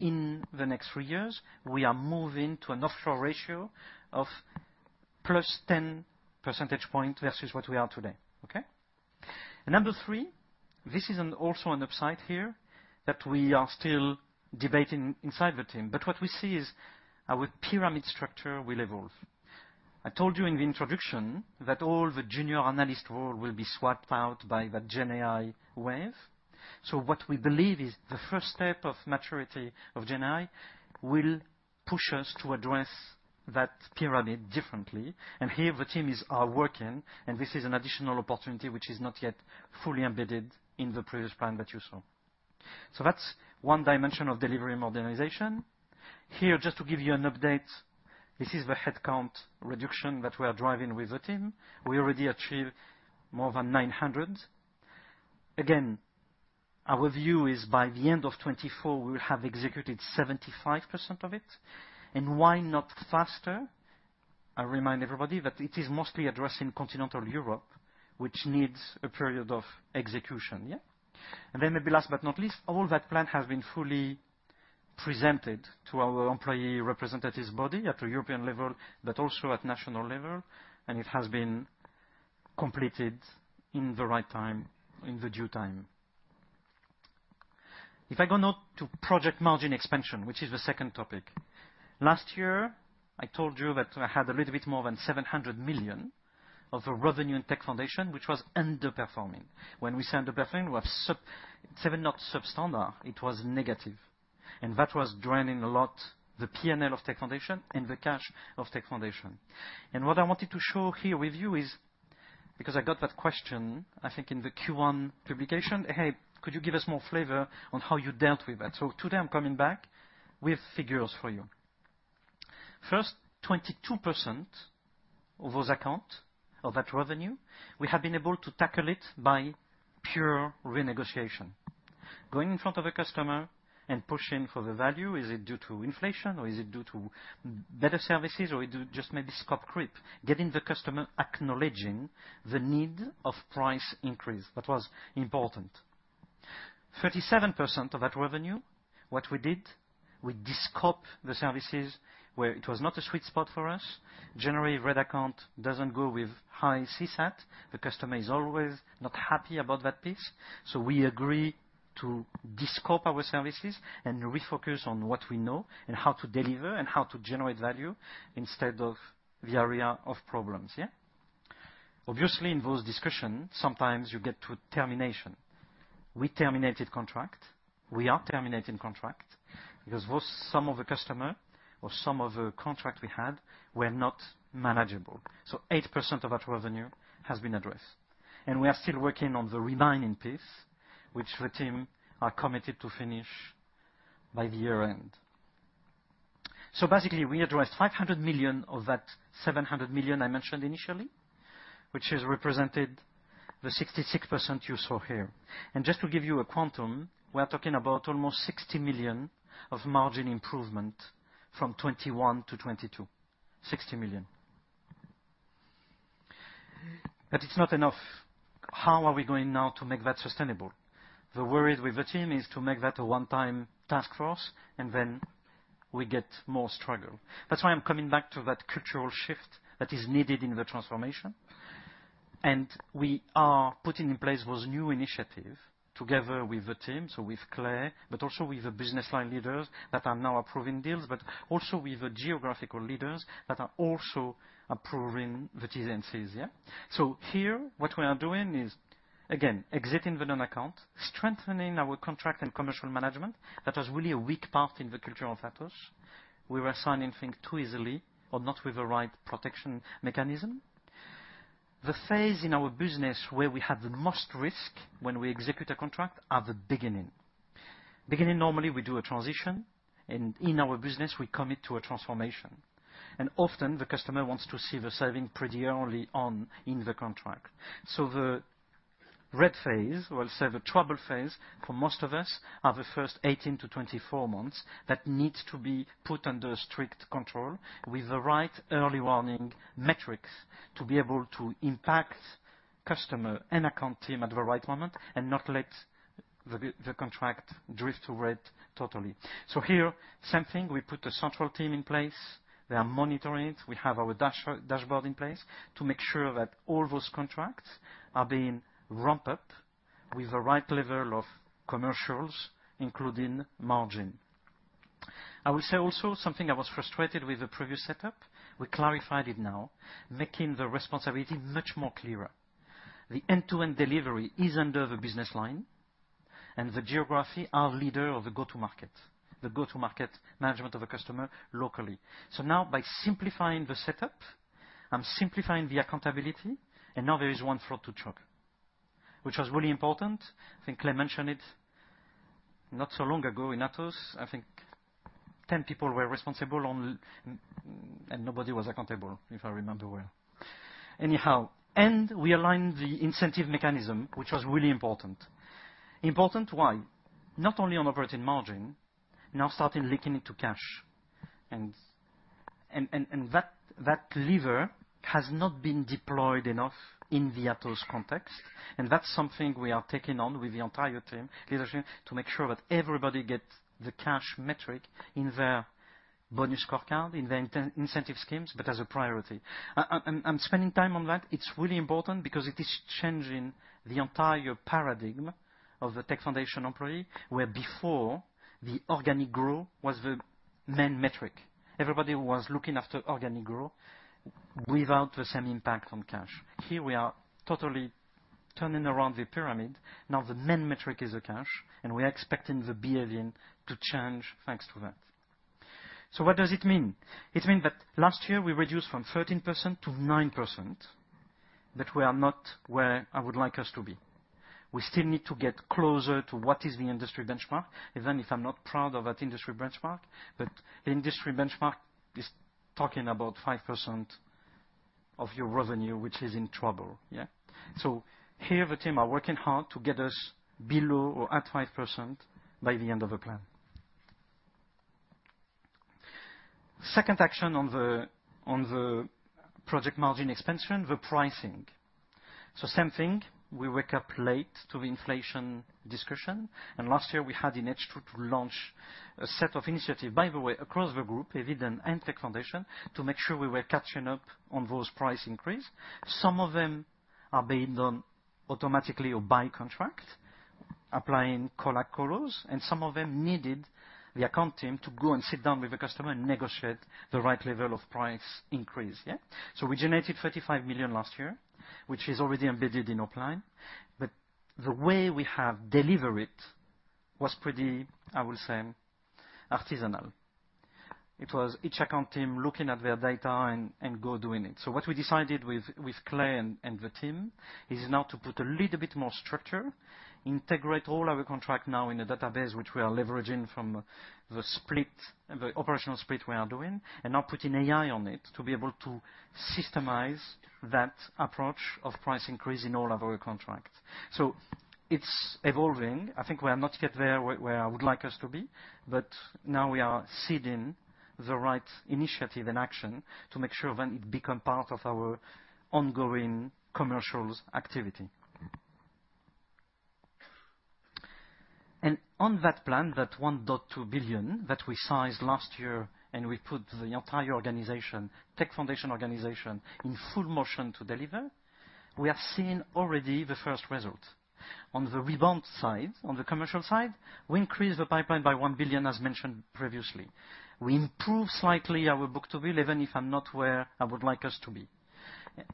In the next three years, we are moving to an offshore ratio of +10 percentage point versus what we are today. Okay? Number three, this is an also an upside here that we are still debating inside the team, but what we see is our pyramid structure will evolve. I told you in the introduction that all the junior analyst role will be swapped out by the GenAI wave. What we believe is the first step of maturity of GenAI will push us to address that pyramid differently. Here, the teams are working, and this is an additional opportunity which is not yet fully embedded in the previous plan that you saw. That's one dimension of delivery modernization. Here, just to give you an update, this is the headcount reduction that we are driving with the team. We already achieved more than 900. Again, our view is by the end of 2024, we will have executed 75% of it. Why not faster? I remind everybody that it is mostly addressing continental Europe, which needs a period of execution, yeah? Maybe last but not least, all that plan has been fully presented to our employee representatives body at the European level, but also at national level, and it has been completed in the right time, in the due time. If I go now to project margin expansion, which is the second topic. Last year, I told you that I had a little bit more than 700 million of the revenue in Tech Foundations, which was underperforming. When we say underperforming, it was sub-- seven, not substandard, it was negative, and that was draining a lot, the PNL of Tech Foundations and the cash of Tech Foundations. What I wanted to show here with you is, because I got that question, I think in the Q1 publication, "Hey, could you give us more flavor on how you dealt with that?" Today, I'm coming back with figures for you. First, 22% of those account, of that revenue, we have been able to tackle it by pure renegotiation. Going in front of a customer and pushing for the value, is it due to inflation or is it due to better services, or is it just maybe scope creep, getting the customer acknowledging the need of price increase. That was important. 37% of that revenue, what we did, we descoped the services where it was not a sweet spot for us. Generally, red account doesn't go with high CSAT. The customer is always not happy about that piece. We agree to descope our services and refocus on what we know and how to deliver and how to generate value instead of the area of problems, yeah. Obviously, in those discussions, sometimes you get to termination. We terminated contract. We are terminating contract because those, some of the customer or some of the contract we had were not manageable. Eight percent of that revenue has been addressed, and we are still working on the remaining piece, which the team are committed to finish by the year end. Basically, we addressed 500 million of that 700 million I mentioned initially, which is represented the 66% you saw here. Just to give you a quantum, we are talking about almost 60 million of margin improvement from 2021-2022. 60 million. It's not enough. How are we going now to make that sustainable? The worry with the team is to make that a one-time task force, and then we get more struggle. That's why I'm coming back to that cultural shift that is needed in the transformation. We are putting in place those new initiative together with the team, so with Clay, but also with the business line leaders that are now approving deals, but also with the geographical leaders that are also approving the T and Cs. Here, what we are doing is, again, exiting the non-account, strengthening our contract and commercial management. That was really a weak part in the culture of Atos. We were signing things too easily or not with the right protection mechanism. The phase in our business where we have the most risk when we execute a contract are the beginning. Normally, we do a transition. In our business, we commit to a transformation. Often, the customer wants to see the saving pretty early on in the contract. The red phase, or I'll say the trouble phase for most of us, are the first 18-24 months that needs to be put under strict control with the right early warning metrics to be able to impact customer and account team at the right moment and not let the contract drift to red totally. Here, same thing, we put a central team in place. They are monitoring it. We have our dashboard in place to make sure that all those contracts are being ramped up with the right level of commercials, including margin. I will say also something I was frustrated with the previous setup. We clarified it now, making the responsibility much more clearer. The end-to-end delivery is under the business line, and the geography are leader of the go-to-market, the go-to-market management of a customer locally. Now by simplifying the setup, I'm simplifying the accountability, and now there is one throat to choke, which was really important. I think Clay mentioned it not so long ago in Atos, I think 10 people were responsible and nobody was accountable, if I remember well. Anyhow, and we aligned the incentive mechanism, which was really important. Important why? Not only on operating margin, now starting leaking into cash. That lever has not been deployed enough in the Atos context. That's something we are taking on with the entire team, leadership, to make sure that everybody gets the cash metric in their bonus scorecard, in their incentive schemes. As a priority, I'm spending time on that. It's really important because it is changing the entire paradigm of the Tech Foundations employee, where before, the organic growth was the main metric. Everybody was looking after organic growth without the same impact on cash. Here we are totally turning around the pyramid. Now, the main metric is the cash, and we are expecting the behavior to change, thanks to that. What does it mean? It means that last year, we reduced from 13% to 9%. We are not where I would like us to be. We still need to get closer to what is the industry benchmark, even if I'm not proud of that industry benchmark, but the industry benchmark is talking about 5% of your revenue, which is in trouble, yeah? Here, the team are working hard to get us below or at 5% by the end of the plan. Second action on the project margin expansion, the pricing. Same thing, we wake up late to the inflation discussion, and last year, we had the need to launch a set of initiative, by the way, across the group, Eviden and Tech Foundations, to make sure we were catching up on those price increase. Some of them are being done automatically or by contract, applying COLA colas. Some of them needed the account team to go and sit down with the customer and negotiate the right level of price increase, yeah? We generated $35 million last year, which is already embedded in our plan. The way we have delivered it was pretty, I will say, artisanal. It was each account team looking at their data and go doing it. What we decided with Clay and the team, is now to put a little bit more structure, integrate all our contract now in a database, which we are leveraging from the split, the operational split we are doing, and now putting AI on it to be able to systemize that approach of price increase in all of our contracts. It's evolving. I think we are not yet there where I would like us to be, but now we are seeding the right initiative and action to make sure when it become part of our ongoing commercials activity. On that plan, that $1.2 billion that we sized last year, and we put the entire organization, Tech Foundations organization, in full motion to deliver, we have seen already the first result. On the rebound side, on the commercial side, we increased the pipeline by $1 billion, as mentioned previously. We improved slightly our book-to-bill, even if I'm not where I would like us to be.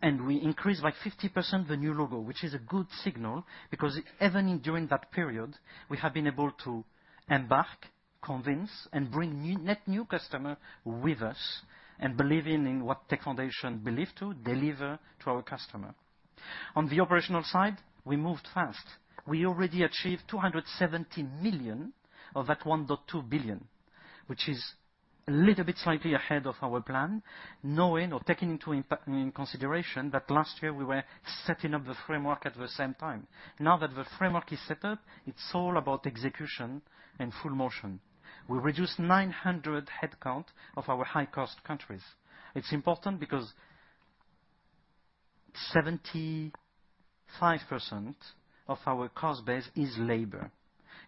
We increased by 50% the new logo, which is a good signal, because even during that period, we have been able to embark, convince, and bring net new customer with us and believing in what Tech Foundations believe to deliver to our customer. On the operational side, we moved fast. We already achieved 270 million of that 1.2 billion, which is a little bit slightly ahead of our plan, knowing or taking in consideration that last year we were setting up the framework at the same time. Now that the framework is set up, it's all about execution and full motion. We reduced 900 headcount of our high-cost countries. It's important because 75% of our cost base is labor.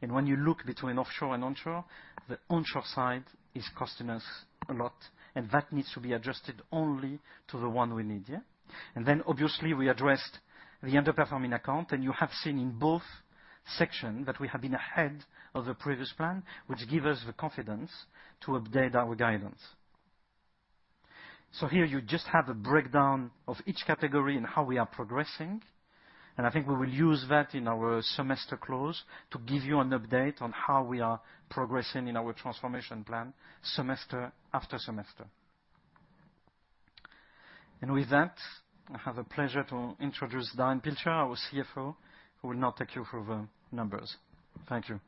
When you look between offshore and onshore, the onshore side is costing us a lot, and that needs to be adjusted only to the one we need, yeah? Obviously, we addressed the underperforming account, and you have seen in both sections that we have been ahead of the previous plan, which give us the confidence to update our guidance. Here you just have a breakdown of each category and how we are progressing, and I think we will use that in our semester close to give you an update on how we are progressing in our transformation plan, semester after semester. With that, I have the pleasure to introduce Darren Pilcher, our CFO, who will now take you through the numbers. Thank you.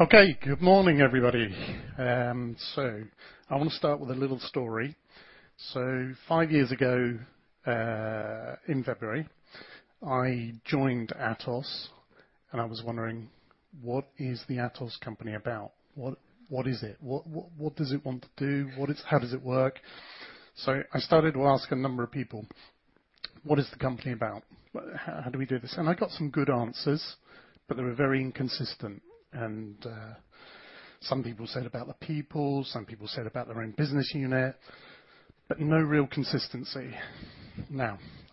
Okay, good morning, everybody. I want to start with a little story. five years ago, in February, I joined Atos, and I was wondering, what is the Atos company about? What, what is it? What, what does it want to do? How does it work? I started to ask a number of people, "What is the company about? How do we do this?" I got some good answers, but they were very inconsistent, and some people said about the people, some people said about their own business unit, but no real consistency.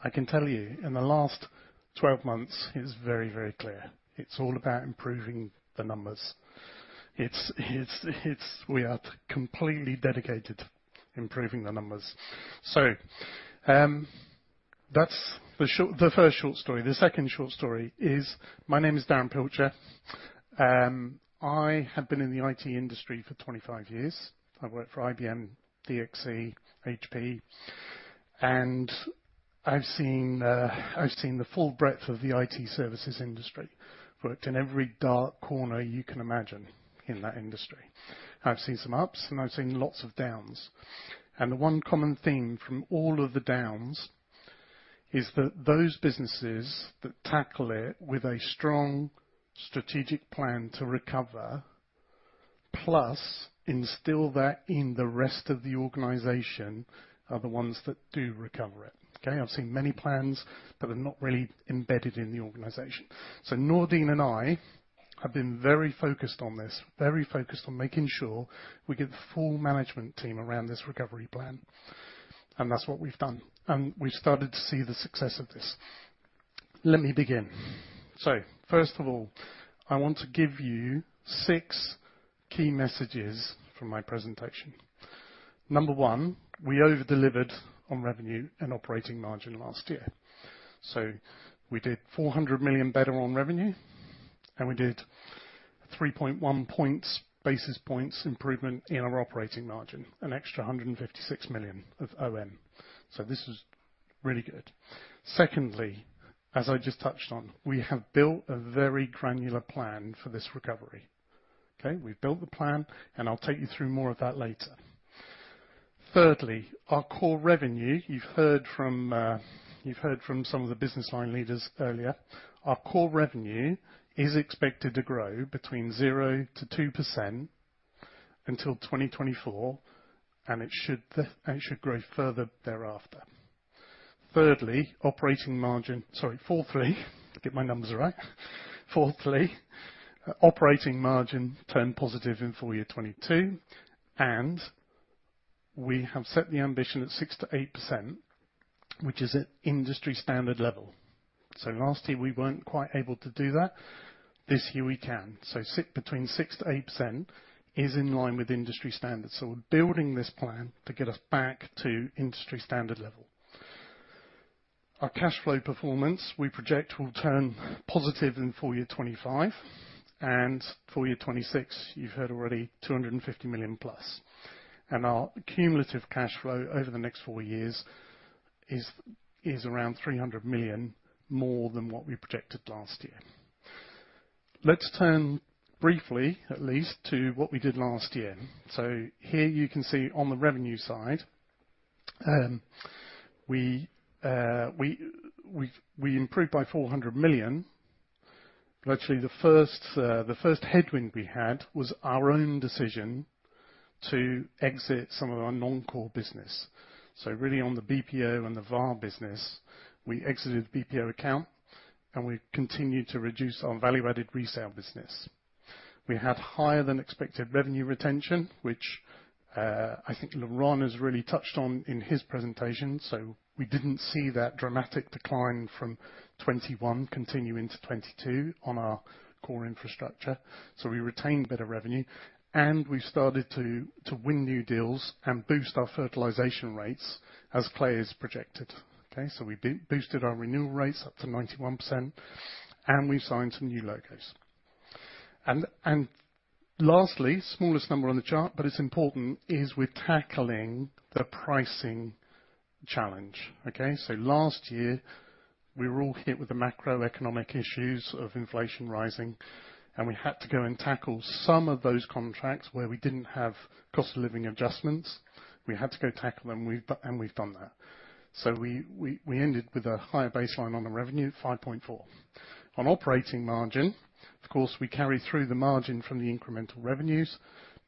I can tell you, in the last 12 months, it's very, very clear. It's all about improving the numbers. We are completely dedicated to improving the numbers. That's the first short story. The second short story is, my name is Darren Pilcher. I have been in the IT industry for 25 years. I've worked for IBM, DXC, HP. I've seen the full breadth of the IT services industry. Worked in every dark corner you can imagine in that industry. I've seen some ups, and I've seen lots of downs. The one common theme from all of the downs is that those businesses that tackle it with a strong strategic plan to recover, plus instill that in the rest of the organization, are the ones that do recover it, okay? I've seen many plans that are not really embedded in the organization. Nourdine and I have been very focused on this, very focused on making sure we get the full management team around this recovery plan, and that's what we've done, and we've started to see the success of this. Let me begin. First of all, I want to give you six key messages from my presentation. Number one, we over-delivered on revenue and operating margin last year. We did 400 million better on revenue, and we did 3.1 points, basis points, improvement in our operating margin, an extra 156 million of OM. This was really good. Secondly, as I just touched on, we have built a very granular plan for this recovery, okay? We've built the plan, and I'll take you through more of that later. Thirdly, our core revenue, you've heard from some of the business line leaders earlier. Our core revenue is expected to grow between 0%-2% until 2024, and it should grow further thereafter. Thirdly, Sorry, fourthly, get my numbers right. Fourthly, operating margin turned positive in full year 2022, and we have set the ambition at 6%-8%, which is at industry standard level. Last year, we weren't quite able to do that. This year, we can. six, between 6%-8% is in line with industry standards. We're building this plan to get us back to industry standard level. Our cash flow performance, we project, will turn positive in full year 2025, and full year 2026, you've heard already, $250 million+. Our cumulative cash flow over the next four years is around $300 million more than what we projected last year. Let's turn briefly, at least, to what we did last year. Here you can see on the revenue side, we improved by $400 million. Actually, the first headwind we had was our own decision to exit some of our non-core business. Really, on the BPO and the VAR business, we exited the BPO account, and we continued to reduce our value-added resale business. We had higher-than-expected revenue retention, which I think Laurent has really touched on in his presentation. We didn't see that dramatic decline from 2021 continue into 2022 on our core infrastructure. We retained better revenue, and we started to win new deals and boost our fertilization rates as Clay Van Doren has projected, okay? We boosted our renewal rates up to 91%, and we've signed some new logos. Lastly, smallest number on the chart, but it's important, is we're tackling the pricing challenge, okay? Last year we were all hit with the macroeconomic issues of inflation rising, and we had to go and tackle some of those contracts where we didn't have cost of living adjustments. We had to go tackle them, and we've done that. We ended with a higher baseline on the revenue, 5.4. On operating margin, of course, we carry through the margin from the incremental revenues.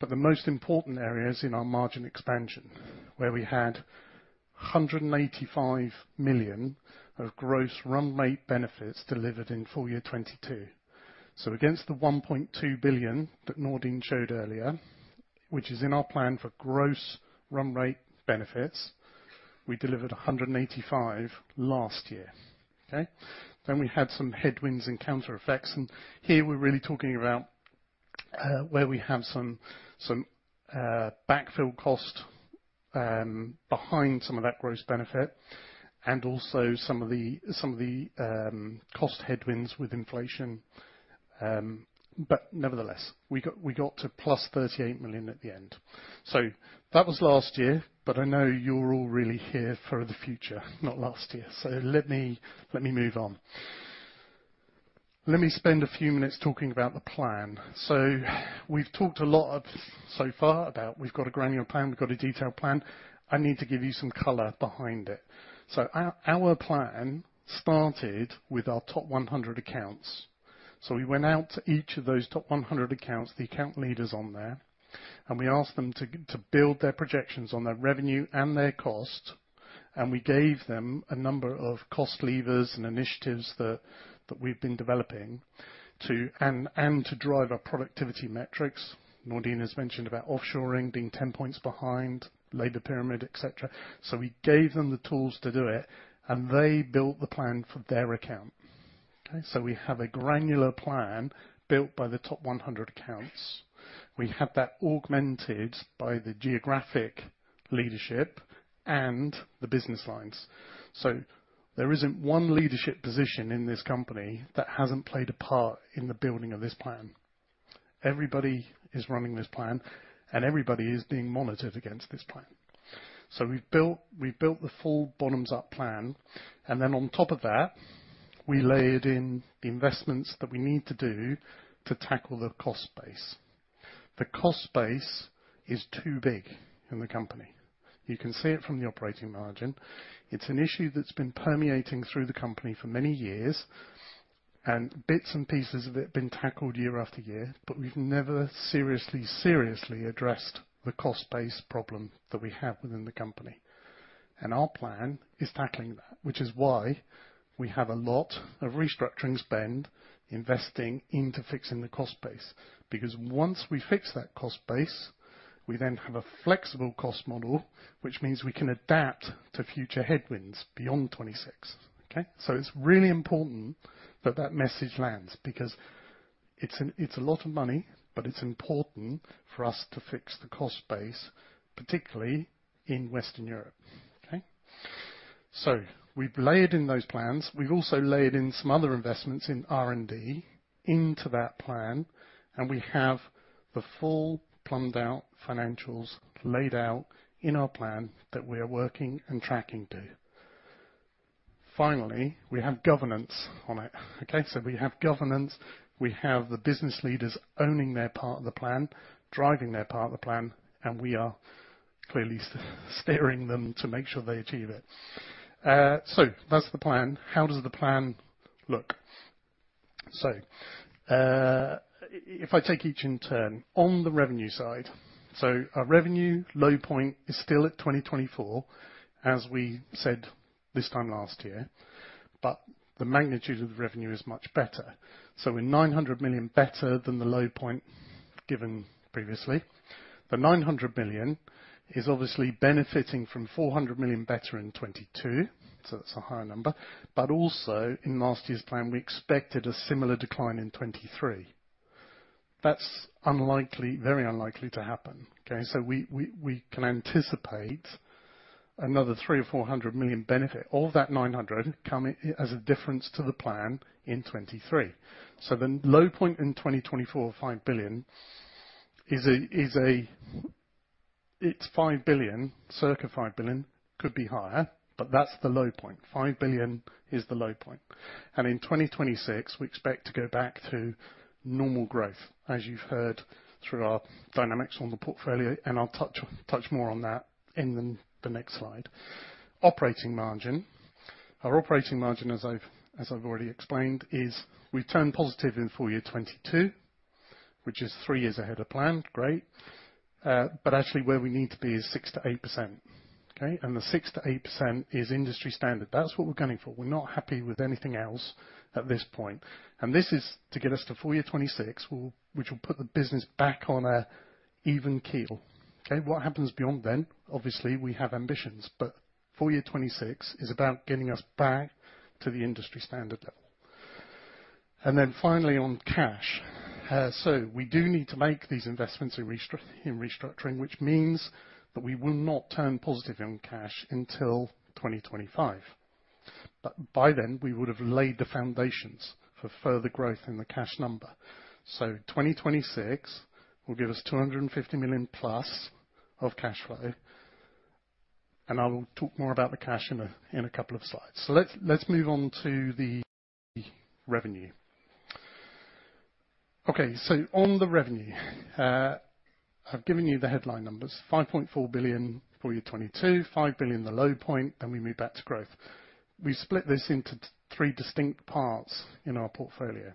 The most important areas in our margin expansion, where we had 185 million of gross run rate benefits delivered in full year 2022. Against the 1.2 billion that Nourdine showed earlier, which is in our plan for gross run rate benefits, we delivered 185 million last year. Okay? We had some headwinds and counter effects, and here we're really talking about where we have some backfill cost behind some of that gross benefit and also some of the cost headwinds with inflation. Nevertheless, we got to +38 million at the end. That was last year, but I know you're all really here for the future, not last year. Let me move on. Let me spend a few minutes talking about the plan. We've talked a lot so far about we've got a granular plan, we've got a detailed plan. I need to give you some color behind it. Our, our plan started with our top 100 accounts. We went out to each of those top 100 accounts, the account leaders on there, and we asked them to build their projections on their revenue and their cost, and we gave them a number of cost levers and initiatives that we've been developing to. And to drive our productivity metrics. Nourdine has mentioned about offshoring being 10 points behind, labor pyramid, et cetera. We gave them the tools to do it, and they built the plan for their account. Okay? We have a granular plan built by the top 100 accounts. We have that augmented by the geographic leadership and the business lines. There isn't one leadership position in this company that hasn't played a part in the building of this plan. Everybody is running this plan, and everybody is being monitored against this plan. We've built the full bottoms-up plan, and then on top of that, we layered in the investments that we need to do to tackle the cost base. The cost base is too big in the company. You can see it from the operating margin. It's an issue that's been permeating through the company for many years, and bits and pieces of it have been tackled year after year, but we've never seriously addressed the cost base problem that we have within the company. Our plan is tackling that, which is why we have a lot of restructuring spend, investing into fixing the cost base. Once we fix that cost base, we then have a flexible cost model, which means we can adapt to future headwinds beyond 2026, okay? It's really important that that message lands because it's a, it's a lot of money, but it's important for us to fix the cost base, particularly in Western Europe, okay? We've layered in those plans. We've also layered in some other investments in R&D into that plan, and we have the full plumbed out financials laid out in our plan that we are working and tracking to. Finally, we have governance on it. We have governance, we have the business leaders owning their part of the plan, driving their part of the plan, and we are clearly steering them to make sure they achieve it. That's the plan. How does the plan look? If I take each in turn. On the revenue side, our revenue low point is still at 2024, as we said this time last year, but the magnitude of the revenue is much better. We're 900 million better than the low point given previously. The 900 million is obviously benefiting from 400 million better in 2022, so that's a higher number, but also in last year's plan, we expected a similar decline in 2023. That's unlikely, very unlikely to happen, okay. We can anticipate another 300 million or 400 million benefit, all of that 900 million coming as a difference to the plan in 2023. The low point in 2024, 5 billion, it's 5 billion, circa 5 billion, could be higher, but that's the low point. 5 billion is the low point. In 2026, we expect to go back to normal growth, as you've heard through our dynamics on the portfolio, and I'll touch more on that in the next slide. Operating margin. Our operating margin, as I've already explained, is we've turned positive in full year 2022, which is three years ahead of plan. Great. But actually, where we need to be is 6%-8%, okay? The 6%-8% is industry standard. That's what we're gunning for. We're not happy with anything else at this point. This is to get us to full year 2026, which will put the business back on an even keel. Okay? What happens beyond then? Obviously, we have ambitions, but full year 2026 is about getting us back to the industry standard level. Finally, on cash. We do need to make these investments in restructuring, which means that we will not turn positive on cash until 2025. By then, we would have laid the foundations for further growth in the cash number. 2026 will give us $250 million plus. of cash flow, and I'll talk more about the cash in a couple of slides. Let's move on to the revenue. On the revenue, I've given you the headline numbers, 5.4 billion for 2022, 5 billion the low point. We move back to growth. We've split this into three distinct parts in our portfolio.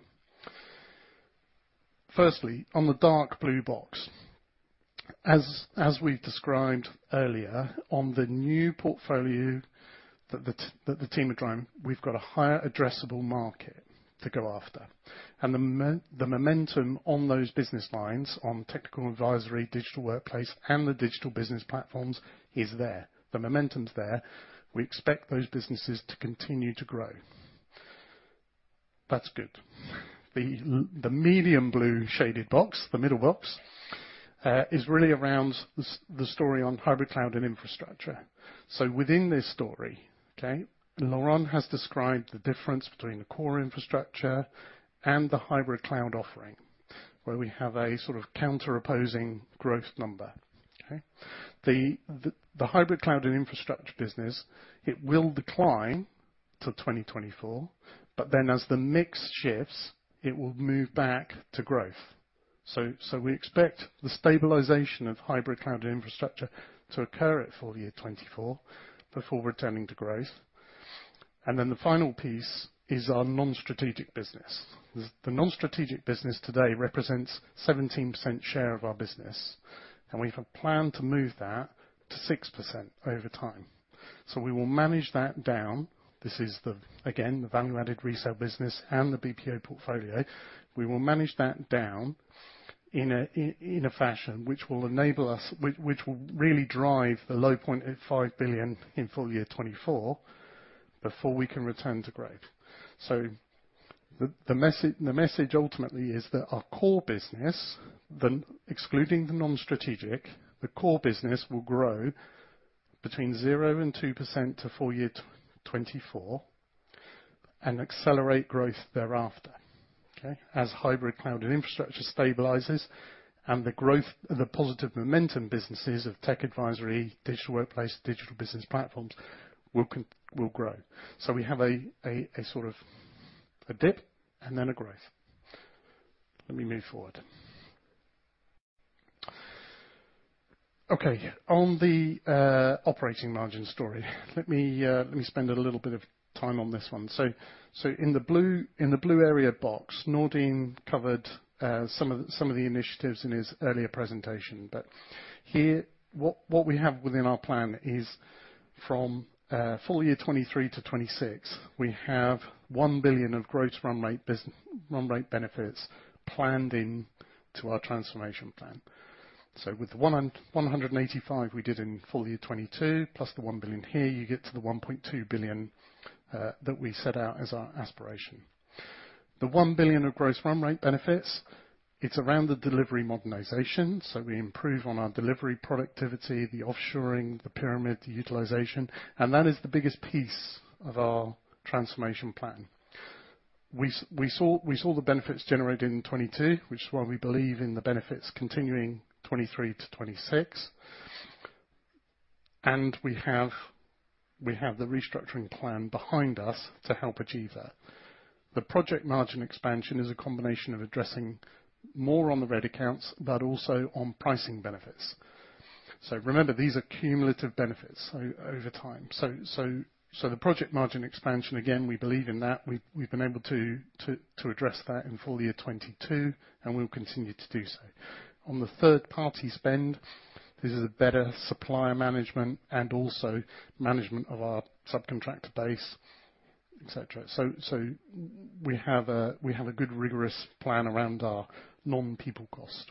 Firstly, on the dark blue box, as we've described earlier, on the new portfolio that the team are drawing, we've got a higher addressable market to go after. The momentum on those business lines, on technical advisory, Digital Workplace, and the Digital Business Platforms is there. The momentum's there. We expect those businesses to continue to grow. That's good. The medium blue shaded box, the middle box, is really around the story on Hybrid Cloud & Infrastructure. Within this story, Laurent has described the difference between the core infrastructure and the Hybrid Cloud & Infrastructure offering, where we have a sort of counter opposing growth number. The Hybrid Cloud & Infrastructure business, it will decline to 2024, as the mix shifts, it will move back to growth. We expect the stabilization of Hybrid Cloud & Infrastructure to occur at full year 2024 before returning to growth. The final piece is our non-strategic business. The non-strategic business today represents 17% share of our business, and we have a plan to move that to 6% over time. We will manage that down. This is again the value-added resale business and the BPO portfolio. We will manage that down in a fashion which will enable us, which will really drive the low point at 5 billion in full year 2024, before we can return to growth. The message ultimately is that our core business, excluding the non-strategic, the core business will grow between 0% and 2% to full year 2024, and accelerate growth thereafter, okay? As Hybrid Cloud & Infrastructure stabilizes and the growth, the positive momentum businesses of Tech Advisory, Digital Workplace, Digital Business Platforms will grow. We have a sort of a dip and then a growth. Let me move forward. On the operating margin story, let me spend a little bit of time on this one. In the blue area box, Nourdine covered some of the initiatives in his earlier presentation, here, what we have within our plan is from full year 2023-2026, we have $1 billion of gross run rate benefits planned in to our transformation plan. With 185 we did in full year 2022, plus the $1 billion here, you get to the $1.2 billion that we set out as our aspiration. The $1 billion of gross run rate benefits, it's around the delivery modernization, we improve on our delivery productivity, the offshoring, the pyramid, the utilization, and that is the biggest piece of our transformation plan. We saw the benefits generated in 2022, which is why we believe in the benefits continuing 2023-2026. We have the restructuring plan behind us to help achieve that. The project margin expansion is a combination of addressing more on the red accounts, but also on pricing benefits. Remember, these are cumulative benefits, so over time. The project margin expansion, again, we believe in that. We've been able to address that in full year 2022, and we'll continue to do so. On the third party spend, this is a better supplier management and also management of our subcontractor base, et cetera. We have a good rigorous plan around our non-people cost.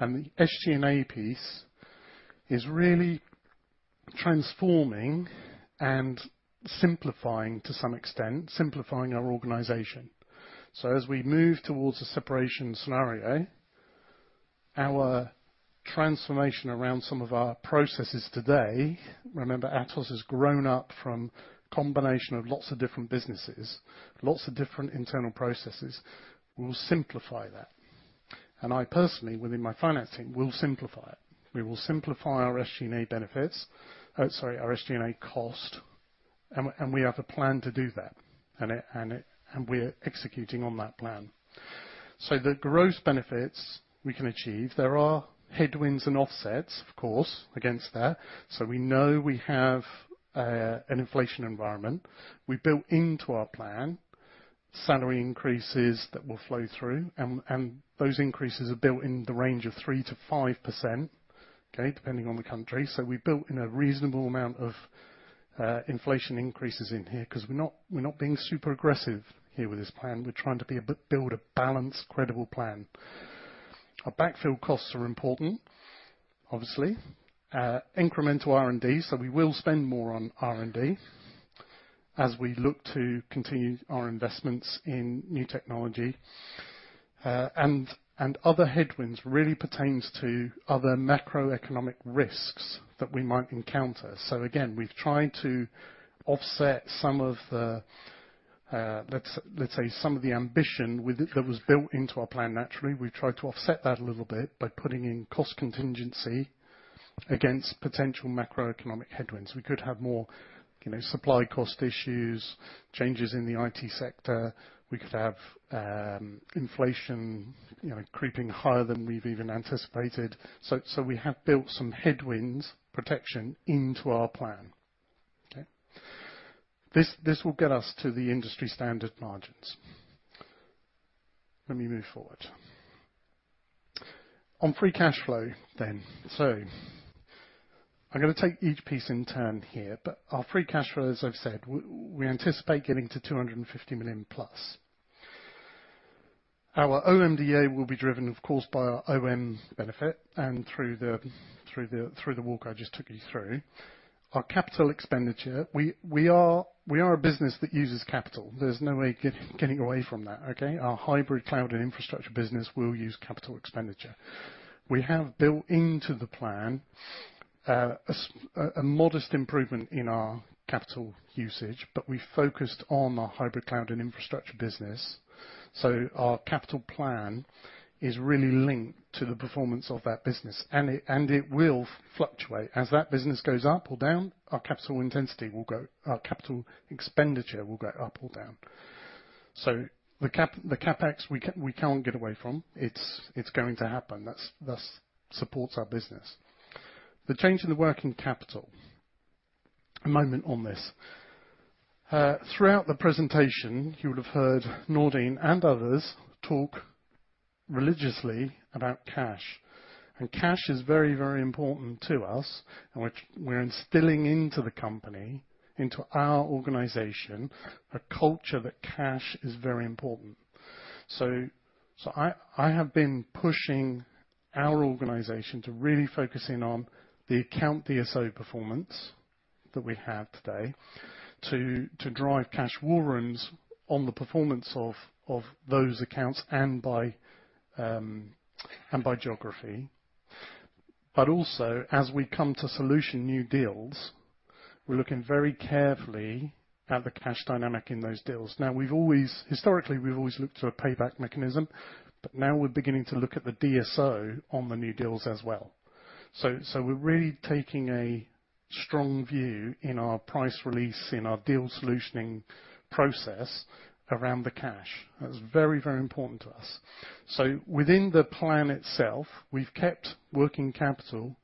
The SG&A piece is really transforming and simplifying to some extent our organization. As we move towards a separation scenario, our transformation around some of our processes today. Remember, Atos has grown up from a combination of lots of different businesses, lots of different internal processes. We'll simplify that. I personally, within my finance team, will simplify it. We will simplify our SG&A benefits, sorry, our SG&A cost, and we have a plan to do that, and we're executing on that plan. The gross benefits we can achieve, there are headwinds and offsets, of course, against that. We know we have an inflation environment. We built into our plan salary increases that will flow through, and those increases are built in the range of 3%-5%, okay, depending on the country. We built in a reasonable amount of inflation increases in here, 'cause we're not being super aggressive here with this plan. We're trying to build a balanced, credible plan. Our backfill costs are important, obviously. Incremental R&D, we will spend more on R&D as we look to continue our investments in new technology. Other headwinds really pertains to other macroeconomic risks that we might encounter. Again, we've tried to offset some of the, let's say some of the ambition with it that was built into our plan naturally, we've tried to offset that a little bit by putting in cost contingency against potential macroeconomic headwinds. We could have more, you know, supply cost issues, changes in the IT sector. We could have inflation, you know, creeping higher than we've even anticipated. We have built some headwinds protection into our plan. Okay. This will get us to the industry standard margins. Let me move forward. On free cash flow. I'm gonna take each piece in turn here, but our free cash flow, as I've said, we anticipate getting to 250 million plus. Our OMDA will be driven, of course, by our OM benefit and through the walk I just took you through. Our capital expenditure, we are a business that uses capital. There's no way getting away from that, okay? Our Hybrid Cloud & Infrastructure business will use capital expenditure. We have built into the plan, a modest improvement in our capital usage. We focused on our Hybrid Cloud & Infrastructure business. Our capital plan is really linked to the performance of that business, and it will fluctuate. As that business goes up or down, our capital expenditure will go up or down. The CapEx, we can't get away from. It's going to happen. That supports our business. The change in the working capital, a moment on this. Throughout the presentation, you would have heard Nourdine and others talk religiously about cash. Cash is very, very important to us. Which we're instilling into the company, into our organization, a culture that cash is very important. I have been pushing our organization to really focus in on the account DSO performance that we have today, to drive cash war rooms on the performance of those accounts and by geography. Also, as we come to solution new deals, we're looking very carefully at the cash dynamic in those deals. Now, historically, we've always looked to a payback mechanism, but now we're beginning to look at the DSO on the new deals as well. We're really taking a strong view in our price release, in our deal solutioning process around the cash. That's very, very important to us. Within the plan itself, we've kept working capital.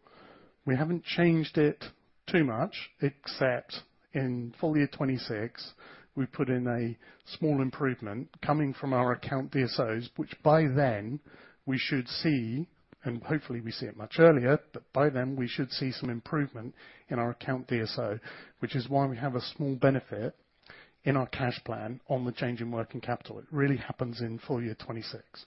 We haven't changed it too much, except in full year 2026, we put in a small improvement coming from our account DSOs, which by then we should see, and hopefully we see it much earlier, but by then we should see some improvement in our account DSO, which is why we have a small benefit in our cash plan on the change in working capital. It really happens in full year 2026.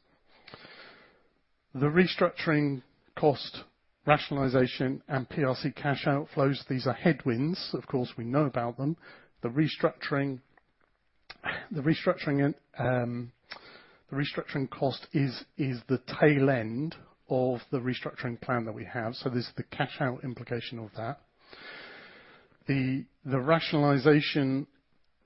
The restructuring cost, rationalization, and PRC cash outflows, these are headwinds. Of course, we know about them. The restructuring cost is the tail end of the restructuring plan that we have, so this is the cash-out implication of that. The rationalization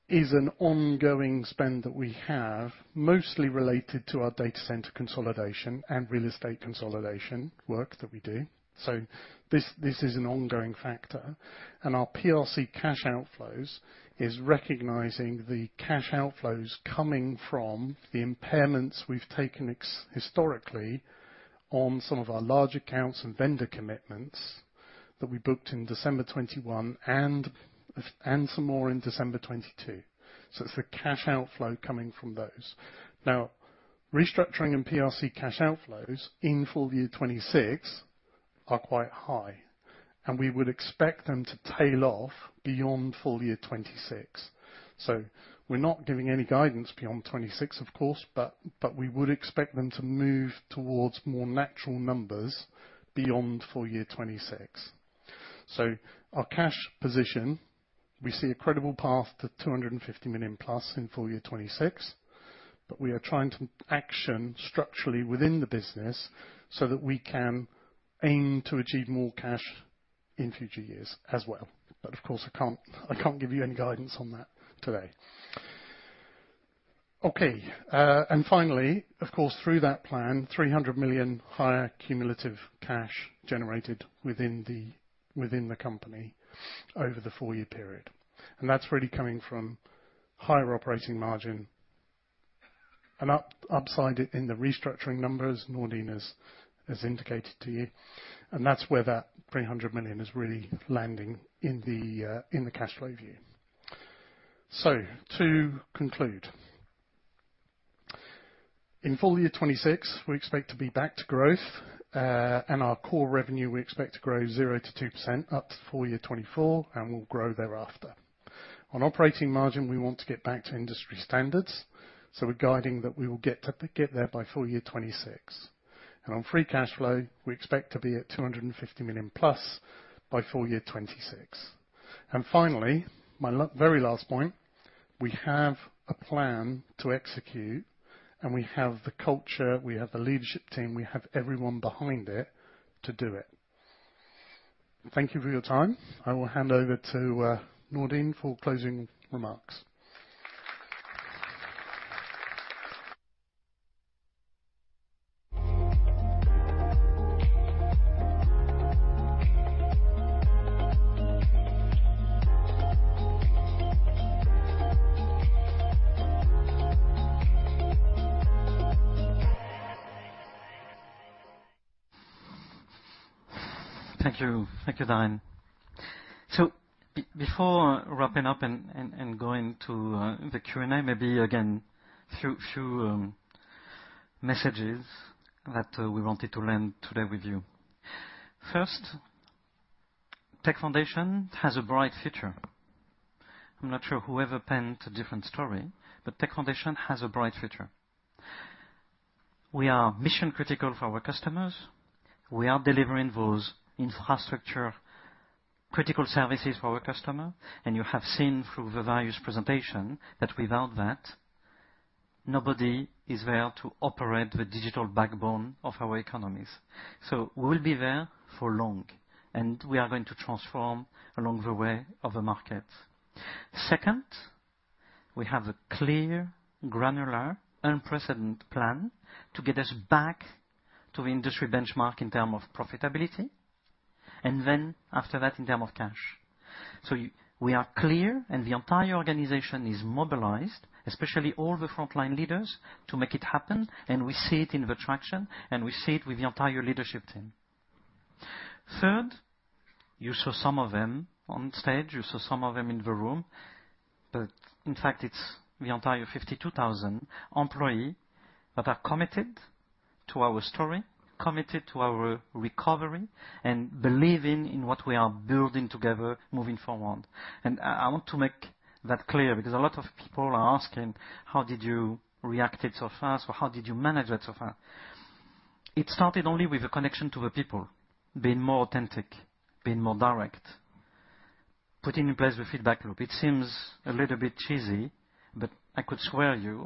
is an ongoing spend that we have, mostly related to our data center consolidation and real estate consolidation work that we do. This is an ongoing factor, and our PRC cash outflows is recognizing the cash outflows coming from the impairments we've taken ex- historically on some of our large accounts and vendor commitments that we booked in December 21 and some more in December 22. It's the cash outflow coming from those. Now, restructuring and PRC cash outflows in full year 2026 are quite high, and we would expect them to tail off beyond full year 2026. We're not giving any guidance beyond 2026, of course, but we would expect them to move towards more natural numbers beyond full year 2026. Our cash position, we see a credible path to $250 million plus in full year 2026, but we are trying to action structurally within the business so that we can aim to achieve more cash in future years as well. Of course, I can't, I can't give you any guidance on that today. Okay, and finally, of course, through that plan, $300 million higher cumulative cash generated within the company over the four-year period. That's really coming from higher operating margin and upside it in the restructuring numbers, Nourdine has indicated to you, and that's where that $300 million is really landing in the cash flow view. To conclude, in full year 2026, we expect to be back to growth, and our core revenue, we expect to grow 0%-2% up to full year 2024, and will grow thereafter. On operating margin, we want to get back to industry standards, so we're guiding that we will get there by full year 2026. On free cash flow, we expect to be at 250 million plus by full year 2026. Finally, my very last point, we have a plan to execute, we have the culture, we have the leadership team, we have everyone behind it to do it. Thank you for your time. I will hand over to Nourdine for closing remarks. Thank you. Thank you, Darren. Before wrapping up and going to the Q&A, maybe again, few messages that we wanted to learn today with you. First, Tech Foundations has a bright future. I'm not sure whoever penned a different story, but Tech Foundations has a bright future. We are mission-critical for our customers. We are delivering those infrastructure-critical services for our customer, and you have seen through the various presentation that without that, nobody is there to operate the digital backbone of our economies. We will be there for long, and we are going to transform along the way of the market. Second, we have a clear, granular, unprecedented plan to get us back to the industry benchmark in term of profitability, and then after that, in term of cash. We are clear, and the entire organization is mobilized, especially all the frontline leaders, to make it happen, and we see it in the traction, and we see it with the entire leadership team. Third, you saw some of them on stage, you saw some of them in the room, but in fact, it's the entire 52,000 employee that are committed to our story, committed to our recovery, and believing in what we are building together moving forward. I want to make that clear, because a lot of people are asking: "How did you reacted so fast? Or how did you manage that so far?" It started only with a connection to the people, being more authentic, being more direct, putting in place the feedback loop. It seems a little bit cheesy. I could swear you,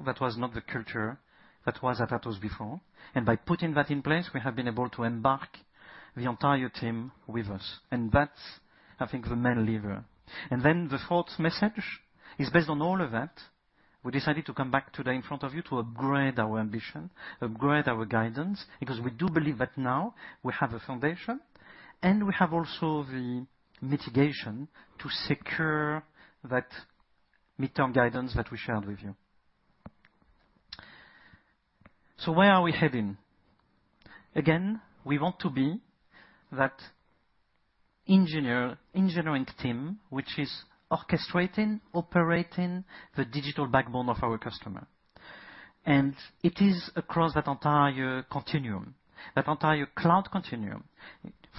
that was not the culture that was at Atos before. By putting that in place, we have been able to embark the entire team with us, and that's, I think, the main lever. The fourth message is based on all of that. We decided to come back today in front of you to upgrade our ambition, upgrade our guidance, because we do believe that now we have a foundation, and we have also the mitigation to secure that midterm guidance that we shared with you. Where are we heading? Again, we want to be that engineering team, which is orchestrating, operating the digital backbone of our customer. It is across that entire continuum, that entire cloud continuum,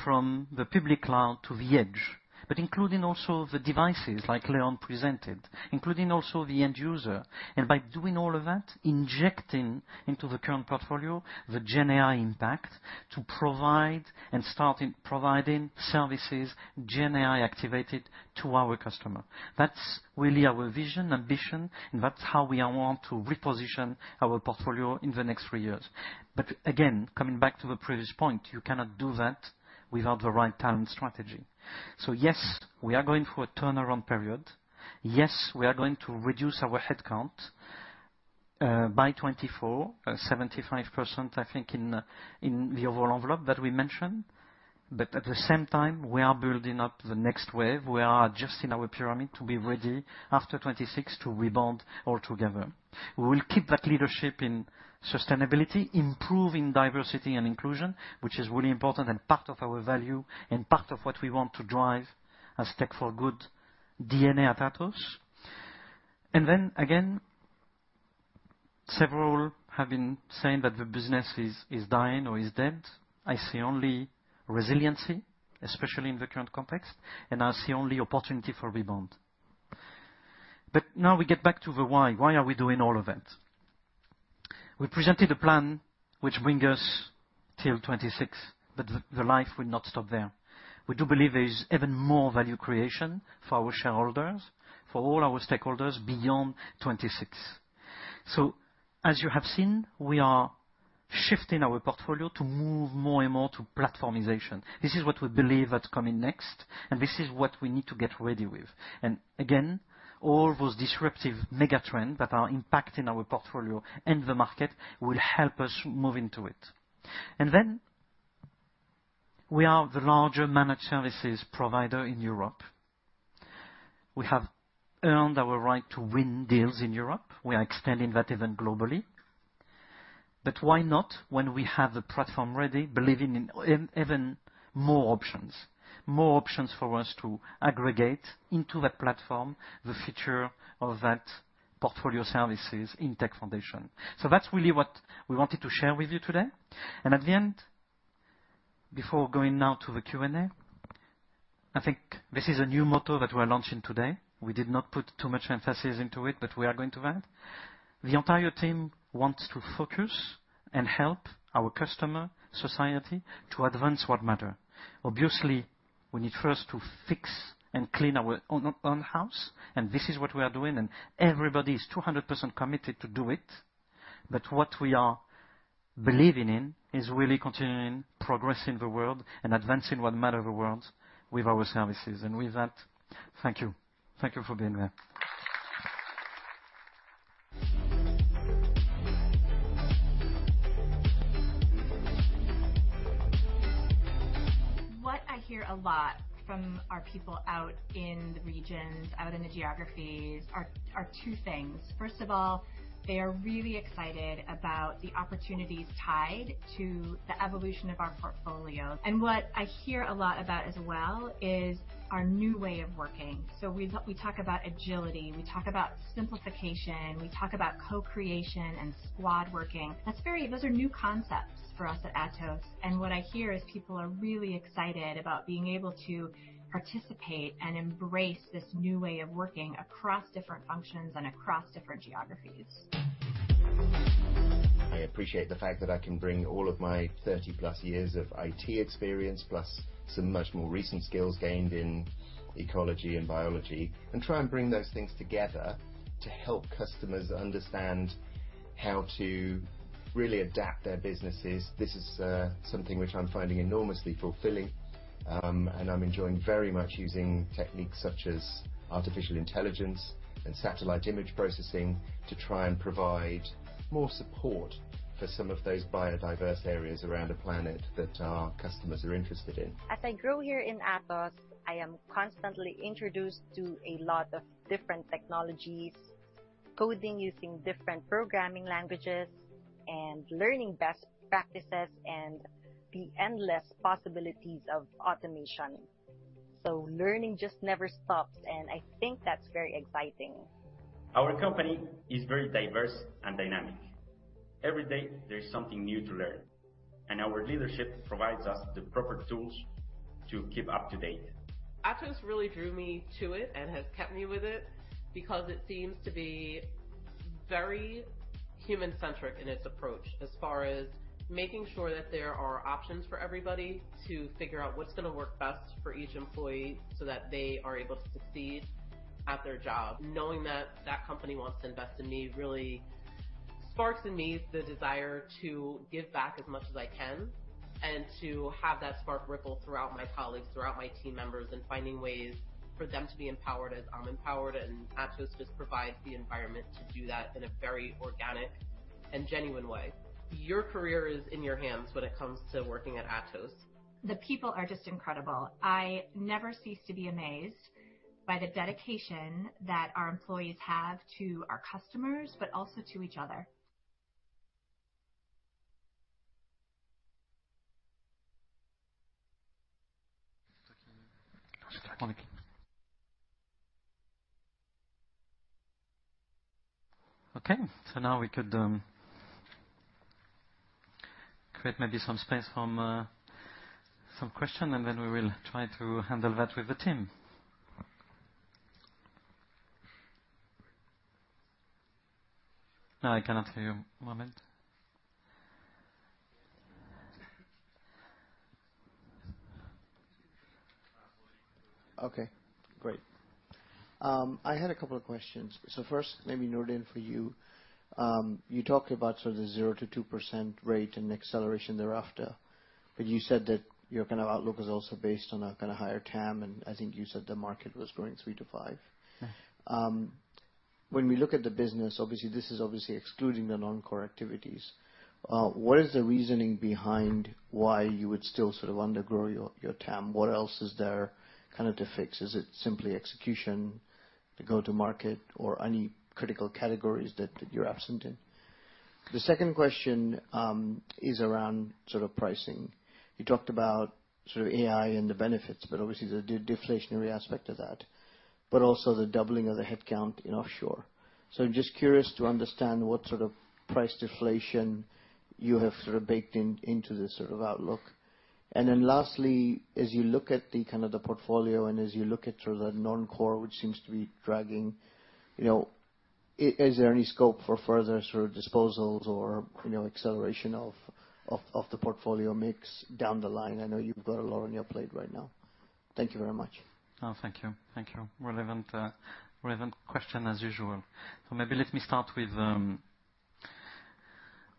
from the public cloud to the edge, including also the devices like Leon presented, including also the end user. By doing all of that, injecting into the current portfolio, the GenAI impact to provide and starting providing services, GenAI activated to our customer. That's really our vision, ambition, and that's how we are want to reposition our portfolio in the next three years. Again, coming back to the previous point, you cannot do that without the right talent strategy. Yes, we are going through a turnaround period. Yes, we are going to reduce our headcount by 75%, I think, in the overall envelope that we mentioned. At the same time, we are building up the next wave. We are adjusting our pyramid to be ready after 2026 to rebound altogether. We will keep that leadership in sustainability, improving diversity and inclusion, which is really important and part of our value and part of what we want to drive as tech for good DNA at Atos. Again, several have been saying that the business is dying or is dead. I see only resiliency, especially in the current context, and I see only opportunity for rebound. Now we get back to the why. Why are we doing all of that? We presented a plan which bring us till 2026, but the life will not stop there. We do believe there is even more value creation for our shareholders, for all our stakeholders, beyond 2026. As you have seen, we are shifting our portfolio to move more and more to platformization. This is what we believe that's coming next, this is what we need to get ready with. Again, all those disruptive mega trends that are impacting our portfolio and the market will help us move into it. We are the larger managed services provider in Europe. We have earned our right to win deals in Europe. We are extending that even globally. Why not, when we have the platform ready, believing in even more options? More options for us to aggregate into that platform, the future of that portfolio services in Tech Foundations. That's really what we wanted to share with you today. At the end, before going now to the Q&A, I think this is a new motto that we're launching today. We did not put too much emphasis into it, but we are going to that. The entire team wants to focus and help our customer, society, to advance what matter. Obviously, we need first to fix and clean our own house, and this is what we are doing, and everybody is 200% committed to do it. What we are believing in is really continuing progressing the world and advancing what matter the world with our services. With that, thank you. Thank you for being here. What I hear a lot from our people out in the regions, out in the geographies, are two things. First of all, they are really excited about the opportunities tied to the evolution of our portfolio. What I hear a lot about as well, is our new way of working. We talk about agility, we talk about simplification, we talk about co-creation and squad working. Those are new concepts for us at Atos, and what I hear is people are really excited about being able to participate and embrace this new way of working across different functions and across different geographies. I appreciate the fact that I can bring all of my 30 plus years of IT experience, plus some much more recent skills gained in ecology and biology, and try and bring those things together to help customers understand how to really adapt their businesses. This is something which I'm finding enormously fulfilling, and I'm enjoying very much using techniques such as artificial intelligence and satellite image processing, to try and provide more support for some of those biodiverse areas around the planet that our customers are interested in. As I grow here in Atos, I am constantly introduced to a lot of different technologies, coding using different programming languages, and learning best practices, and the endless possibilities of automation. Learning just never stops, and I think that's very exciting. Our company is very diverse and dynamic. Every day, there's something new to learn, and our leadership provides us the proper tools to keep up to date. Atos really drew me to it and has kept me with it, because it seems to be very human-centric in its approach, as far as making sure that there are options for everybody to figure out what's gonna work best for each employee, so that they are able to succeed at their job. Knowing that company wants to invest in me really sparks in me the desire to give back as much as I can, and to have that spark ripple throughout my colleagues, throughout my team members, and finding ways for them to be empowered as I'm empowered. Atos just provides the environment to do that in a very organic and genuine way. Your career is in your hands when it comes to working at Atos. The people are just incredible. I never cease to be amazed by the dedication that our employees have to our customers, but also to each other. We could create maybe some space from some question. We will try to handle that with the team. I cannot hear you. One moment. Okay, great. I had a couple of questions. First, maybe, Nourdine, for you. You talked about sort of the 0%-2% rate and acceleration thereafter, but you said that your kind of outlook is also based on a kind of higher TAM, and I think you said the market was growing 3%-5%. Yeah. When we look at the business, obviously, this is obviously excluding the non-core activities, what is the reasoning behind why you would still sort of undergrow your TAM? What else is there, kind of, to fix? Is it simply execution, the go-to market or any critical categories that you're absent in? The second question is around sort of pricing. You talked about sort of AI and the benefits, but obviously, the deflationary aspect of that, but also the doubling of the headcount in offshore. I'm just curious to understand what sort of price deflation you have sort of baked into this sort of outlook. Lastly, as you look at the kind of the portfolio and as you look at sort of the non-core, which seems to be dragging, you know, is there any scope for further sort of disposals or, you know, acceleration of the portfolio mix down the line? I know you've got a lot on your plate right now. Thank you very much. Thank you. Thank you. Relevant, relevant question as usual. Maybe let me start with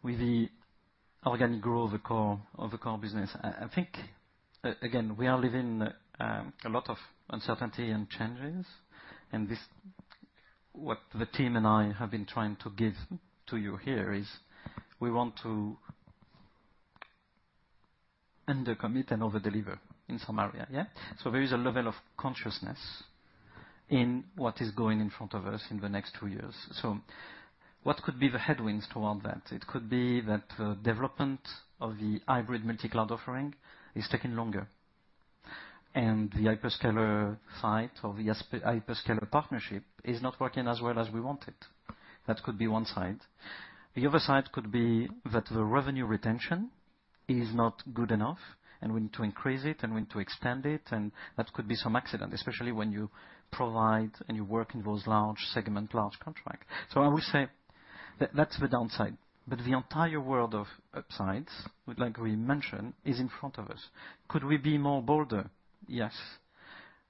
the organic growth of the core business. I think again, we are living in a lot of uncertainty and changes. What the team and I have been trying to give to you here is, we want to undercommit and overdeliver in some area. Yeah? There is a level of consciousness in what is going in front of us in the next two years. What could be the headwinds toward that? It could be that the development of the hybrid multi-cloud offering is taking longer, and the hyperscaler site or the hyperscaler partnership is not working as well as we wanted. That could be one side. The other side could be that the revenue retention is not good enough, and we need to increase it, and we need to extend it, and that could be some accident, especially when you provide and you work in those large segment, large contract. I would say that's the downside, but the entire world of upsides, like we mentioned, is in front of us. Could we be more bolder? Yes.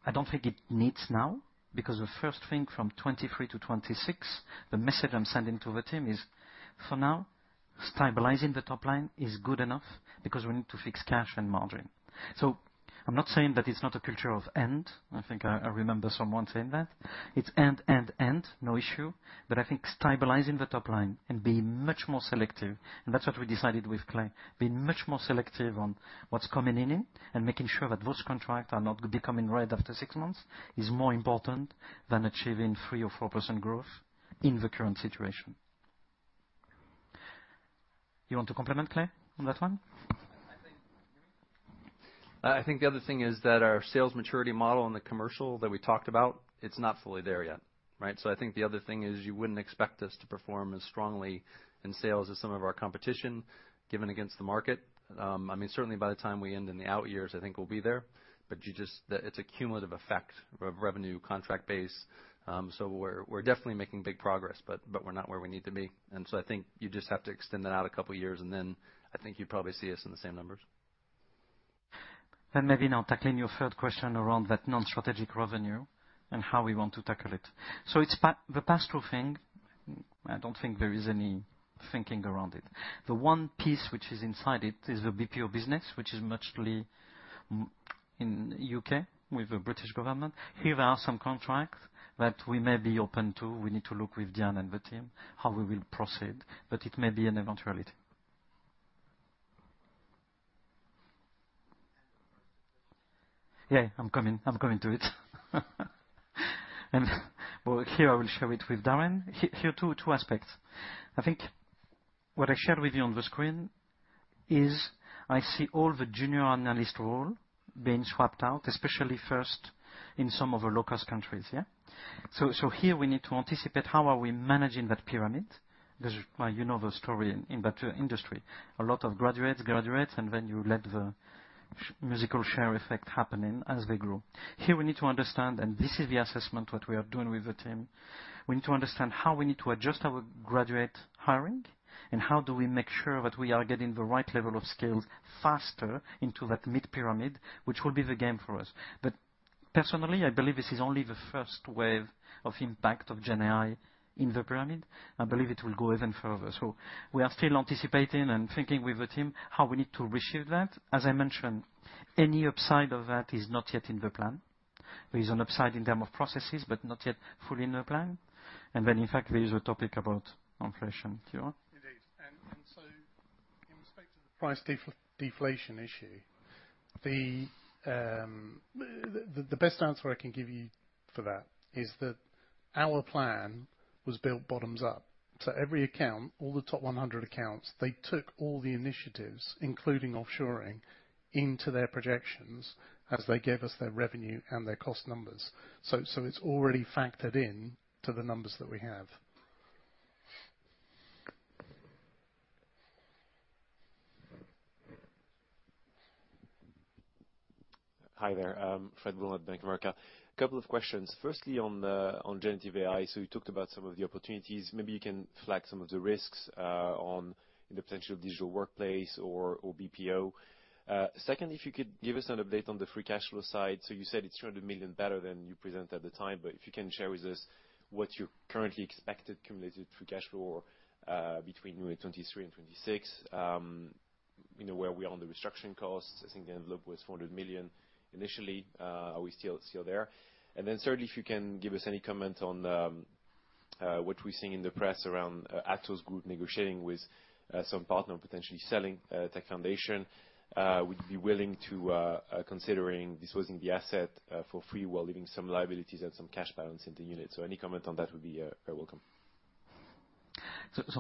I don't think it needs now, because the first thing from 2023-2026, the message I'm sending to the team is, for now, stabilizing the top line is good enough because we need to fix cash and margin. I'm not saying that it's not a culture of and, I think I remember someone saying that. It's and, and, no issue. I think stabilizing the top line and being much more selective, and that's what we decided with Clay, being much more selective on what's coming in, and making sure that those contracts are not becoming red after six months, is more important than achieving three or four % growth in the current situation. You want to complement, Clay, on that one? I think the other thing is that our sales maturity model and the commercial that we talked about, it's not fully there yet, right? I think the other thing is, you wouldn't expect us to perform as strongly in sales as some of our competition, given against the market. I mean, certainly by the time we end in the out years, I think we'll be there. But it's a cumulative effect of revenue, contract base. We're definitely making big progress, but we're not where we need to be. I think you just have to extend that out a couple of years, and then I think you'd probably see us in the same numbers. Maybe now tackling your third question around that non-strategic revenue and how we want to tackle it. The pastoral thing, I don't think there is any thinking around it. The one piece which is inside it is the BPO business, which is mostly in U.K., with the British government. Here are some contracts that we may be open to. We need to look with Diane and the team, how we will proceed, but it may be an eventuality. Yeah, I'm coming, I'm coming to it. Well, here I will share it with Darren. Here are two aspects. I think what I shared with you on the screen is, I see all the junior analyst role being swapped out, especially first in some of the low-cost countries. Yeah? Here we need to anticipate how are we managing that pyramid. Well, you know the story in that industry. A lot of graduates, and then you let the musical share effect happening as they grow. Here we need to understand, and this is the assessment what we are doing with the team, we need to understand how we need to adjust our graduate hiring, and how do we make sure that we are getting the right level of skills faster into that mid pyramid, which will be the game for us. Personally, I believe this is only the first wave of impact of GenAI in the pyramid. I believe it will go even further. We are still anticipating and thinking with the team how we need to reshape that. As I mentioned, any upside of that is not yet in the plan. There is an upside in term of processes, but not yet fully in the plan. In fact, there is a topic about inflation, Darren. Indeed. In respect to the price deflation issue, the best answer I can give you for that is that our plan was built bottoms up. Every account, all the top 100 accounts, they took all the initiatives, including offshoring, into their projections as they gave us their revenue and their cost numbers. It's already factored in to the numbers that we have. Hi there, Fred Will at Bank of America. A couple of questions. Firstly, on generative AI. You talked about some of the opportunities. Maybe you can flag some of the risks on the potential Digital Workplace or BPO. Second, if you could give us an update on the free cash flow side. You said it's $100 million better than you presented at the time, but if you can share with us what you currently expected cumulative free cash flow between 2023 and 2026. You know, where we are on the restructuring costs, I think the envelope was $400 million initially. Are we still there? Certainly, if you can give us any comment on what we're seeing in the press around Atos negotiating with some partner, potentially selling Tech Foundations. Would you be willing to considering disposing the asset for free, while leaving some liabilities and some cash balance in the unit? Any comment on that would be very welcome.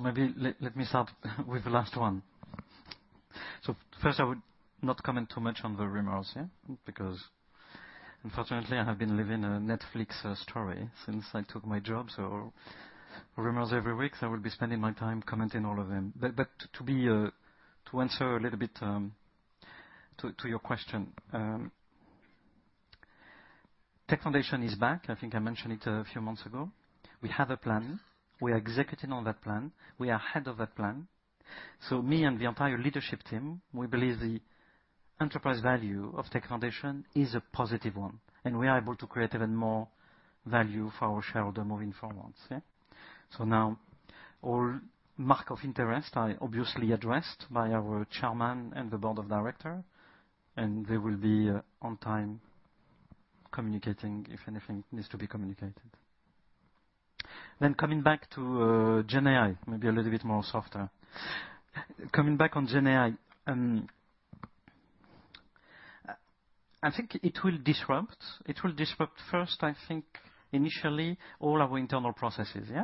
Maybe let me start with the last one. First, I would not comment too much on the rumors, yeah, because unfortunately, I have been living a Netflix story since I took my job. Rumors every week, I would be spending my time commenting all of them. To be to answer a little bit to your question, Tech Foundations is back. I think I mentioned it a few months ago. We have a plan. We are executing on that plan. We are ahead of that plan. Me and the entire leadership team, we believe the enterprise value of Tech Foundations is a positive one, and we are able to create even more value for our shareholder moving forwards, yeah? Now all marks of interest are obviously addressed by our chairman and the board of directors, and they will be on time communicating if anything needs to be communicated. Coming back to GenAI, maybe a little bit more softer. Coming back on GenAI, I think it will disrupt. It will disrupt first, I think, initially, all our internal processes, yeah?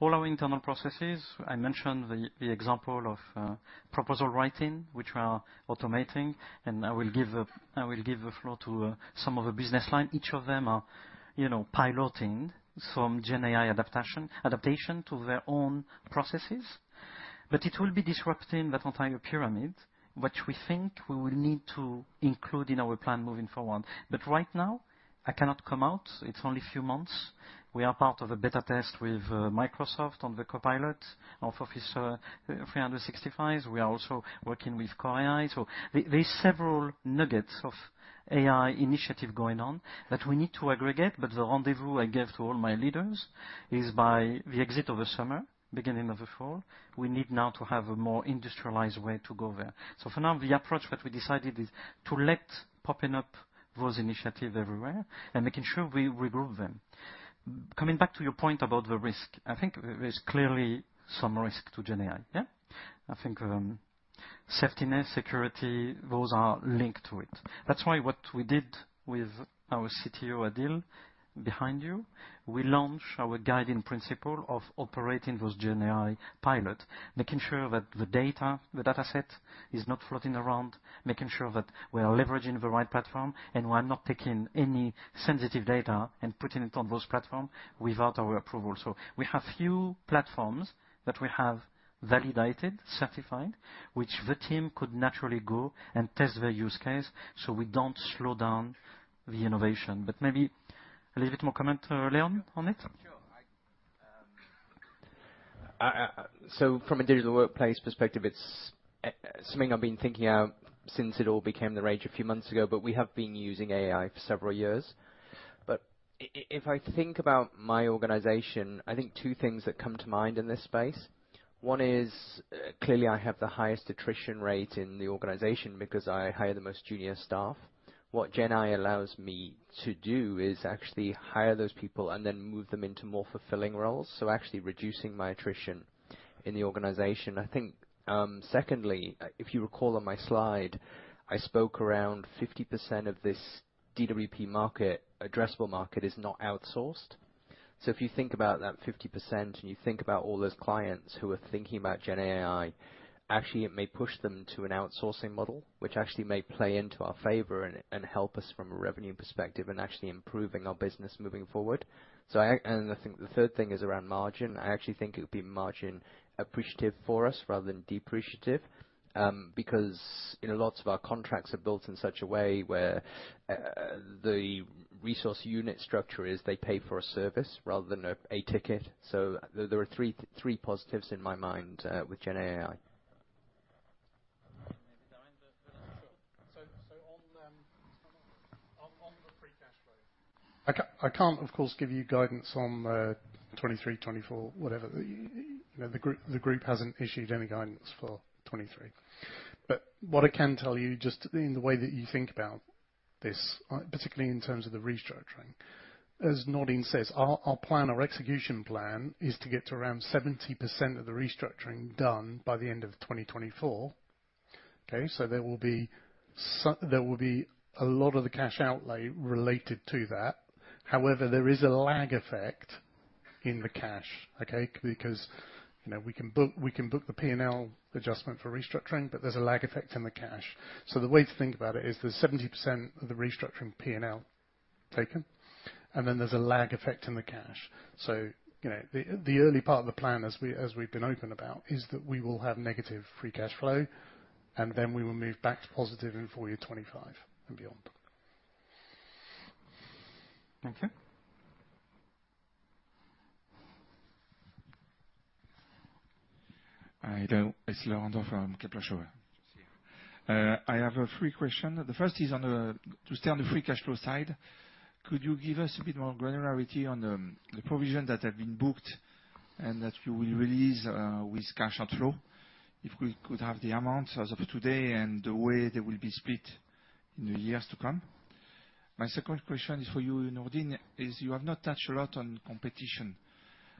All our internal processes, I mentioned the example of proposal writing, which we are automating, and I will give a flow to some of the business line. Each of them are, you know, piloting some GenAI adaptation to their own processes. It will be disrupting that entire pyramid, which we think we will need to include in our plan moving forward. Right now, I cannot come out. It's only a few months. We are part of a beta test with Microsoft on the Copilot of Office 365. We are also working with Core AI. There are several nuggets of AI initiative going on that we need to aggregate, but the rendezvous I gave to all my leaders is by the exit of the summer, beginning of the fall, we need now to have a more industrialized way to go there. For now, the approach that we decided is to let popping up those initiative everywhere and making sure we regroup them. Coming back to your point about the risk, I think there's clearly some risk to GenAI, yeah? I think safetiness, security, those are linked to it. That's why what we did with our CTO, Adil, behind you, we launched our guiding principle of operating those GenAI pilot, making sure that the data, the data set is not floating around, making sure that we are leveraging the right platform, and we are not taking any sensitive data and putting it on those platform without our approval. We have few platforms that we have validated, certified, which the team could naturally go and test their use case, so we don't slow down the innovation. Maybe a little bit more comment, Leon, on it? Sure. From a Digital Workplace perspective, it's something I've been thinking of since it all became the rage a few months ago, but we have been using AI for several years. If I think about my organization, I think two things that come to mind in this space. One is clearly, I have the highest attrition rate in the organization because I hire the most junior staff. What GenAI allows me to do is actually hire those people and then move them into more fulfilling roles, so actually reducing my attrition in the organization. I think, secondly, if you recall on my slide, I spoke around 50% of this DWP market, addressable market, is not outsourced. If you think about that 50%, you think about all those clients who are thinking about GenAI, actually, it may push them to an outsourcing model, which actually may play into our favor and help us from a revenue perspective and actually improving our business moving forward. I think the third thing is around margin. I actually think it would be margin appreciative for us rather than depreciative, because, you know, lots of our contracts are built in such a way where the resource unit structure is they pay for a service rather than a ticket. There are three positives in my mind with GenAI. On the free cash flow. I can't, of course, give you guidance on the 2023, 2024, whatever. The, you know, the group hasn't issued any guidance for 2023. What I can tell you, just in the way that you think about this, particularly in terms of the restructuring, as Nourdine Bihmane says, our plan, our execution plan, is to get to around 70% of the restructuring done by the end of 2024, okay? There will be a lot of the cash outlay related to that. However, there is a lag effect in the cash, okay? You know, we can book the P&L adjustment for restructuring, but there's a lag effect in the cash. The way to think about it is there's 70% of the restructuring P&L taken, and then there's a lag effect in the cash. You know, the early part of the plan, as we, as we've been open about, is that we will have negative free cash flow, and then we will move back to positive in full year 2025 and beyond. Okay. Hi there, it's Laurent from Kepler Cheuvreux. I have a 3 question. The first is on the to stay on the free cash flow side, could you give us a bit more granularity on the provision that have been booked and that you will release with cash outflow? If we could have the amounts as of today and the way they will be split in the years to come. My second question is for you, Nourdine, is you have not touched a lot on competition.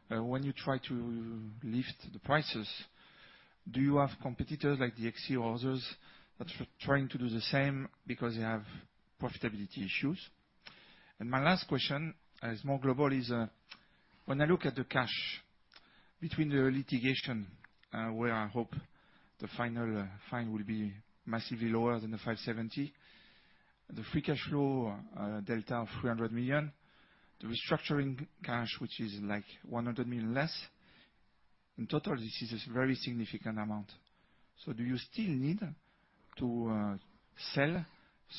When you try to lift the prices, do you have competitors like DXC or others that are trying to do the same because they have profitability issues? My last question is more global, is, when I look at the cash between the litigation, where I hope the final fine will be massively lower than 570 million, the free cash flow delta of 300 million, the restructuring cash, which is like 100 million less, in total, this is a very significant amount. Do you still need to sell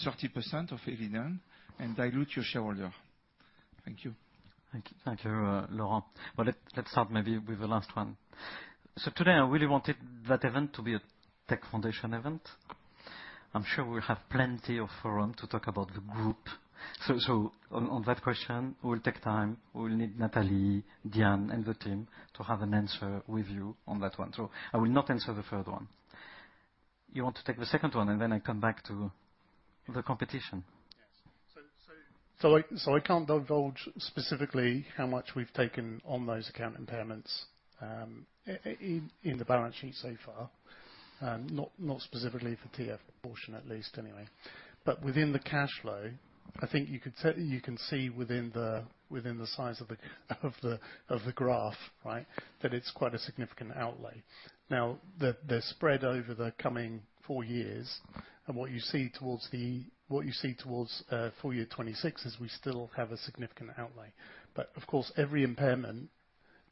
30% of Eviden and dilute your shareholder? Thank you. Thank you, Laurent. Let's start maybe with the last one. Today, I really wanted that event to be a Tech Foundations event. I'm sure we'll have plenty of forum to talk about the group. On that question, we'll take time. We'll need Natalie, Diane, and the team to have an answer with you on that one. I will not answer the third one. You want to take the second one, then I come back to the competition? Yes. I can't divulge specifically how much we've taken on those account impairments in the balance sheet so far, not specifically for TF proportion, at least anyway. Within the cash flow, I think you can see within the size of the graph, right? That it's quite a significant outlay. They're spread over the coming four years, and what you see towards what you see towards full year 2026, is we still have a significant outlay. Of course, every impairment...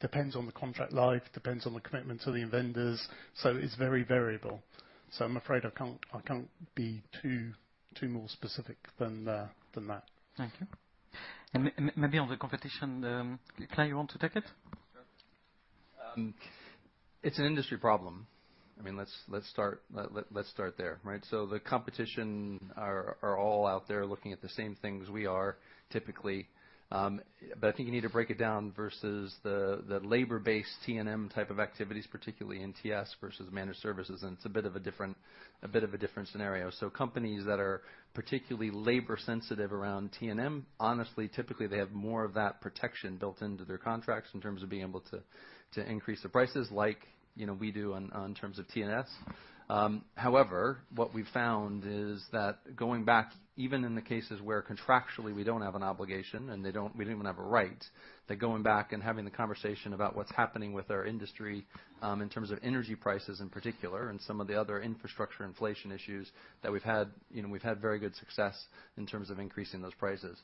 Depends on the contract life, depends on the commitment to the vendors, it's very variable. I'm afraid I can't be too more specific than that. Thank you. Maybe on the competition, Clay, you want to take it? Sure. It's an industry problem. I mean, let's start there, right? The competition are all out there looking at the same things we are, typically. But I think you need to break it down versus the labor-based TMM type of activities, particularly in TS versus managed services, and it's a bit of a different scenario. Companies that are particularly labor sensitive around TMM, honestly, typically, they have more of that protection built into their contracts in terms of being able to increase the prices like, you know, we do on terms of TNS. However, what we've found is that going back, even in the cases where contractually we don't have an obligation, and we don't even have a right, that going back and having the conversation about what's happening with our industry, in terms of energy prices in particular, and some of the other infrastructure inflation issues that we've had, you know, we've had very good success in terms of increasing those prices.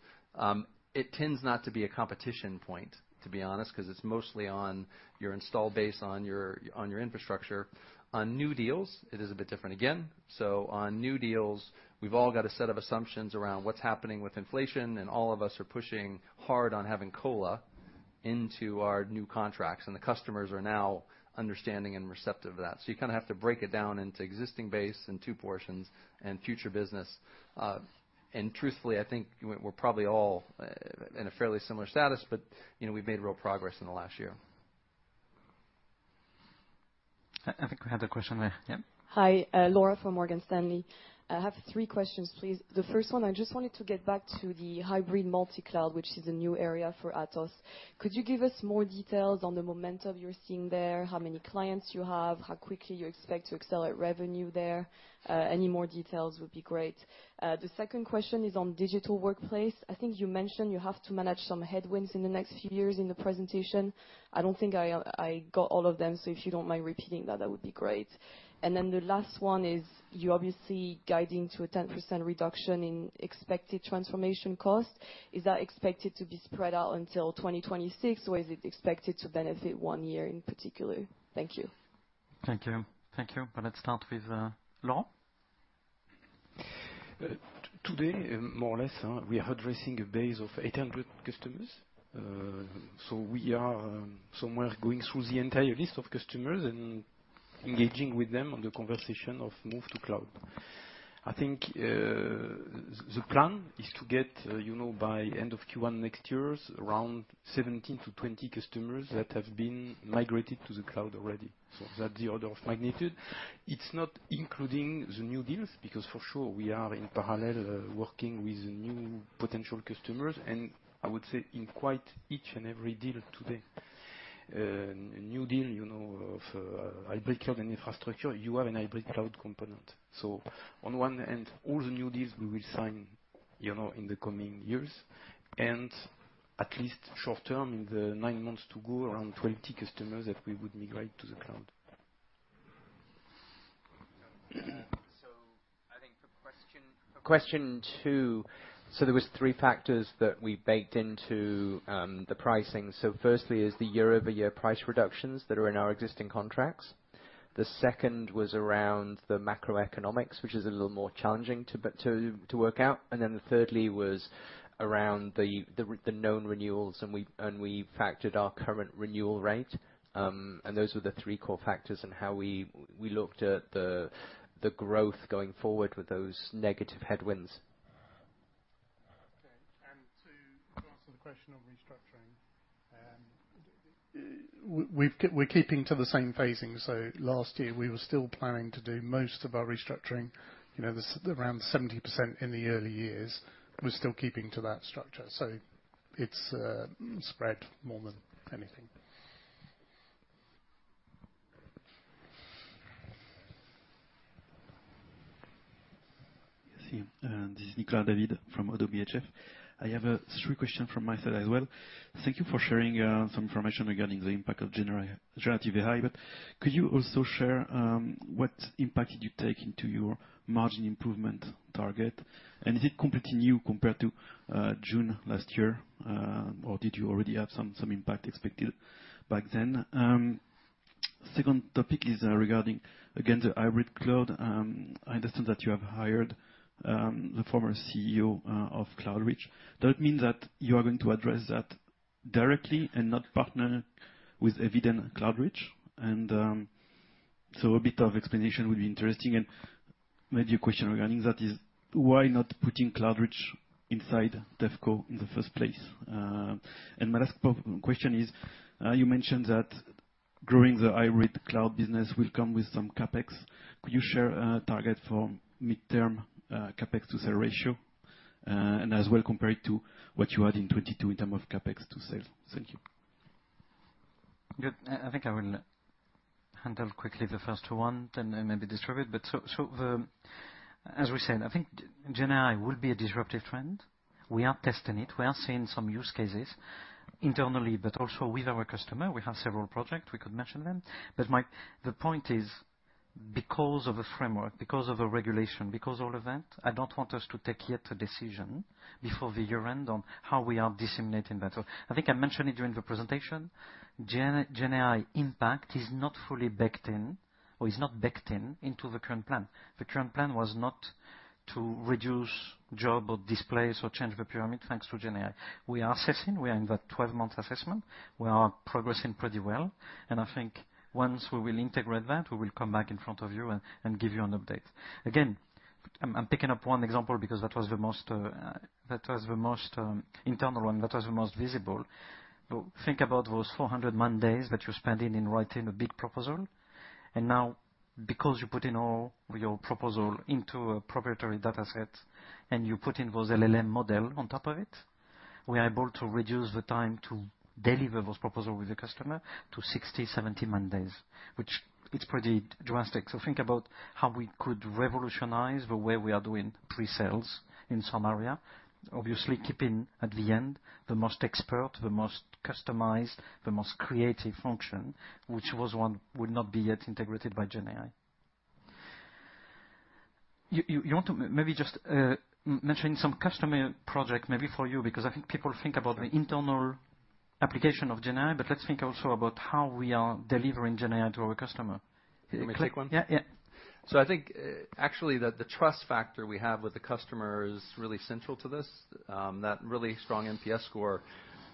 It tends not to be a competition point, to be honest, 'cause it's mostly on your install base, on your infrastructure. On new deals, it is a bit different again. On new deals, we've all got a set of assumptions around what's happening with inflation, and all of us are pushing hard on having COLA into our new contracts, and the customers are now understanding and receptive to that. You kind of have to break it down into existing base in two portions and future business. Truthfully, I think we're probably all in a fairly similar status, but, you know, we've made real progress in the last year. I think we had a question there. Yeah? Hi, Laura from Morgan Stanley. I have three questions, please. The first one, I just wanted to get back to the hybrid multi-cloud, which is a new area for Atos. Could you give us more details on the momentum you're seeing there? How many clients you have, how quickly you expect to accelerate revenue there? Any more details would be great. The second question is on Digital Workplace. I think you mentioned you have to manage some headwinds in the next few years in the presentation. I don't think I got all of them. If you don't mind repeating that would be great. The last one is, you're obviously guiding to a 10% reduction in expected transformation costs. Is that expected to be spread out until 2026, or is it expected to benefit one year in particular? Thank you. Thank you. Thank you. Well, let's start with Laurent. Today, more or less, we are addressing a base of 800 customers. We are somewhere going through the entire list of customers and engaging with them on the conversation of move to cloud. I think, the plan is to get, you know, by end of Q1 next year, around 17-20 customers that have been migrated to the cloud already. That's the order of magnitude. It's not including the new deals, because for sure, we are in parallel, working with new potential customers, and I would say in quite each and every deal today. A new deal, you know, of hybrid cloud and infrastructure, you have a hybrid cloud component. On one end, all the new deals we will sign, you know, in the coming years, and at least short term, in the nine months to go, around 20 customers that we would migrate to the cloud. I think for question two, there was three factors that we baked into the pricing. Firstly is the year-over-year price reductions that are in our existing contracts. The second was around the macroeconomics, which is a little more challenging to work out. Thirdly was around the known renewals, and we factored our current renewal rate. Those were the three core factors in how we looked at the growth going forward with those negative headwinds. Okay. To answer the question on restructuring, we're keeping to the same phasing. Last year, we were still planning to do most of our restructuring, you know, around 70% in the early years. We're still keeping to that structure, so it's spread more than anything. Yes, this is Nicolas David from Oddo BHF. I have three questions from my side as well. Thank you for sharing some information regarding the impact of generative AI, could you also share what impact did you take into your margin improvement target? Is it completely new compared to June last year, or did you already have some impact expected back then? Second topic is regarding, again, the hybrid cloud. I understand that you have hired the former CEO of Cloudreach. Does it mean that you are going to address that directly and not partner with Eviden Cloudreach? A bit of explanation would be interesting. Maybe a question regarding that is, why not putting Cloudreach inside DevCo in the first place? My last question is, you mentioned that growing the hybrid cloud business will come with some CapEx. Could you share a target for midterm, CapEx to sales ratio, and as well, compare it to what you had in 2022 in terms of CapEx to sales? Thank you. Good. I think I will handle quickly the first one, then I maybe distribute. As we said, I think GenAI will be a disruptive trend. We are testing it. We are seeing some use cases internally, but also with our customer. We have several projects, we could mention them. The point is-... because of a framework, because of a regulation, because all of that, I don't want us to take yet a decision before the year end on how we are disseminating that. I think I mentioned it during the presentation, GenAI impact is not fully baked in or is not baked in into the current plan. The current plan was not to reduce job or displace or change the pyramid, thanks to GenAI. We are assessing, we are in that 12-month assessment. We are progressing pretty well, and I think once we will integrate that, we will come back in front of you and give you an update. Again, I'm picking up one example because that was the most, that was the most internal one, that was the most visible. Think about those 400 man days that you're spending in writing a big proposal. Now, because you put in all your proposal into a proprietary data set, and you put in those LLM model on top of it, we are able to reduce the time to deliver those proposal with the customer to 60, 70 man days, which it's pretty drastic. Think about how we could revolutionize the way we are doing pre-sales in some area. Obviously, keeping at the end, the most expert, the most customized, the most creative function, which was one would not be yet integrated by GenAI. You want to maybe just mentioning some customer project, maybe for you, because I think people think about the internal application of GenAI, but let's think also about how we are delivering GenAI to our customer. Can I take one? Yeah, yeah. I think, actually, that the trust factor we have with the customer is really central to this. That really strong NPS score,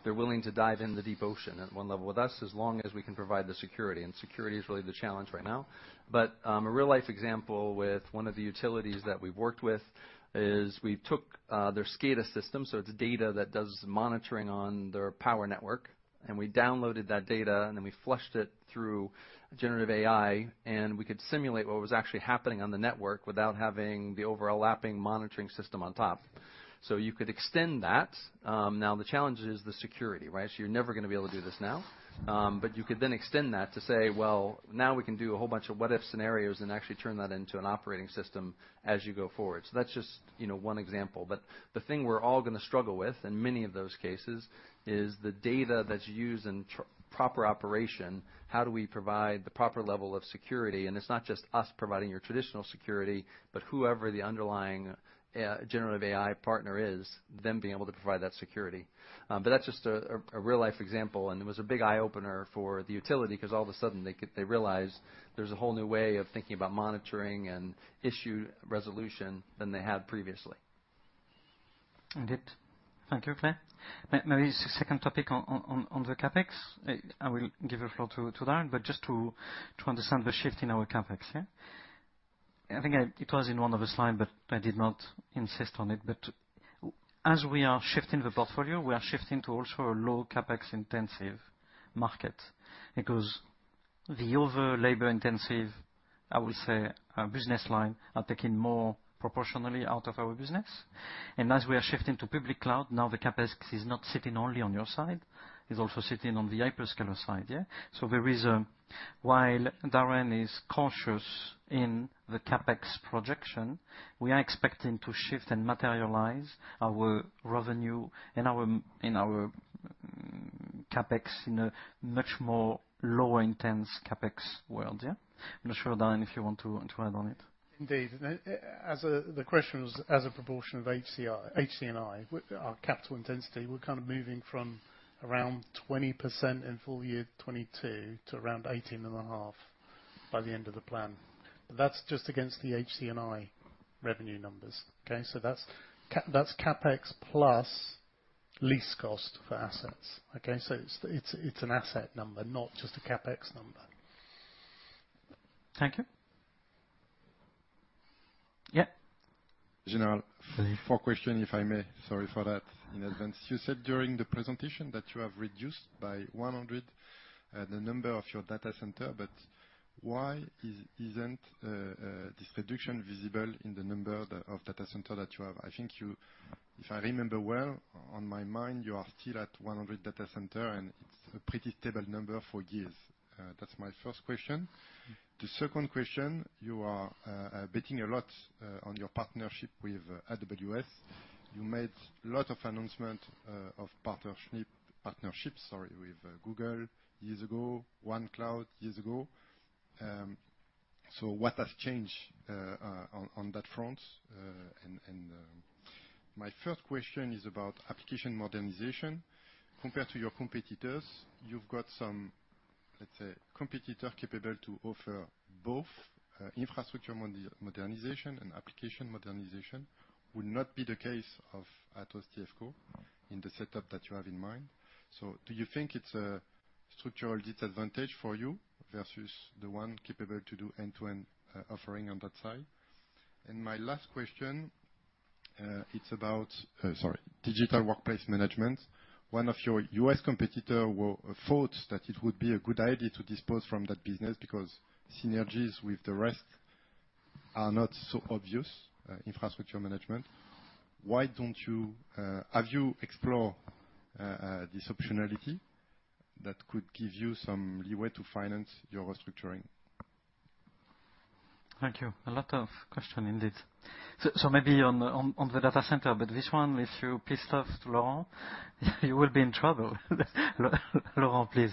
they're willing to dive in the deep ocean at one level with us, as long as we can provide the security, and security is really the challenge right now. A real-life example with one of the utilities that we've worked with is we took their SCADA system, so it's data that does monitoring on their power network, and we downloaded that data, and then we flushed it through generative AI, and we could simulate what was actually happening on the network without having the overlapping monitoring system on top. You could extend that. Now the challenge is the security, right? You're never gonna be able to do this now. But you could then extend that to say, well, now we can do a whole bunch of what-if scenarios and actually turn that into an operating system as you go forward. That's just, you know, one example. The thing we're all gonna struggle with in many of those cases is the data that's used in proper operation, how do we provide the proper level of security? It's not just us providing your traditional security, but whoever the underlying generative AI partner is, them being able to provide that security. That's just a real-life example, and it was a big eye-opener for the utility, 'cause all of a sudden, they realized there's a whole new way of thinking about monitoring and issue resolution than they had previously. Indeed. Thank you, Clay. Maybe second topic on the CapEx. I will give the floor to Darren, but just to understand the shift in our CapEx, yeah? I think it was in one of the slide, but I did not insist on it. As we are shifting the portfolio, we are shifting to also a low CapEx-intensive market. Because the other labor-intensive, I will say, business line, are taking more proportionally out of our business. As we are shifting to public cloud, now the CapEx is not sitting only on your side, it's also sitting on the hyperscaler side, yeah? While Darren is cautious in the CapEx projection, we are expecting to shift and materialize our revenue and our in our CapEx in a much more lower intense CapEx world, yeah? I'm not sure, Darren, if you want to add on it. Indeed. As the question was, as a proportion of HCI, HCNI, our capital intensity, we're kind of moving from around 20% in full year 2022 to around 18.5% by the end of the plan. That's just against the HCNI revenue numbers, okay? That's CapEx plus lease cost for assets. Okay? It's, it's an asset number, not just a CapEx number. Thank you. Yeah. General? Mm-hmm. Four question, if I may. Sorry for that in advance. You said during the presentation that you have reduced by 100 the number of your data center, why isn't this reduction visible in the number of data center that you have? I think you, if I remember well, on my mind, you are still at 100 data center, it's a pretty stable number for years. That's my first question. The second question, you are betting a lot on your partnership with AWS. You made a lot of announcement of partnerships, sorry, with Google years ago, OneCloud years ago. What has changed on that front? My third question is about application modernization. Compared to your competitors, you've got some, let's say, competitor capable to offer both, infrastructure modernization and application modernization. Would not be the case of Atos TFCo. No in the setup that you have in mind. Do you think it's a structural disadvantage for you versus the one capable to do end-to-end offering on that side? My last question, it's about... Sorry, digital workplace management. One of your U.S. competitor will thought that it would be a good idea to dispose from that business because synergies with the rest are not so obvious, infrastructure management. Why don't you have you explored this optionality that could give you some leeway to finance your restructuring? Thank you. A lot of question indeed. Maybe on the data center, but this one, if you pissed off Laurent, you will be in trouble. Laurent, please.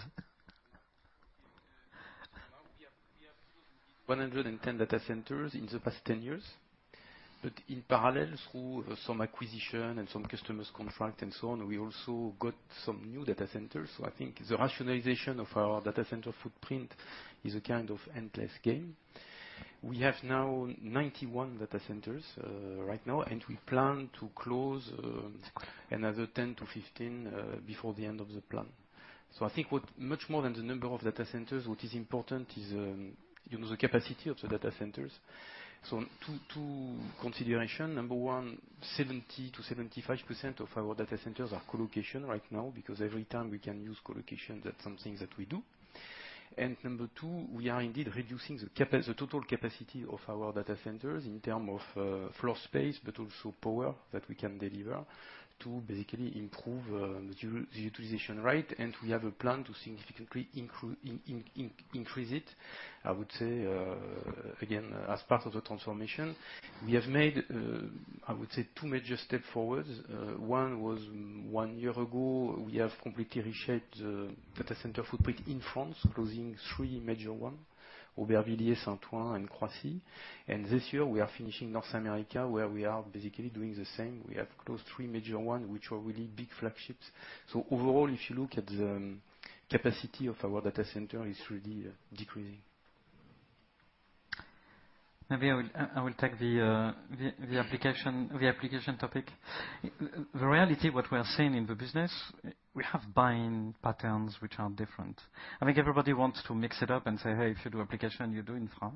110 data centers in the past 10 years, in parallel, through some acquisition and some customers' contract and so on, we also got some new data centers. I think the rationalization of our data center footprint is a kind of endless game. We have now 91 data centers right now, and we plan to close another 10-15 before the end of the plan. I think what much more than the number of data centers, what is important is, you know, the capacity of the data centers. Two consideration. Number one, 70%-75% of our data centers are colocation right now, because every time we can use colocation, that's something that we do. Number two, we are indeed reducing the total capacity of our data centers in term of floor space, but also power that we can deliver, to basically improve the utilization rate. we have a plan to significantly increase it. I would say, again, as part of the transformation, we have made, I would say, 2 major step forwards. one was one year ago, we have completely reshaped the data center footprint in France, closing three major one, Aubervilliers, Saint-Ouen, and Croissy. this year, we are finishing North America, where we are basically doing the same. We have closed three major one, which were really big flagships. overall, if you look at the capacity of our data center, it's really decreasing. Maybe I will take the application topic. The reality, what we are seeing in the business, we have buying patterns which are different. I think everybody wants to mix it up and say, "Hey, if you do application, you do infra."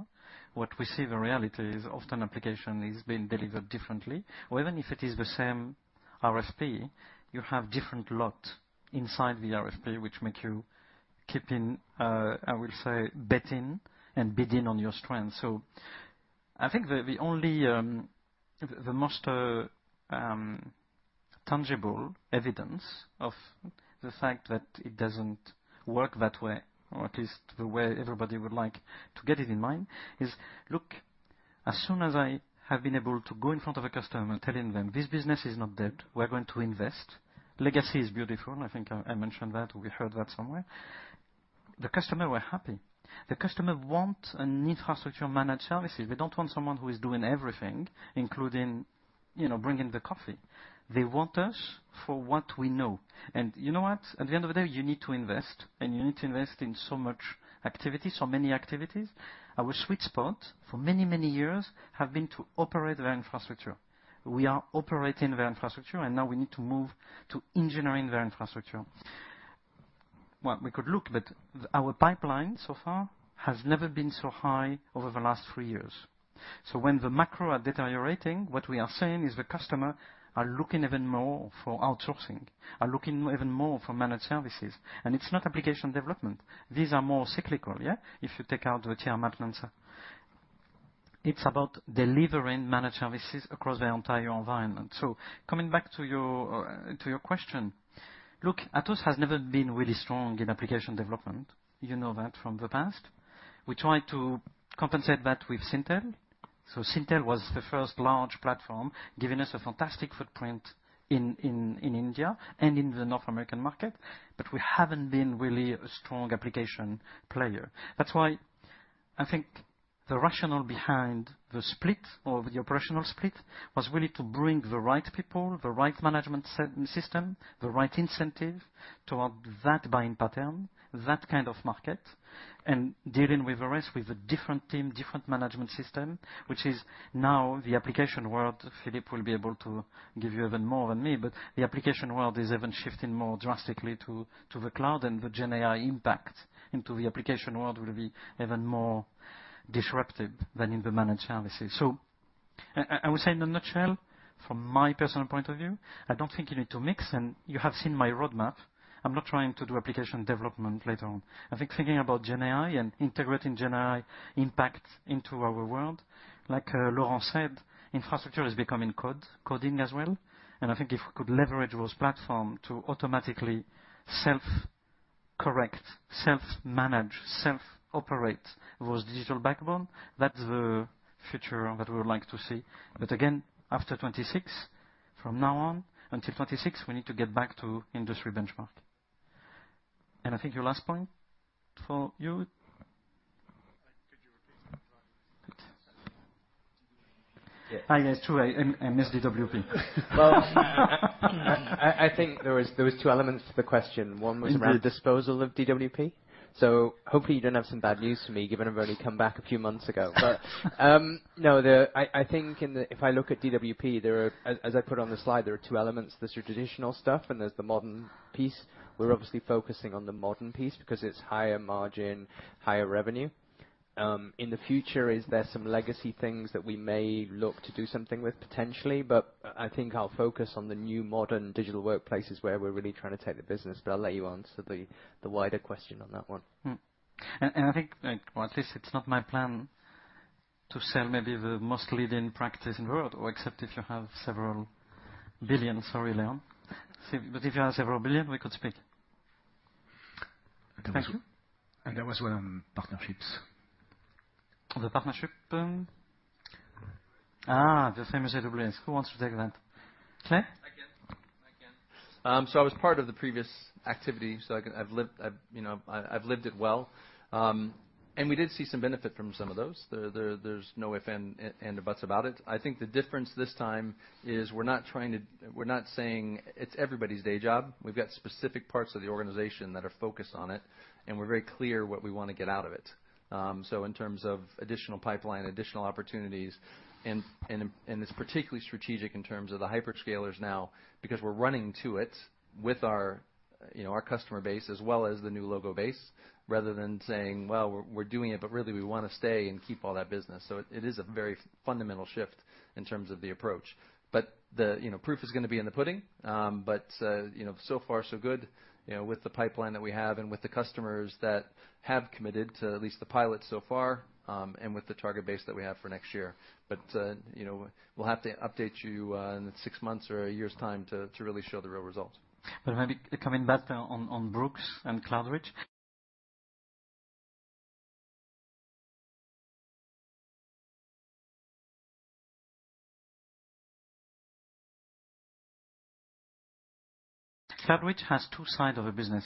What we see the reality is often application is being delivered differently, or even if it is the same RFP, you have different lot inside the RFP, which make you keep in, I will say, betting and bidding on your strength. I think the only, the most tangible evidence of the fact that it doesn't work that way, or at least the way everybody would like to get it in mind, is look, as soon as I have been able to go in front of a customer and telling them, "This business is not dead, we're going to invest." Legacy is beautiful, and I think I mentioned that, or we heard that somewhere. The customer were happy. The customer want an infrastructure managed services. They don't want someone who is doing everything, including, you know, bringing the coffee. They want us for what we know. You know what? At the end of the day, you need to invest, and you need to invest in so much activities, so many activities. Our sweet spot for many, many years, have been to operate their infrastructure. We are operating their infrastructure, now we need to move to engineering their infrastructure. Well, our pipeline so far has never been so high over the last three years. When the macro are deteriorating, what we are saying is the customer are looking even more for outsourcing, are looking even more for managed services. It's not application development. These are more cyclical, yeah, if you take out the tier maintenance. It's about delivering managed services across their entire environment. Coming back to your to your question. Look, Atos has never been really strong in application development. You know that from the past. We tried to compensate that with Syntel. Syntel was the first large platform, giving us a fantastic footprint in India and in the North American market, we haven't been really a strong application player. That's why I think the rationale behind the split, or the operational split, was really to bring the right people, the right management system, the right incentive towards that buying pattern, that kind of market, and dealing with the rest with a different team, different management system, which is now the application world. Philippe will be able to give you even more than me, the application world is even shifting more drastically to the cloud, and the GenAI impact into the application world will be even more disruptive than in the managed services. I would say in a nutshell, from my personal point of view, I don't think you need to mix, you have seen my roadmap. I'm not trying to do application development later on. I think thinking about GenAI and integrating GenAI impact into our world, like, Laurent said, infrastructure is becoming code, coding as well. I think if we could leverage those platform to automatically self-correct, self-manage, self-operate, those digital backbone, that's the future that we would like to see. Again, after 2026, from now on, until 2026, we need to get back to industry benchmark. I think your last point for you? Could you repeat that? Yes, it's true. I missed DWP. Well, I think there was two elements to the question. Mm-hmm. One was around the disposal of DWP. Hopefully you don't have some bad news for me, given I've only come back a few months ago. No, I think if I look at DWP, there are, as I put on the slide, two elements, there's your traditional stuff, and there's the modern piece. We're obviously focusing on the modern piece because it's higher margin, higher revenue. In the future, is there some legacy things that we may look to do something with potentially? I think I'll focus on the new modern digital workplaces where we're really trying to take the business. I'll let you answer the wider question on that one. I think, or at least it's not my plan to sell maybe the most leading practice in the world. Except if you have several billion EUR. Sorry, Leon. If you have several billion EUR, we could speak. Thank you. there was one on partnerships. The partnership? The famous Dublin. Who wants to take that? Clay? I can. So I was part of the previous activity, so you know, I've lived it well. We did see some benefit from some of those. There's no if and buts about it. I think the difference this time is we're not saying it's everybody's day job. We've got specific parts of the organization that are focused on it, and we're very clear what we want to get out of it. In terms of additional pipeline, additional opportunities, and it's particularly strategic in terms of the hyperscalers now, because we're running to it with our, you know, our customer base, as well as the new logo base, rather than saying, "Well, we're doing it, but really we want to stay and keep all that business." It is a very fundamental shift in terms of the approach. The, you know, proof is gonna be in the pudding. You know, so far, so good, you know, with the pipeline that we have and with the customers that have committed to at least the pilot so far, and with the target base that we have for next year. You know, we'll have to update you in six months or a year's time to really show the real results. Maybe coming back now on Brooks and Cloudreach. Cloudreach has two sides of a business.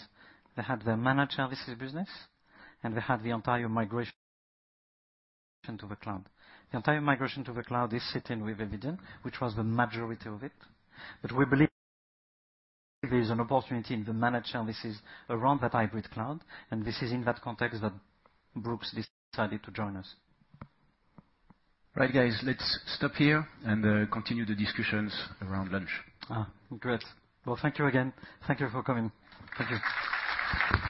They have their managed services business, and they have the entire migration to the cloud. The entire migration to the cloud is sitting with Eviden, which was the majority of it. We believe there is an opportunity in the managed services around that hybrid cloud, and this is in that context that Brooks decided to join us. Right, guys, let's stop here and continue the discussions around lunch. Great. Well, thank you again. Thank you for coming. Thank you.